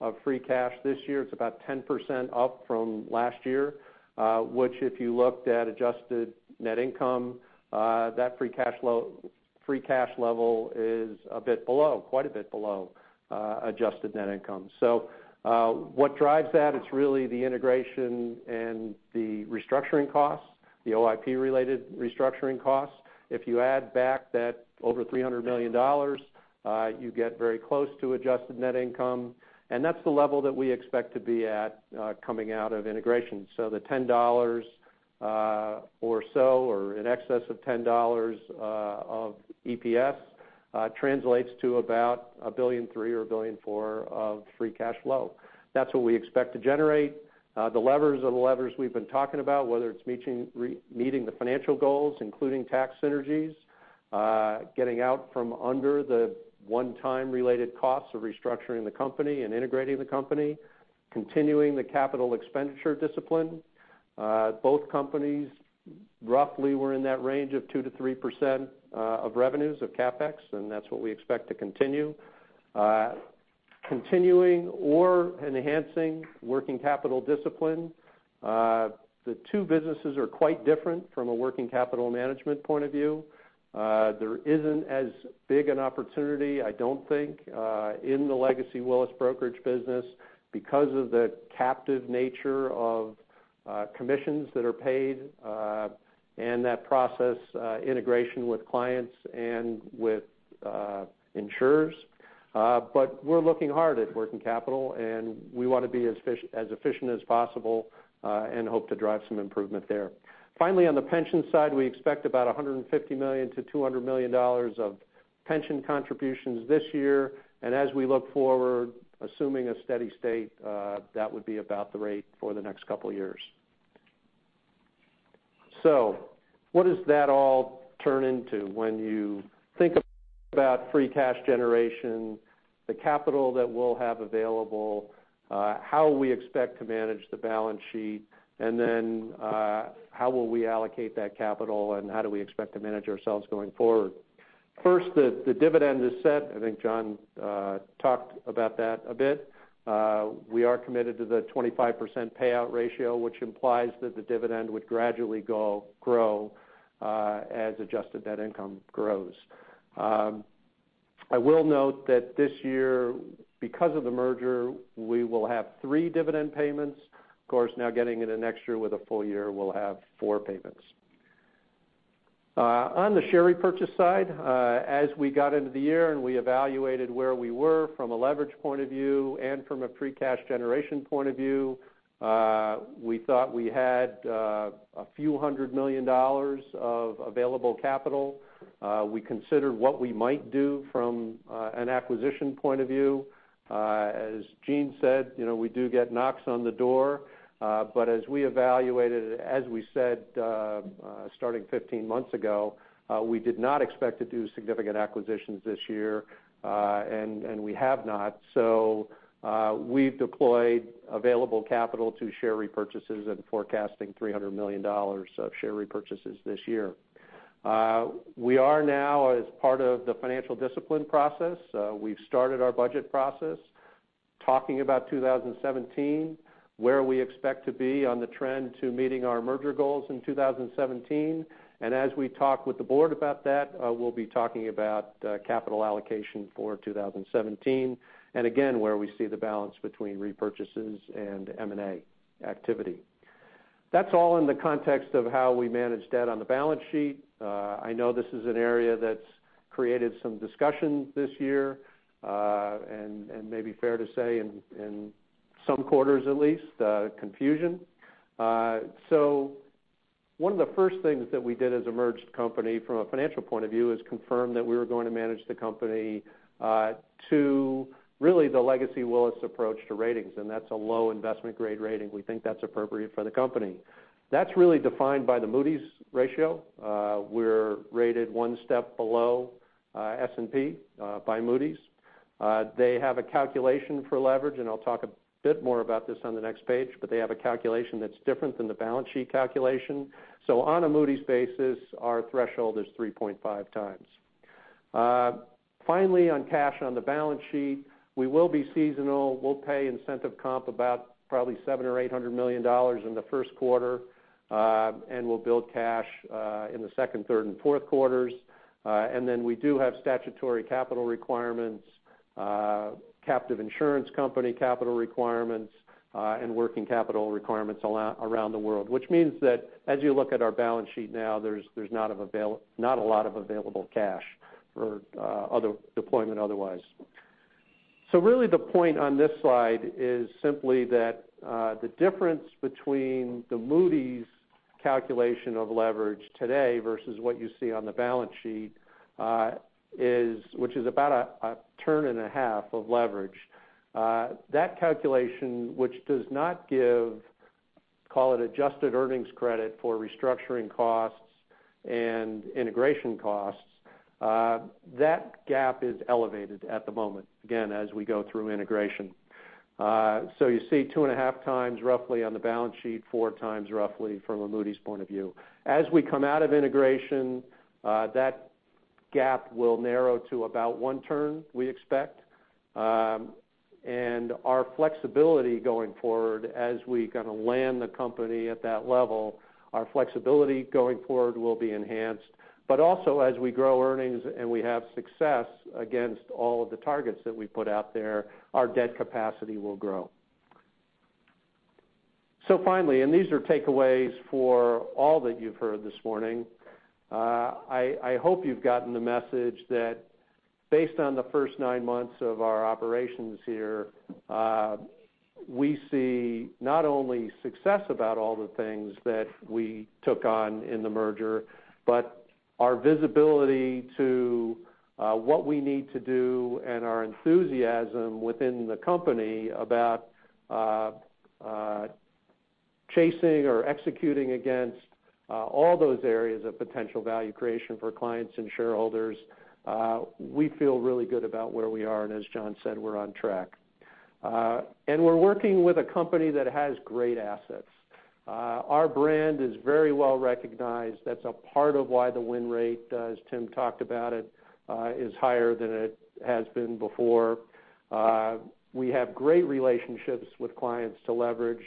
of free cash this year. It is about 10% up from last year, which if you looked at adjusted net income, that free cash level is quite a bit below adjusted net income. What drives that, it is really the integration and the restructuring costs, the OIP-related restructuring costs. If you add back that over $300 million, you get very close to adjusted net income, and that is the level that we expect to be at coming out of integration. The $10 or so, or in excess of $10 of EPS, translates to about $1.3 billion or $1.4 billion of free cash flow. That is what we expect to generate. The levers are the levers we have been talking about, whether it is meeting the financial goals, including tax synergies, getting out from under the one-time related costs of restructuring the company and integrating the company, continuing the capital expenditure discipline. Both companies roughly were in that range of 2%-3% of revenues of CapEx, and that is what we expect to continue. Continuing or enhancing working capital discipline. The two businesses are quite different from a working capital management point of view. There is not as big an opportunity, I do not think, in the legacy Willis brokerage business because of the captive nature of commissions that are paid and that process integration with clients and with insurers. We're looking hard at working capital, and we want to be as efficient as possible and hope to drive some improvement there. Finally, on the pension side, we expect about $150 million to $200 million of pension contributions this year. As we look forward, assuming a steady state, that would be about the rate for the next couple of years. What does that all turn into when you think about free cash generation, the capital that we'll have available, how we expect to manage the balance sheet, and then how will we allocate that capital, and how do we expect to manage ourselves going forward? First, the dividend is set. I think John talked about that a bit. We are committed to the 25% payout ratio, which implies that the dividend would gradually grow as adjusted net income grows. I will note that this year, because of the merger, we will have three dividend payments. Of course, now getting into next year with a full year, we'll have four payments. On the share repurchase side, as we got into the year and we evaluated where we were from a leverage point of view and from a free cash generation point of view, we thought we had a few hundred million dollars of available capital. We considered what we might do from an acquisition point of view. As Gene said, we do get knocks on the door. As we evaluated it, as we said, starting 15 months ago, we did not expect to do significant acquisitions this year, and we have not. We've deployed available capital to share repurchases and forecasting $300 million of share repurchases this year. We are now, as part of the financial discipline process, we've started our budget process, talking about 2017, where we expect to be on the trend to meeting our merger goals in 2017. As we talk with the board about that, we'll be talking about capital allocation for 2017, and again, where we see the balance between repurchases and M&A activity. That's all in the context of how we manage debt on the balance sheet. I know this is an area that's created some discussion this year, and may be fair to say in some quarters, at least, confusion. One of the first things that we did as a merged company from a financial point of view is confirm that we were going to manage the company to really the legacy Willis approach to ratings, and that's a low investment grade rating. We think that's appropriate for the company. That's really defined by the Moody's ratio. We're rated one step below S&P by Moody's. They have a calculation for leverage, and I'll talk a bit more about this on the next page, but they have a calculation that's different than the balance sheet calculation. On a Moody's basis, our threshold is 3.5 times. Finally, on cash on the balance sheet, we will be seasonal. We'll pay incentive comp about probably $700 or $800 million in the first quarter. We'll build cash in the second, third, and fourth quarters. Then we do have statutory capital requirements, captive insurance company capital requirements, and working capital requirements around the world. Which means that as you look at our balance sheet now, there's not a lot of available cash for other deployment otherwise. Really the point on this slide is simply that the difference between the Moody's calculation of leverage today versus what you see on the balance sheet, which is about 1.5 turns of leverage. That calculation, which does not give, call it adjusted earnings credit for restructuring costs and integration costs, that gap is elevated at the moment, again, as we go through integration. You see 2.5 times roughly on the balance sheet, four times roughly from a Moody's point of view. As we come out of integration, that gap will narrow to about one turn, we expect. Our flexibility going forward as we kind of land the company at that level, our flexibility going forward will be enhanced. Also as we grow earnings and we have success against all of the targets that we put out there, our debt capacity will grow. Finally, and these are takeaways for all that you've heard this morning. I hope you've gotten the message that based on the first nine months of our operations here, we see not only success about all the things that we took on in the merger, but our visibility to what we need to do and our enthusiasm within the company about chasing or executing against all those areas of potential value creation for clients and shareholders. We feel really good about where we are, and as John said, we're on track. We're working with a company that has great assets. Our brand is very well-recognized. That's a part of why the win rate, as Tim talked about it, is higher than it has been before. We have great relationships with clients to leverage,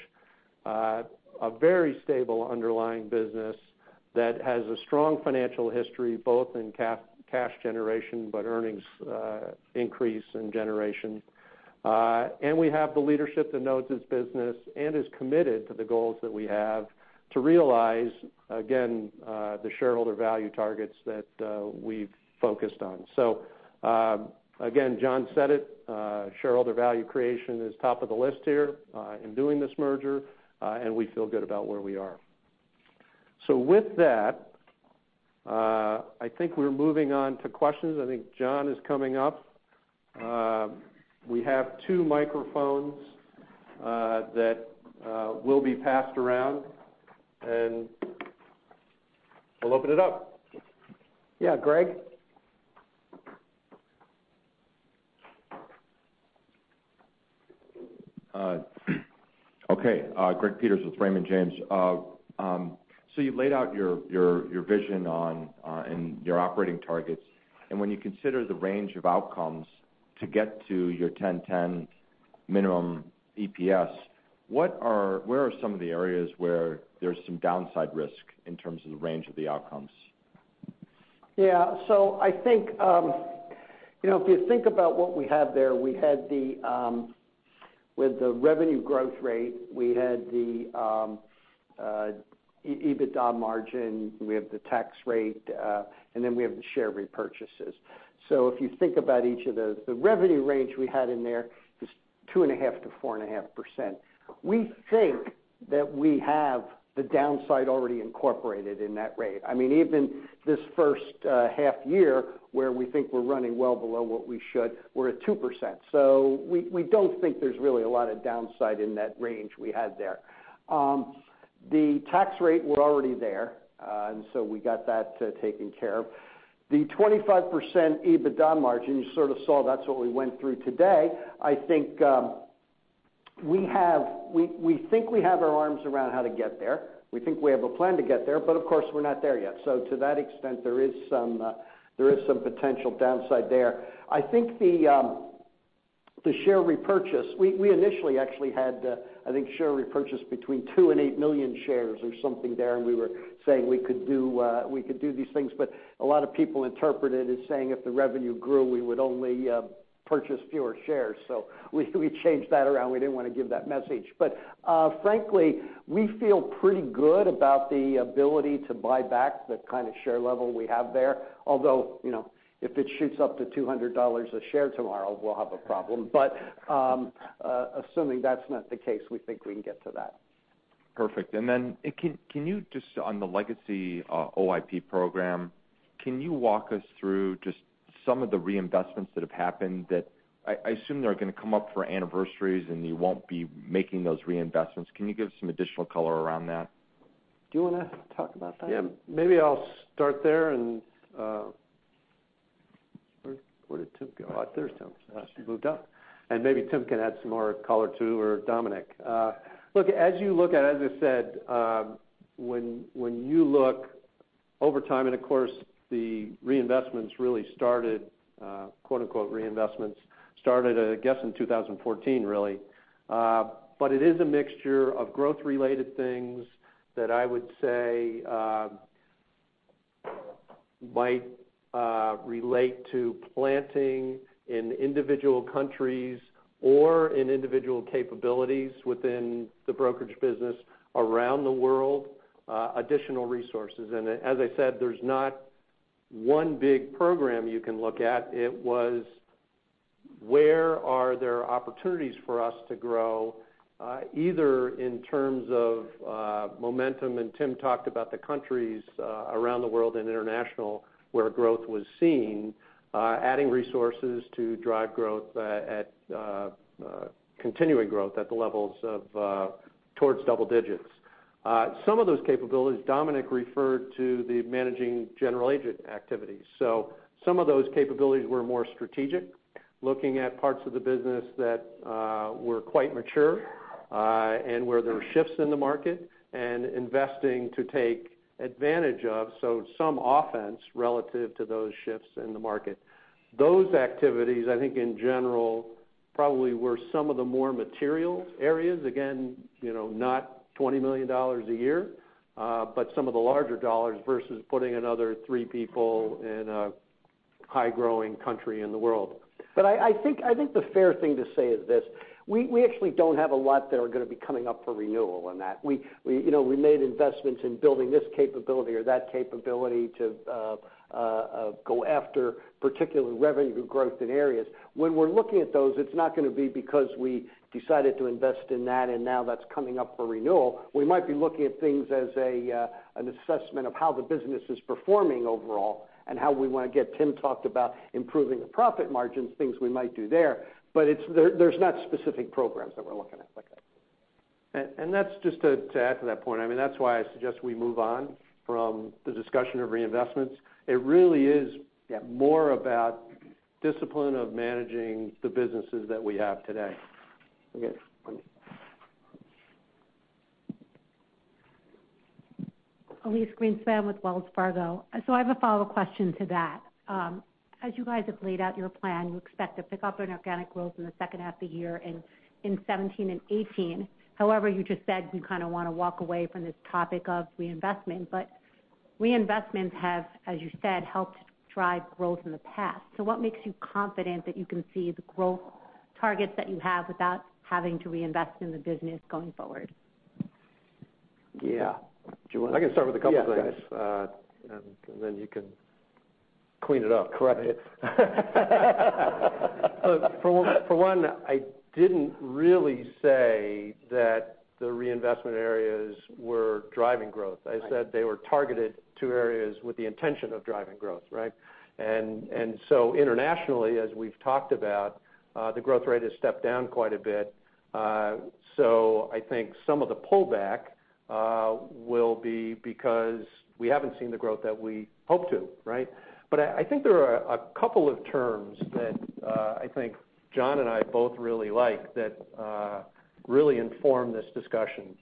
a very stable underlying business that has a strong financial history, both in cash generation, but earnings increase in generation. We have the leadership that knows its business and is committed to the goals that we have to realize, again, the shareholder value targets that we've focused on. Again, John said it, shareholder value creation is top of the list here in doing this merger, and we feel good about where we are. With that, I think we're moving on to questions. I think John is coming up. We have two microphones that will be passed around, and we'll open it up.
Yeah, Greg?
Okay. Gregory Peters with Raymond James. You've laid out your vision and your operating targets, and when you consider the range of outcomes to get to your $10.10 minimum EPS, where are some of the areas where there's some downside risk in terms of the range of the outcomes?
Yeah. I think, if you think about what we have there, with the revenue growth rate, we had the EBITDA margin, we have the tax rate, we have the share repurchases. If you think about each of those, the revenue range we had in there is 2.5%-4.5%. We think that we have the downside already incorporated in that rate. Even this first half year, where we think we're running well below what we should, we're at 2%. We don't think there's really a lot of downside in that range we had there. The tax rate, we're already there, we got that taken care of. The 25% EBITDA margin, you sort of saw that's what we went through today. I think we have our arms around how to get there. We think we have a plan to get there, of course we're not there yet. To that extent, there is some potential downside there. I think the share repurchase, we initially actually had, I think, share repurchase between two and eight million shares or something there, we were saying we could do these things, a lot of people interpreted it as saying if the revenue grew, we would only purchase fewer shares. We changed that around. We didn't want to give that message. Frankly, we feel pretty good about the ability to buy back the kind of share level we have there. Although, if it shoots up to $200 a share tomorrow, we'll have a problem. Assuming that's not the case, we think we can get to that.
Perfect. Just on the legacy OIP program, can you walk us through just some of the reinvestments that have happened that I assume they're going to come up for anniversaries, you won't be making those reinvestments. Can you give some additional color around that?
Do you want to talk about that?
Yeah. Maybe I'll start there. Where did Tim go? There's Tim. He moved up. Maybe Tim can add some more color too, or Dominic. Look, as you look at, as I said, when you look over time, of course, the reinvestments really started, quote unquote, "reinvestments," started, I guess, in 2014, really. It is a mixture of growth-related things that I would say might relate to planting in individual countries or in individual capabilities within the brokerage business around the world, additional resources. As I said, there's not one big program you can look at. It was where are there opportunities for us to grow, either in terms of momentum, Tim talked about the countries around the world and international, where growth was seen, adding resources to drive continuing growth at the levels of towards double digits. Some of those capabilities, Dominic referred to the managing general agent activities. Some of those capabilities were more strategic, looking at parts of the business that were quite mature, where there were shifts in the market, investing to take advantage of, some offense relative to those shifts in the market. Those activities, I think, in general, probably were some of the more material areas. Again, not $20 million a year, some of the larger dollars versus putting another three people in a high-growing country in the world.
I think the fair thing to say is this, we actually don't have a lot that are going to be coming up for renewal on that. We made investments in building this capability or that capability to go after particular revenue growth in areas. When we're looking at those, it's not going to be because we decided to invest in that, now that's coming up for renewal. We might be looking at things as an assessment of how the business is performing overall and how we want to get. Tim talked about improving the profit margins, things we might do there. There's not specific programs that we're looking at like that.
Just to add to that point, that's why I suggest we move on from the discussion of reinvestments. It really is-
Yeah
more about discipline of managing the businesses that we have today.
Okay.
Elyse Greenspan with Wells Fargo. I have a follow question to that. As you guys have laid out your plan, you expect to pick up on organic growth in the second half of the year and in 2017 and 2018. However, you just said you kind of want to walk away from this topic of reinvestment, but reinvestments have, as you said, helped drive growth in the past. What makes you confident that you can see the growth targets that you have without having to reinvest in the business going forward?
Yeah.
I can start with a couple of things.
Yeah, go ahead.
Then you can clean it up.
Correct.
For one, I didn't really say that the reinvestment areas were driving growth.
Right.
I said they were targeted to areas with the intention of driving growth, right? Internationally, as we've talked about, the growth rate has stepped down quite a bit. I think some of the pullback will be because we haven't seen the growth that we hoped to, right? I think there are a couple of terms that I think John and I both really like that really inform this discussion.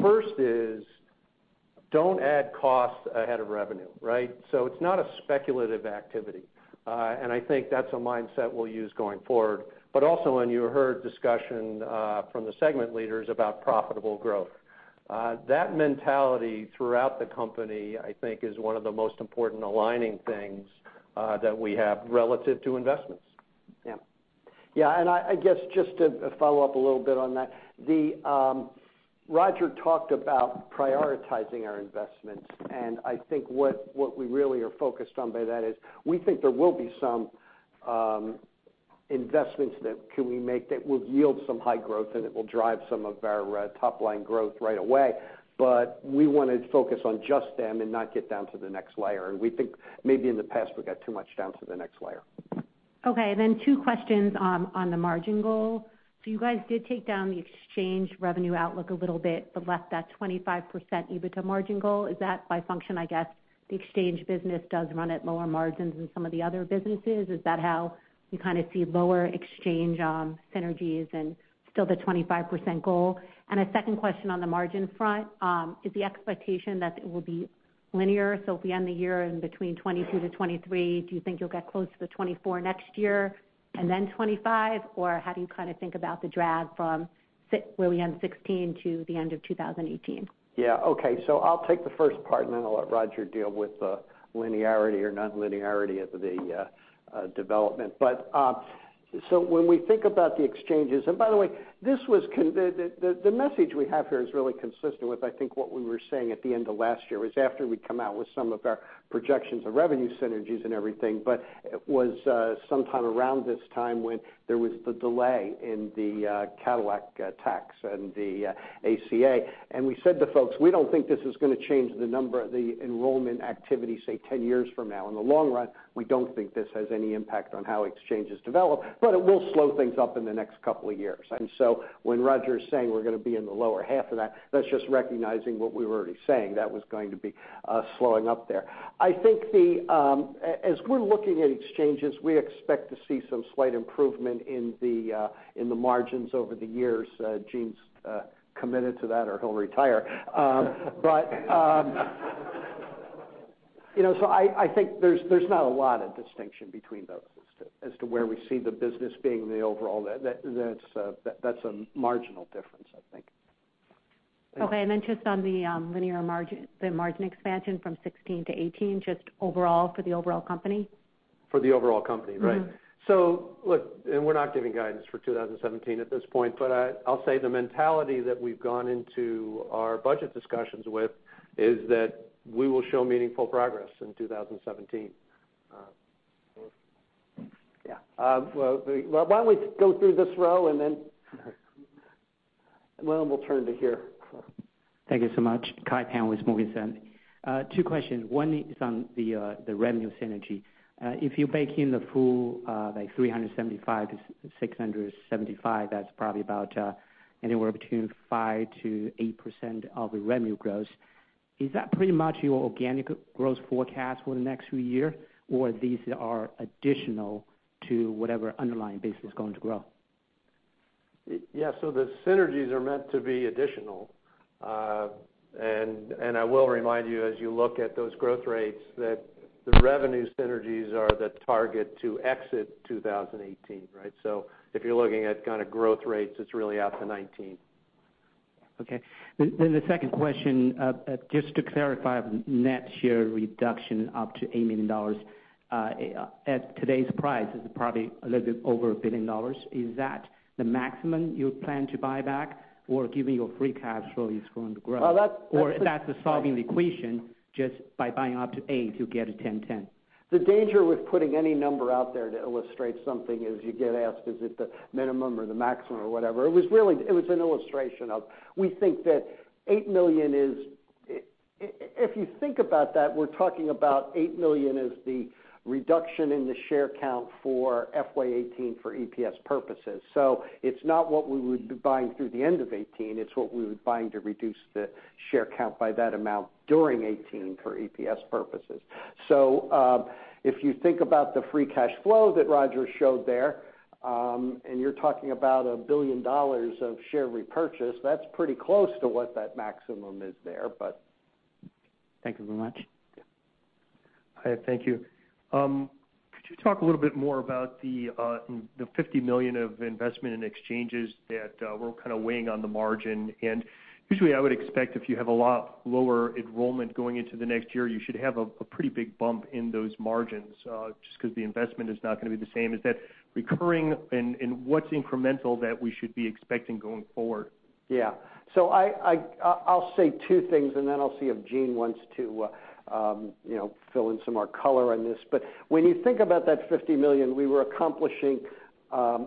First is, don't add cost ahead of revenue, right? It's not a speculative activity. I think that's a mindset we'll use going forward. Also when you heard discussion from the segment leaders about profitable growth. That mentality throughout the company, I think, is one of the most important aligning things that we have relative to investments.
Yeah. I guess, just to follow up a little bit on that. Roger talked about prioritizing our investments, I think what we really are focused on by that is we think there will be some investments that we can make that will yield some high growth, it will drive some of our top-line growth right away. We want to focus on just them and not get down to the next layer, we think maybe in the past, we got too much down to the next layer.
Okay, two questions on the margin goal. You guys did take down the exchange revenue outlook a little bit but left that 25% EBITDA margin goal. Is that by function? I guess the exchange business does run at lower margins than some of the other businesses. Is that how you kind of see lower exchange synergies and still the 25% goal? A second question on the margin front, is the expectation that it will be linear? If we end the year in between 22%-23%, do you think you'll get close to the 24% next year and then 25%? How do you kind of think about the drag from where we end 2016 to the end of 2018?
Yeah. Okay. I'll take the first part, then I'll let Roger deal with the linearity or non-linearity of the development. When we think about the exchanges By the way, the message we have here is really consistent with, I think, what we were saying at the end of last year, was after we'd come out with some of our projections of revenue synergies and everything. It was sometime around this time when there was the delay in the Cadillac Tax and the ACA, we said to folks, "We don't think this is going to change the enrollment activity, say, 10 years from now. In the long run, we don't think this has any impact on how exchanges develop, but it will slow things up in the next couple of years. When Roger's saying we're going to be in the lower half of that's just recognizing what we were already saying, that was going to be slowing up there. I think as we're looking at exchanges, we expect to see some slight improvement in the margins over the years. Gene's committed to that, or he'll retire. I think there's not a lot of distinction between those as to where we see the business being in the overall. That's a marginal difference, I think.
Okay. Just on the linear margin, the margin expansion from 2016 to 2018, just overall for the overall company?
For the overall company, right. Look, we're not giving guidance for 2017 at this point, but I'll say the mentality that we've gone into our budget discussions with is that we will show meaningful progress in 2017. Yeah. Well, why don't we go through this row and then we'll turn to here.
Thank you so much. Kai Pan with Morgan Stanley. Two questions. One is on the revenue synergy. If you bake in the full like $375-$675, that's probably about anywhere between 5%-8% of the revenue growth. Is that pretty much your organic growth forecast for the next few year, or these are additional to whatever underlying base is going to grow?
Yeah. The synergies are meant to be additional. I will remind you as you look at those growth rates, that the revenue synergies are the target to exit 2018, right? If you're looking at kind of growth rates, it's really out to 2019.
Okay. The second question, just to clarify net share reduction up to $8 million. At today's price, this is probably a little bit over a billion dollars. Is that the maximum you plan to buy back or given your free cash flow is going to grow?
Well.
That's a solving equation just by buying up to eight, you get a 10.10.
The danger with putting any number out there to illustrate something is you get asked is it the minimum or the maximum or whatever. It was an illustration of, if you think about that, we're talking about 8 million as the reduction in the share count for FY 2018 for EPS purposes. It's not what we would be buying through the end of 2018. It's what we would buying to reduce the share count by that amount during 2018 for EPS purposes. If you think about the free cash flow that Roger showed there, and you're talking about $1 billion of share repurchase, that's pretty close to what that maximum is there.
Thank you very much.
Yeah.
Hi. Thank you. Could you talk a little bit more about the $50 million of investment in exchanges that were kind of weighing on the margin? Usually I would expect if you have a lot lower enrollment going into the next year, you should have a pretty big bump in those margins, just because the investment is not going to be the same. Is that recurring, and what's incremental that we should be expecting going forward?
Yeah. I'll say two things. I'll see if Gene wants to fill in some more color on this. When you think about that $50 million, we were accomplishing.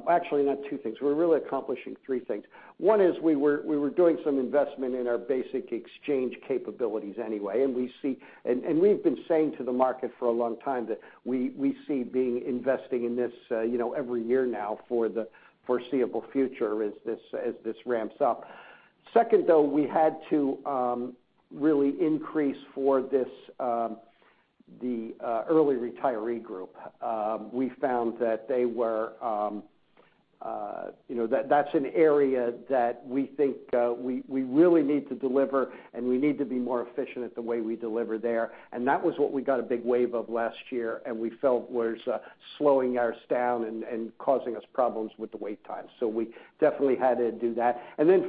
Actually, not two things. We were really accomplishing three things. One is we were doing some investment in our basic exchange capabilities anyway. We've been saying to the market for a long time that we see being investing in this every year now for the foreseeable future as this ramps up. We had to really increase for the early retiree group. We found that that's an area that we think we really need to deliver. We need to be more efficient at the way we deliver there. That was what we got a big wave of last year, and we felt was slowing ours down and causing us problems with the wait times. We definitely had to do that.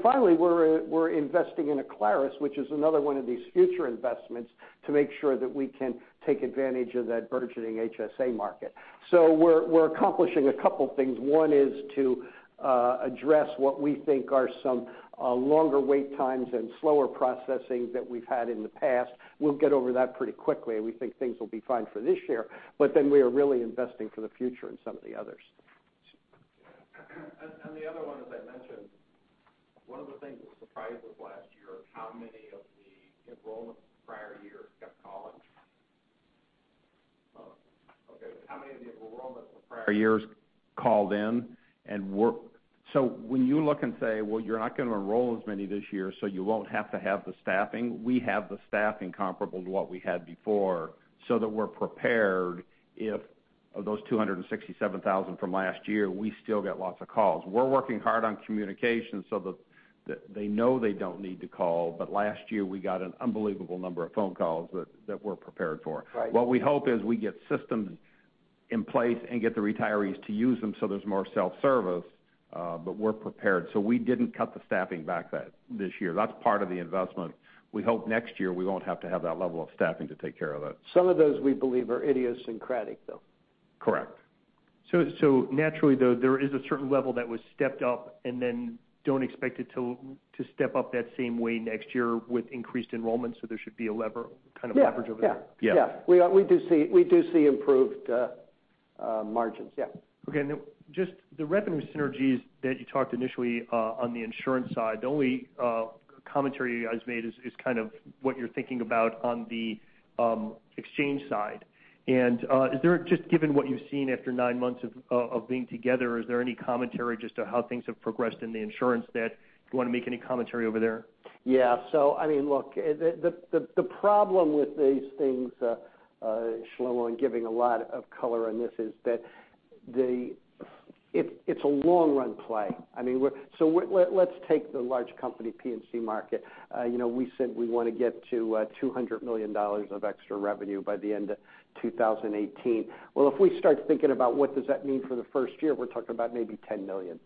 Finally, we're investing in Acclaris, which is another one of these future investments to make sure that we can take advantage of that burgeoning HSA market. We're accomplishing a couple things. One is to address what we think are some longer wait times and slower processing that we've had in the past. We'll get over that pretty quickly. We think things will be fine for this year. We are really investing for the future in some of the others.
The other one, as I mentioned, one of the things that surprised us last year, how many of the enrollments for prior years kept calling. Oh, okay. How many of the enrollments for prior years called in? When you look and say, "Well, you're not going to enroll as many this year, so you won't have to have the staffing," we have the staffing comparable to what we had before so that we're prepared if, of those 267,000 from last year, we still get lots of calls. We're working hard on communication so that they know they don't need to call, but last year we got an unbelievable number of phone calls that we're prepared for.
Right.
What we hope is we get systems in place and get the retirees to use them so there's more self-service, but we're prepared. We didn't cut the staffing back this year. That's part of the investment. We hope next year we won't have to have that level of staffing to take care of it.
Some of those we believe are idiosyncratic, though.
Correct.
Naturally though, there is a certain level that was stepped up, and then don't expect it to step up that same way next year with increased enrollment, so there should be a lever, kind of leverage over there.
Yeah.
Yeah.
We do see improved margins. Yeah.
Okay. Just the revenue synergies that you talked initially on the insurance side. The only commentary you guys made is kind of what you're thinking about on the exchange side. Just given what you've seen after nine months of being together, is there any commentary just to how things have progressed in the insurance that you want to make any commentary over there?
The problem with these things and slow on giving a lot of color on this is that it's a long-run play. Let's take the large company P&C market. We said we want to get to $200 million of extra revenue by the end of 2018. If we start thinking about what does that mean for the first year, we're talking about maybe $10 million.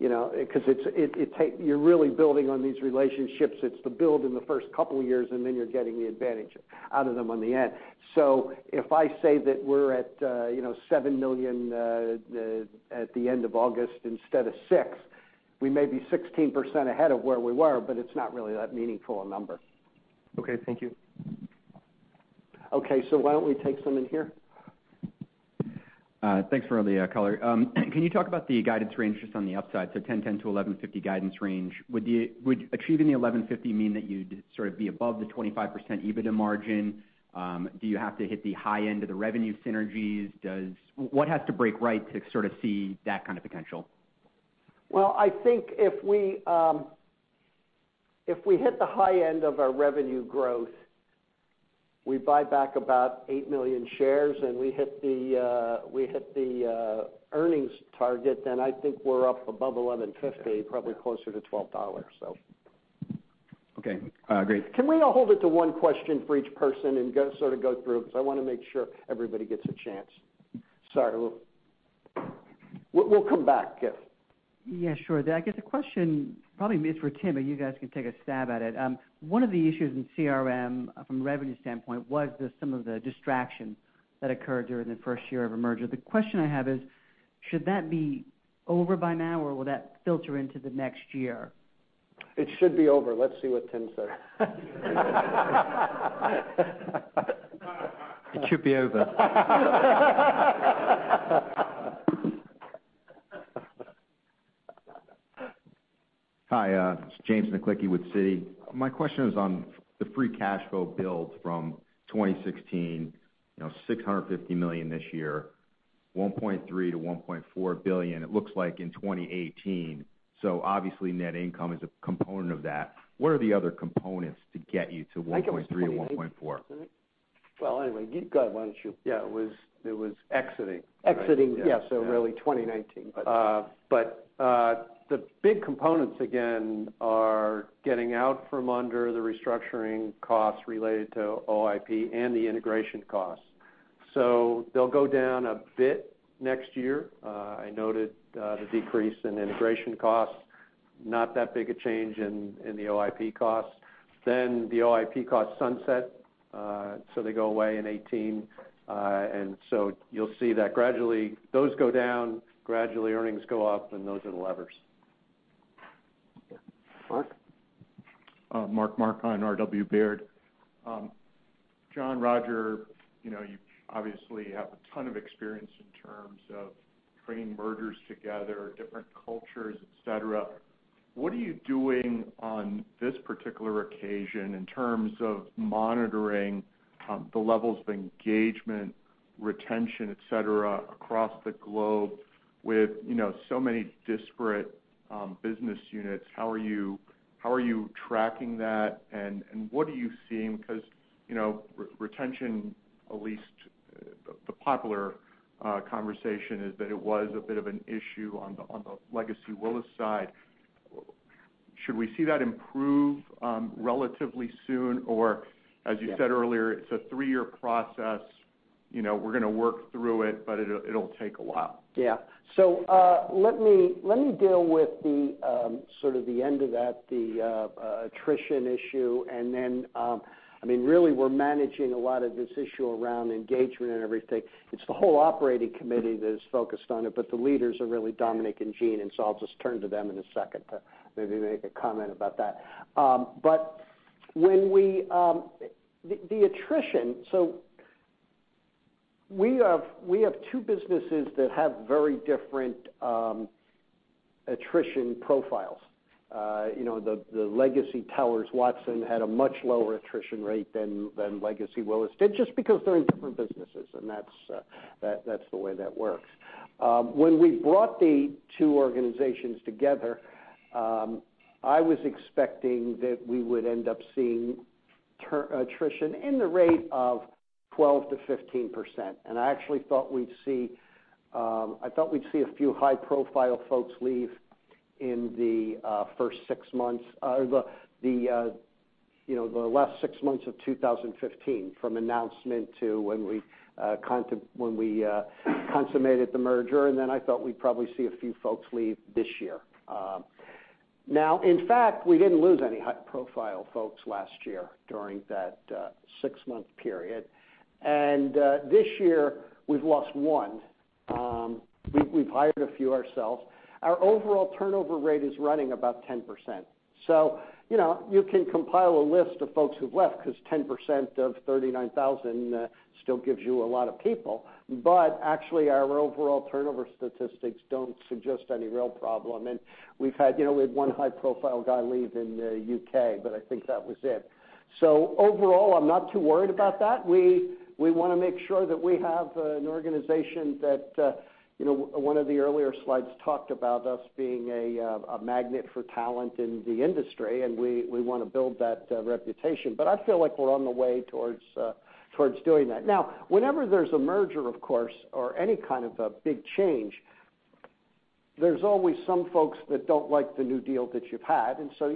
You're really building on these relationships. It's the build in the first couple of years, and then you're getting the advantage out of them on the end. If I say that we're at $7 million at the end of August instead of $6, we may be 16% ahead of where we were, but it's not really that meaningful a number.
Thank you.
Why don't we take some in here?
Thanks for all the color. Can you talk about the guidance range just on the upside? 10.10-11.50 guidance range. Would achieving the 11.50 mean that you'd sort of be above the 25% EBITDA margin? Do you have to hit the high end of the revenue synergies? What has to break right to sort of see that kind of potential?
I think if we hit the high end of our revenue growth, we buy back about 8 million shares, and we hit the earnings target, then I think we're up above $11.50, probably closer to $12.
Okay. Great.
Can we all hold it to one question for each person and sort of go through? I want to make sure everybody gets a chance. Sorry. We'll come back, Kiff.
Sure. I guess the question probably is for Tim, but you guys can take a stab at it. One of the issues in CRB from a revenue standpoint was some of the distraction that occurred during the first year of a merger. The question I have is, should that be over by now, or will that filter into the next year?
It should be over. Let's see what Tim says.
It should be over.
Hi, it's James Naklicki with Citi. My question is on the free cash flow build from 2016, $650 million this year, $1.3 billion-$1.4 billion it looks like in 2018. Obviously net income is a component of that. What are the other components to get you to $1.3 or $1.4?
Well, anyway, go ahead.
Yeah, it was exciting.
Exciting. Yeah, really 2019.
The big components again are getting out from under the restructuring costs related to OIP and the integration costs. They'll go down a bit next year. I noted the decrease in integration costs, not that big a change in the OIP costs. The OIP costs sunset, they go away in 2018. You'll see that gradually those go down, gradually earnings go up, and those are the levers.
Mark?
Mark Marcon, Robert W. Baird. John, Roger, you obviously have a ton of experience in terms of bringing mergers together, different cultures, et cetera. What are you doing on this particular occasion in terms of monitoring the levels of engagement, retention, et cetera, across the globe with so many disparate business units? How are you tracking that, and what are you seeing? Retention, at least the popular conversation, is that it was a bit of an issue on the legacy Willis side. Should we see that improve relatively soon? As you said earlier, it's a three-year process, we're going to work through it, but it'll take a while.
Let me deal with the end of that, the attrition issue, and then really we're managing a lot of this issue around engagement and everything. It's the whole operating committee that is focused on it, but the leaders are really Dominic and Gene, and so I'll just turn to them in a second to maybe make a comment about that. The attrition, so we have two businesses that have very different attrition profiles. The legacy Towers Watson had a much lower attrition rate than legacy Willis did just because they're in different businesses, and that's the way that works. When we brought the two organizations together, I was expecting that we would end up seeing attrition in the rate of 12%-15%. I actually thought we'd see a few high-profile folks leave in the first 6 months, or the last 6 months of 2015, from announcement to when we consummated the merger, and then I thought we'd probably see a few folks leave this year. In fact, we didn't lose any high-profile folks last year during that 6-month period. This year we've lost one. We've hired a few ourselves. Our overall turnover rate is running about 10%. You can compile a list of folks who've left because 10% of 39,000 still gives you a lot of people. But actually, our overall turnover statistics don't suggest any real problem, and we had one high-profile guy leave in the U.K., but I think that was it. Overall, I'm not too worried about that. We want to make sure that we have an organization that. One of the earlier slides talked about us being a magnet for talent in the industry, and we. We want to build that reputation. I feel like we're on the way towards doing that. Whenever there's a merger, of course, or any kind of a big change, there's always some folks that don't like the new deal that you've had. So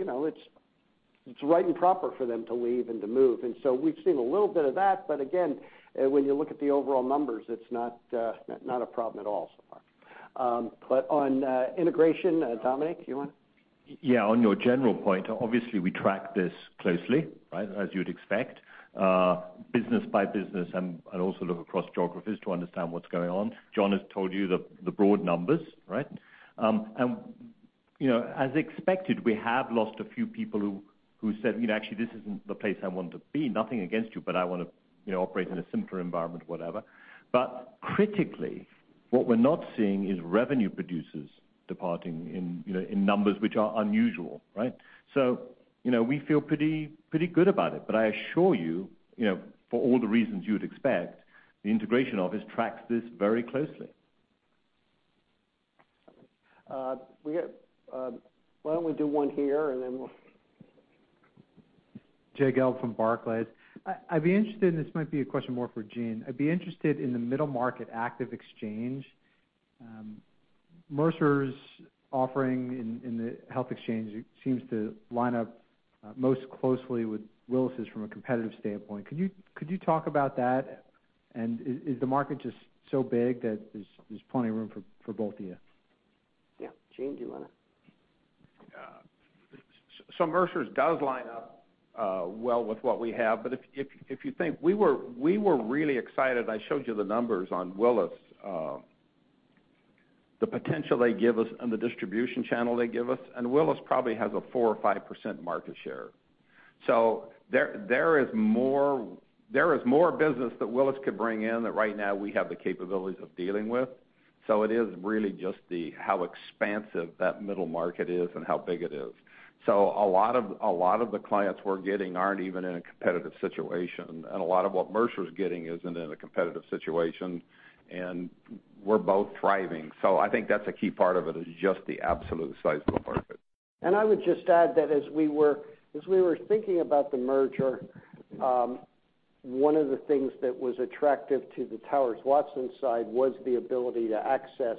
it's right and proper for them to leave and to move. We've seen a little bit of that, but again, when you look at the overall numbers, it's not a problem at all so far. On integration, Dominic, you want?
On your general point, obviously we track this closely, right, as you'd expect business by business and also look across geographies to understand what's going on. John has told you the broad numbers, right? As expected, we have lost a few people who said, "Actually, this isn't the place I want to be. Nothing against you, but I want to operate in a simpler environment," whatever. But critically, what we're not seeing is revenue producers departing in numbers which are unusual, right? So, we feel pretty good about it. But I assure you, for all the reasons you would expect, the integration office tracks this very closely.
Why don't we do one here, and then we'll.
Jay Gelb from Barclays. This might be a question more for Gene. I'd be interested in the middle market active exchange. Mercer's offering in the health exchange seems to line up most closely with Willis' from a competitive standpoint. Could you talk about that? Is the market just so big that there's plenty of room for both of you?
Yeah. Gene, do you want to?
Yeah. Mercer's does line up well with what we have. If you think, we were really excited. I showed you the numbers on Willis, the potential they give us and the distribution channel they give us, and Willis probably has a 4% or 5% market share. There is more business that Willis could bring in that right now we have the capabilities of dealing with. It is really just how expansive that middle market is and how big it is. A lot of the clients we're getting aren't even in a competitive situation. A lot of what Mercer's getting isn't in a competitive situation. We're both thriving. I think that's a key part of it, is just the absolute size of the market.
I would just add that as we were thinking about the merger, one of the things that was attractive to the Towers Watson side was the ability to access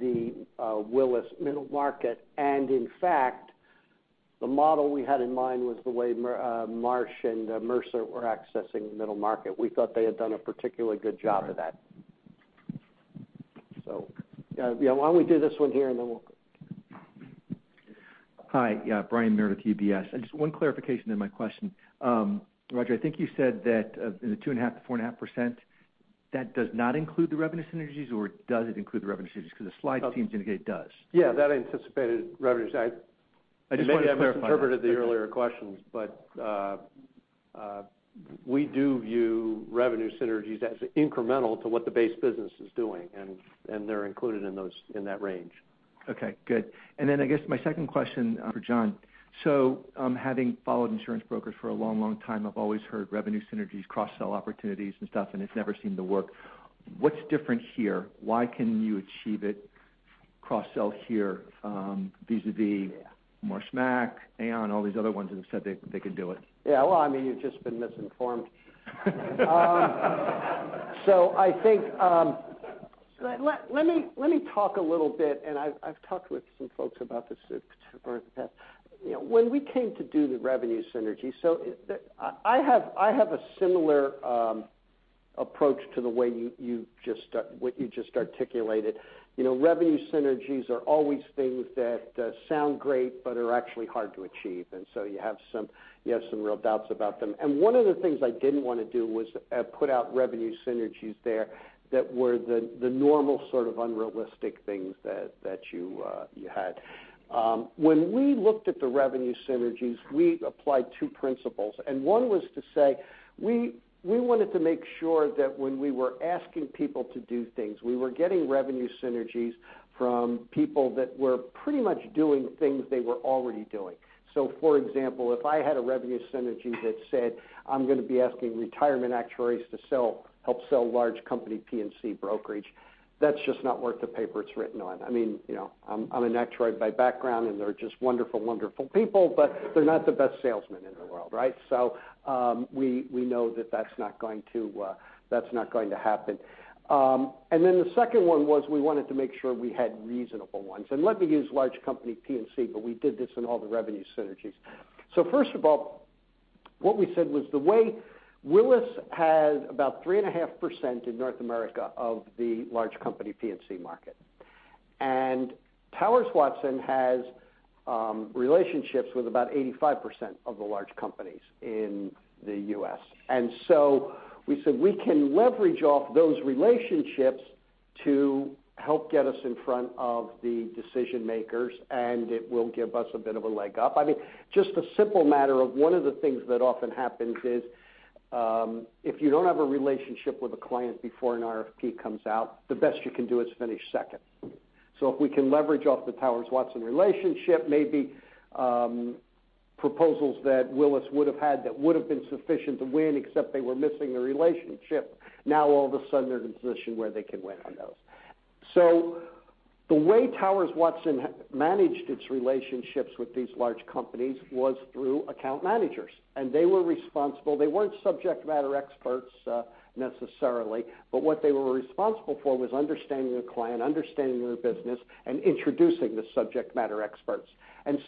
the Willis middle market, and in fact, the model we had in mind was the way Marsh and Mercer were accessing the middle market. We thought they had done a particularly good job of that. Why don't we do this one here and then we'll
Hi. Yeah, Brian Meredith, UBS. Just one clarification in my question. Roger, I think you said that in the 2.5%-4.5%, that does not include the revenue synergies or does it include the revenue synergies? The slide seems to indicate it does.
Yeah, that anticipated revenues.
I just wanted to clarify that. Okay.
Maybe I misinterpreted the earlier questions, we do view revenue synergies as incremental to what the base business is doing, and they're included in that range.
Okay, good. I guess my second question for John. Having followed insurance brokers for a long time, I've always heard revenue synergies, cross-sell opportunities, and stuff, and it's never seemed to work. What's different here? Why can you achieve it, cross-sell here, vis-a-vis Marsh McLennan, Aon, all these other ones that have said they could do it?
Yeah. Well, you've just been misinformed. I think, let me talk a little bit, and I've talked with some folks about this to prepare for this. When we came to do the revenue synergy I have a similar approach to what you just articulated. Revenue synergies are always things that sound great, but are actually hard to achieve. You have some real doubts about them. One of the things I didn't want to do was put out revenue synergies there that were the normal sort of unrealistic things that you had. When we looked at the revenue synergies, we applied two principles. One was to say, we wanted to make sure that when we were asking people to do things, we were getting revenue synergies from people that were pretty much doing things they were already doing. For example, if I had a revenue synergy that said, I'm going to be asking retirement actuaries to help sell large company P&C brokerage, that's just not worth the paper it's written on. I'm an actuary by background, and they're just wonderful people, but they're not the best salesmen in the world, right? We know that that's not going to happen. The second one was, we wanted to make sure we had reasonable ones. Let me use large company P&C, but we did this in all the revenue synergies. First of all, what we said was the way Willis has about 3.5% in North America of the large company P&C market. Towers Watson has relationships with about 85% of the large companies in the U.S. We said we can leverage off those relationships to help get us in front of the decision makers. It will give us a bit of a leg up. Just a simple matter of one of the things that often happens is, if you don't have a relationship with a client before an RFP comes out, the best you can do is finish second. If we can leverage off the Towers Watson relationship, maybe proposals that Willis would've had that would've been sufficient to win except they were missing a relationship, now all of a sudden they're in a position where they can win on those. The way Towers Watson managed its relationships with these large companies was through account managers, and they were responsible. They weren't subject matter experts necessarily, but what they were responsible for was understanding the client, understanding their business, and introducing the subject matter experts.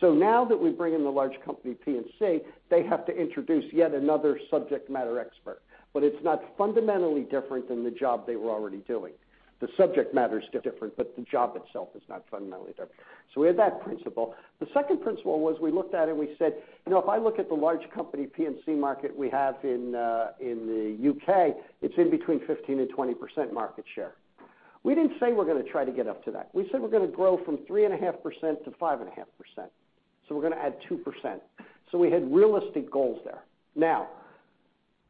Now that we bring in the large company P&C, they have to introduce yet another subject matter expert. It's not fundamentally different than the job they were already doing. The subject matter is different, but the job itself is not fundamentally different. We had that principle. The second principle was we looked at it and we said, if I look at the large company P&C market we have in the U.K., it's in between 15%-20% market share. We didn't say we're going to try to get up to that. We said we're going to grow from 3.5%-5.5%, so we're going to add 2%. We had realistic goals there. Now,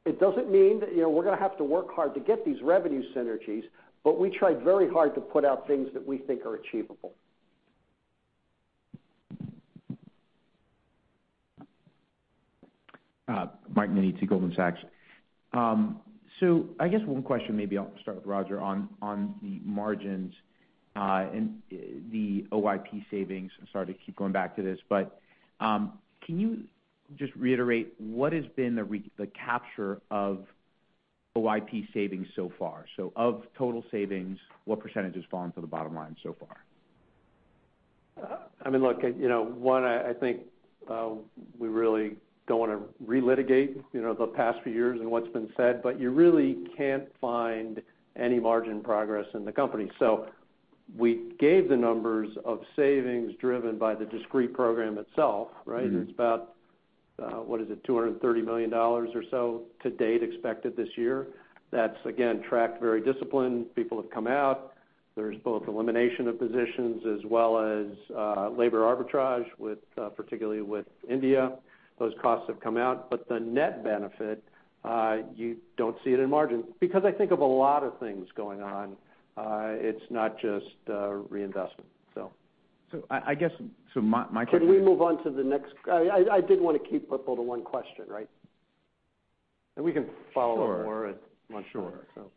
it doesn't mean that we're going to have to work hard to get these revenue synergies, but we tried very hard to put out things that we think are achievable.
Michael Nittoli, Goldman Sachs. I guess one question maybe I'll start with Roger on the margins, and the OIP savings. I'm sorry to keep going back to this, but can you just reiterate what has been the capture of OIP savings so far? Of total savings, what percentage has fallen to the bottom line so far?
Look, one, I think we really don't want to relitigate the past few years and what's been said, you really can't find any margin progress in the company. We gave the numbers of savings driven by the discrete program itself, right? It's about, what is it, $230 million or so to date expected this year. That's again, tracked very disciplined. People have come out. There's both elimination of positions as well as labor arbitrage, particularly with India. Those costs have come out. The net benefit, you don't see it in margin. Because I think of a lot of things going on, it's not just reinvestment.
So I guess my-
Can we move on. I did want to keep it to one question, right? We can follow up more at lunch or so.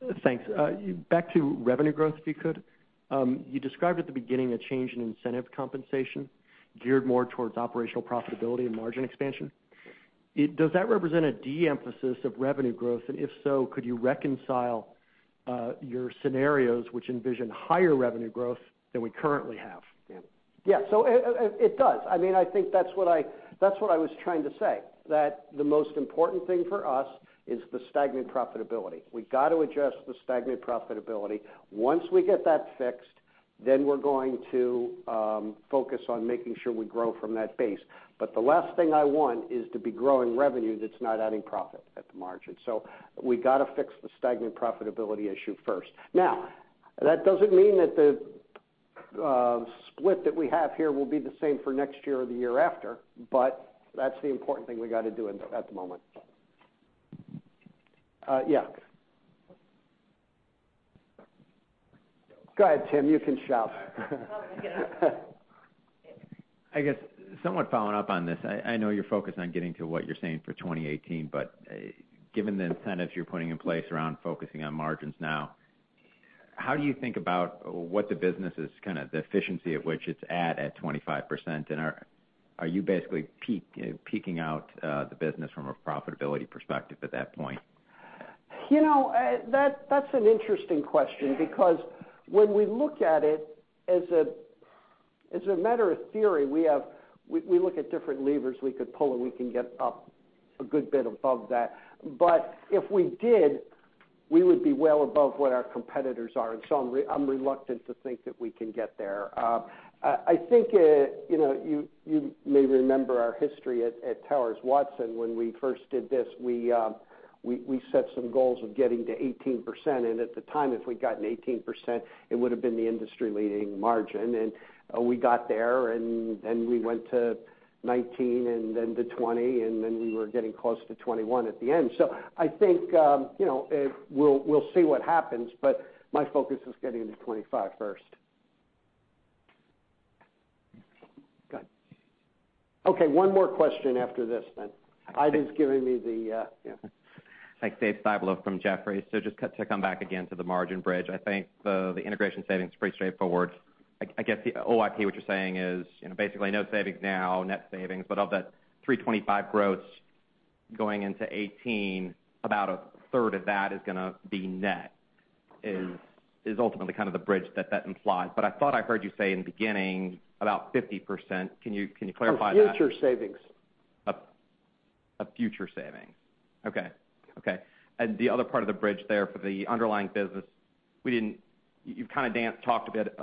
Sure.
Thanks. Back to revenue growth, if you could. You described at the beginning a change in incentive compensation geared more towards operational profitability and margin expansion. Does that represent a de-emphasis of revenue growth, and if so, could you reconcile your scenarios which envision higher revenue growth than we currently have, John?
Yeah. It does. I think that's what I was trying to say, that the most important thing for us is the stagnant profitability. We got to adjust the stagnant profitability. Once we get that fixed, then we're going to focus on making sure we grow from that base. The last thing I want is to be growing revenue that's not adding profit at the margin. We got to fix the stagnant profitability issue first. That doesn't mean that the split that we have here will be the same for next year or the year after, but that's the important thing we got to do at the moment. Yeah. Go ahead, Tim, you can shout.
I guess somewhat following up on this, I know you're focused on getting to what you're saying for 2018, but given the incentives you're putting in place around focusing on margins now, how do you think about what the business is, kind of the efficiency at which it's at 25% and are you basically peaking out the business from a profitability perspective at that point?
That's an interesting question because when we look at it as a matter of theory, we look at different levers we could pull, and we can get up a good bit above that. If we did, we would be well above what our competitors are. I'm reluctant to think that we can get there. I think you may remember our history at Towers Watson when we first did this. We set some goals of getting to 18%, and at the time, if we'd gotten 18%, it would have been the industry-leading margin. We got there, and then we went to 19% and then to 20%, and then we were getting close to 21% at the end. I think we'll see what happens, but my focus is getting to 25% first. Go ahead. Okay, one more question after this then. Ida's giving me the Yeah.
Thanks, Dave. Styblo from Jefferies. Just to come back again to the margin bridge. I think the integration savings is pretty straightforward. I guess the OIP, what you're saying is basically no savings now, net savings, but of that 3.25% growth going into 2018, about a third of that is going to be net, is ultimately kind of the bridge that implies. I thought I heard you say in the beginning about 50%. Can you clarify that?
Of future savings.
Of future savings. Okay. The other part of the bridge there for the underlying business, you've kind of, Dan, talked a bit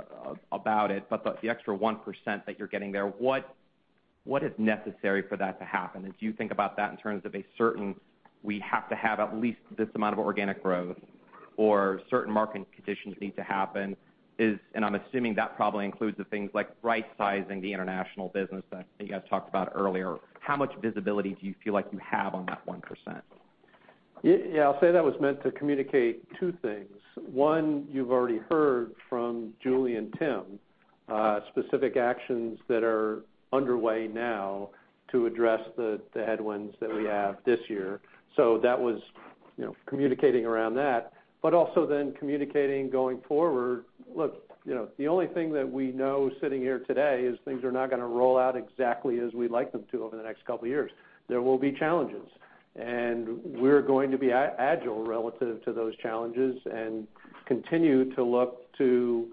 about it, but the extra 1% that you're getting there, what is necessary for that to happen? Do you think about that in terms of a certain, we have to have at least this amount of organic growth or certain market conditions need to happen? I'm assuming that probably includes the things like rightsizing the international business that you guys talked about earlier. How much visibility do you feel like you have on that 1%?
I'll say that was meant to communicate two things. One, you've already heard from Julie and Tim specific actions that are underway now to address the headwinds that we have this year. That was communicating around that, but also then communicating going forward. Look, the only thing that we know sitting here today is things are not going to roll out exactly as we'd like them to over the next couple of years. There will be challenges, and we're going to be agile relative to those challenges and continue to look to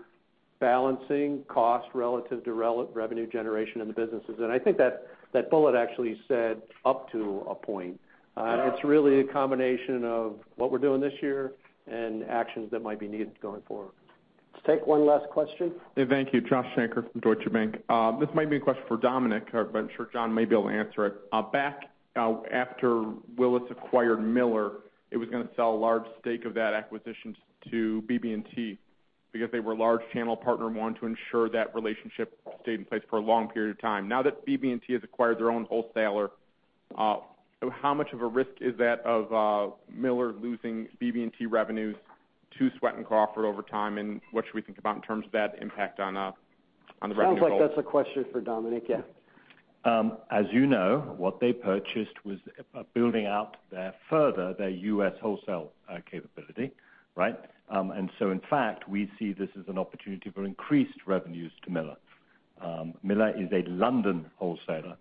balancing cost relative to revenue generation in the businesses. I think that bullet actually said up to a point. It's really a combination of what we're doing this year and actions that might be needed going forward.
Let's take one last question.
Thank you. Joshua Shanker from Deutsche Bank. This might be a question for Dominic, but I'm sure John may be able to answer it. Back after Willis acquired Miller, it was going to sell a large stake of that acquisition to BB&T because they were a large channel partner and wanted to ensure that relationship stayed in place for a long period of time. Now that BB&T has acquired their own wholesaler, how much of a risk is that of Miller losing BB&T revenues to Swett & Crawford over time, and what should we think about in terms of that impact on the revenue goal?
Sounds like that's a question for Dominic.
As you know, what they purchased was building out their further, their U.S. wholesale capability, right? In fact, we see this as an opportunity for increased revenues to Miller. Miller is a London wholesaler.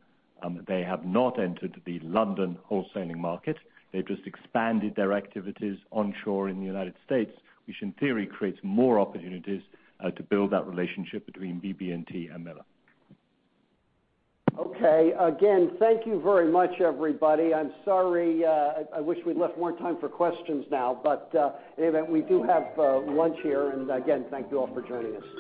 They have not entered the London wholesaling market. They've just expanded their activities onshore in the United States, which in theory creates more opportunities to build that relationship between BB&T and Miller.
Okay. Again, thank you very much, everybody. I'm sorry. I wish we'd left more time for questions now. In any event, we do have lunch here. Again, thank you all for joining us.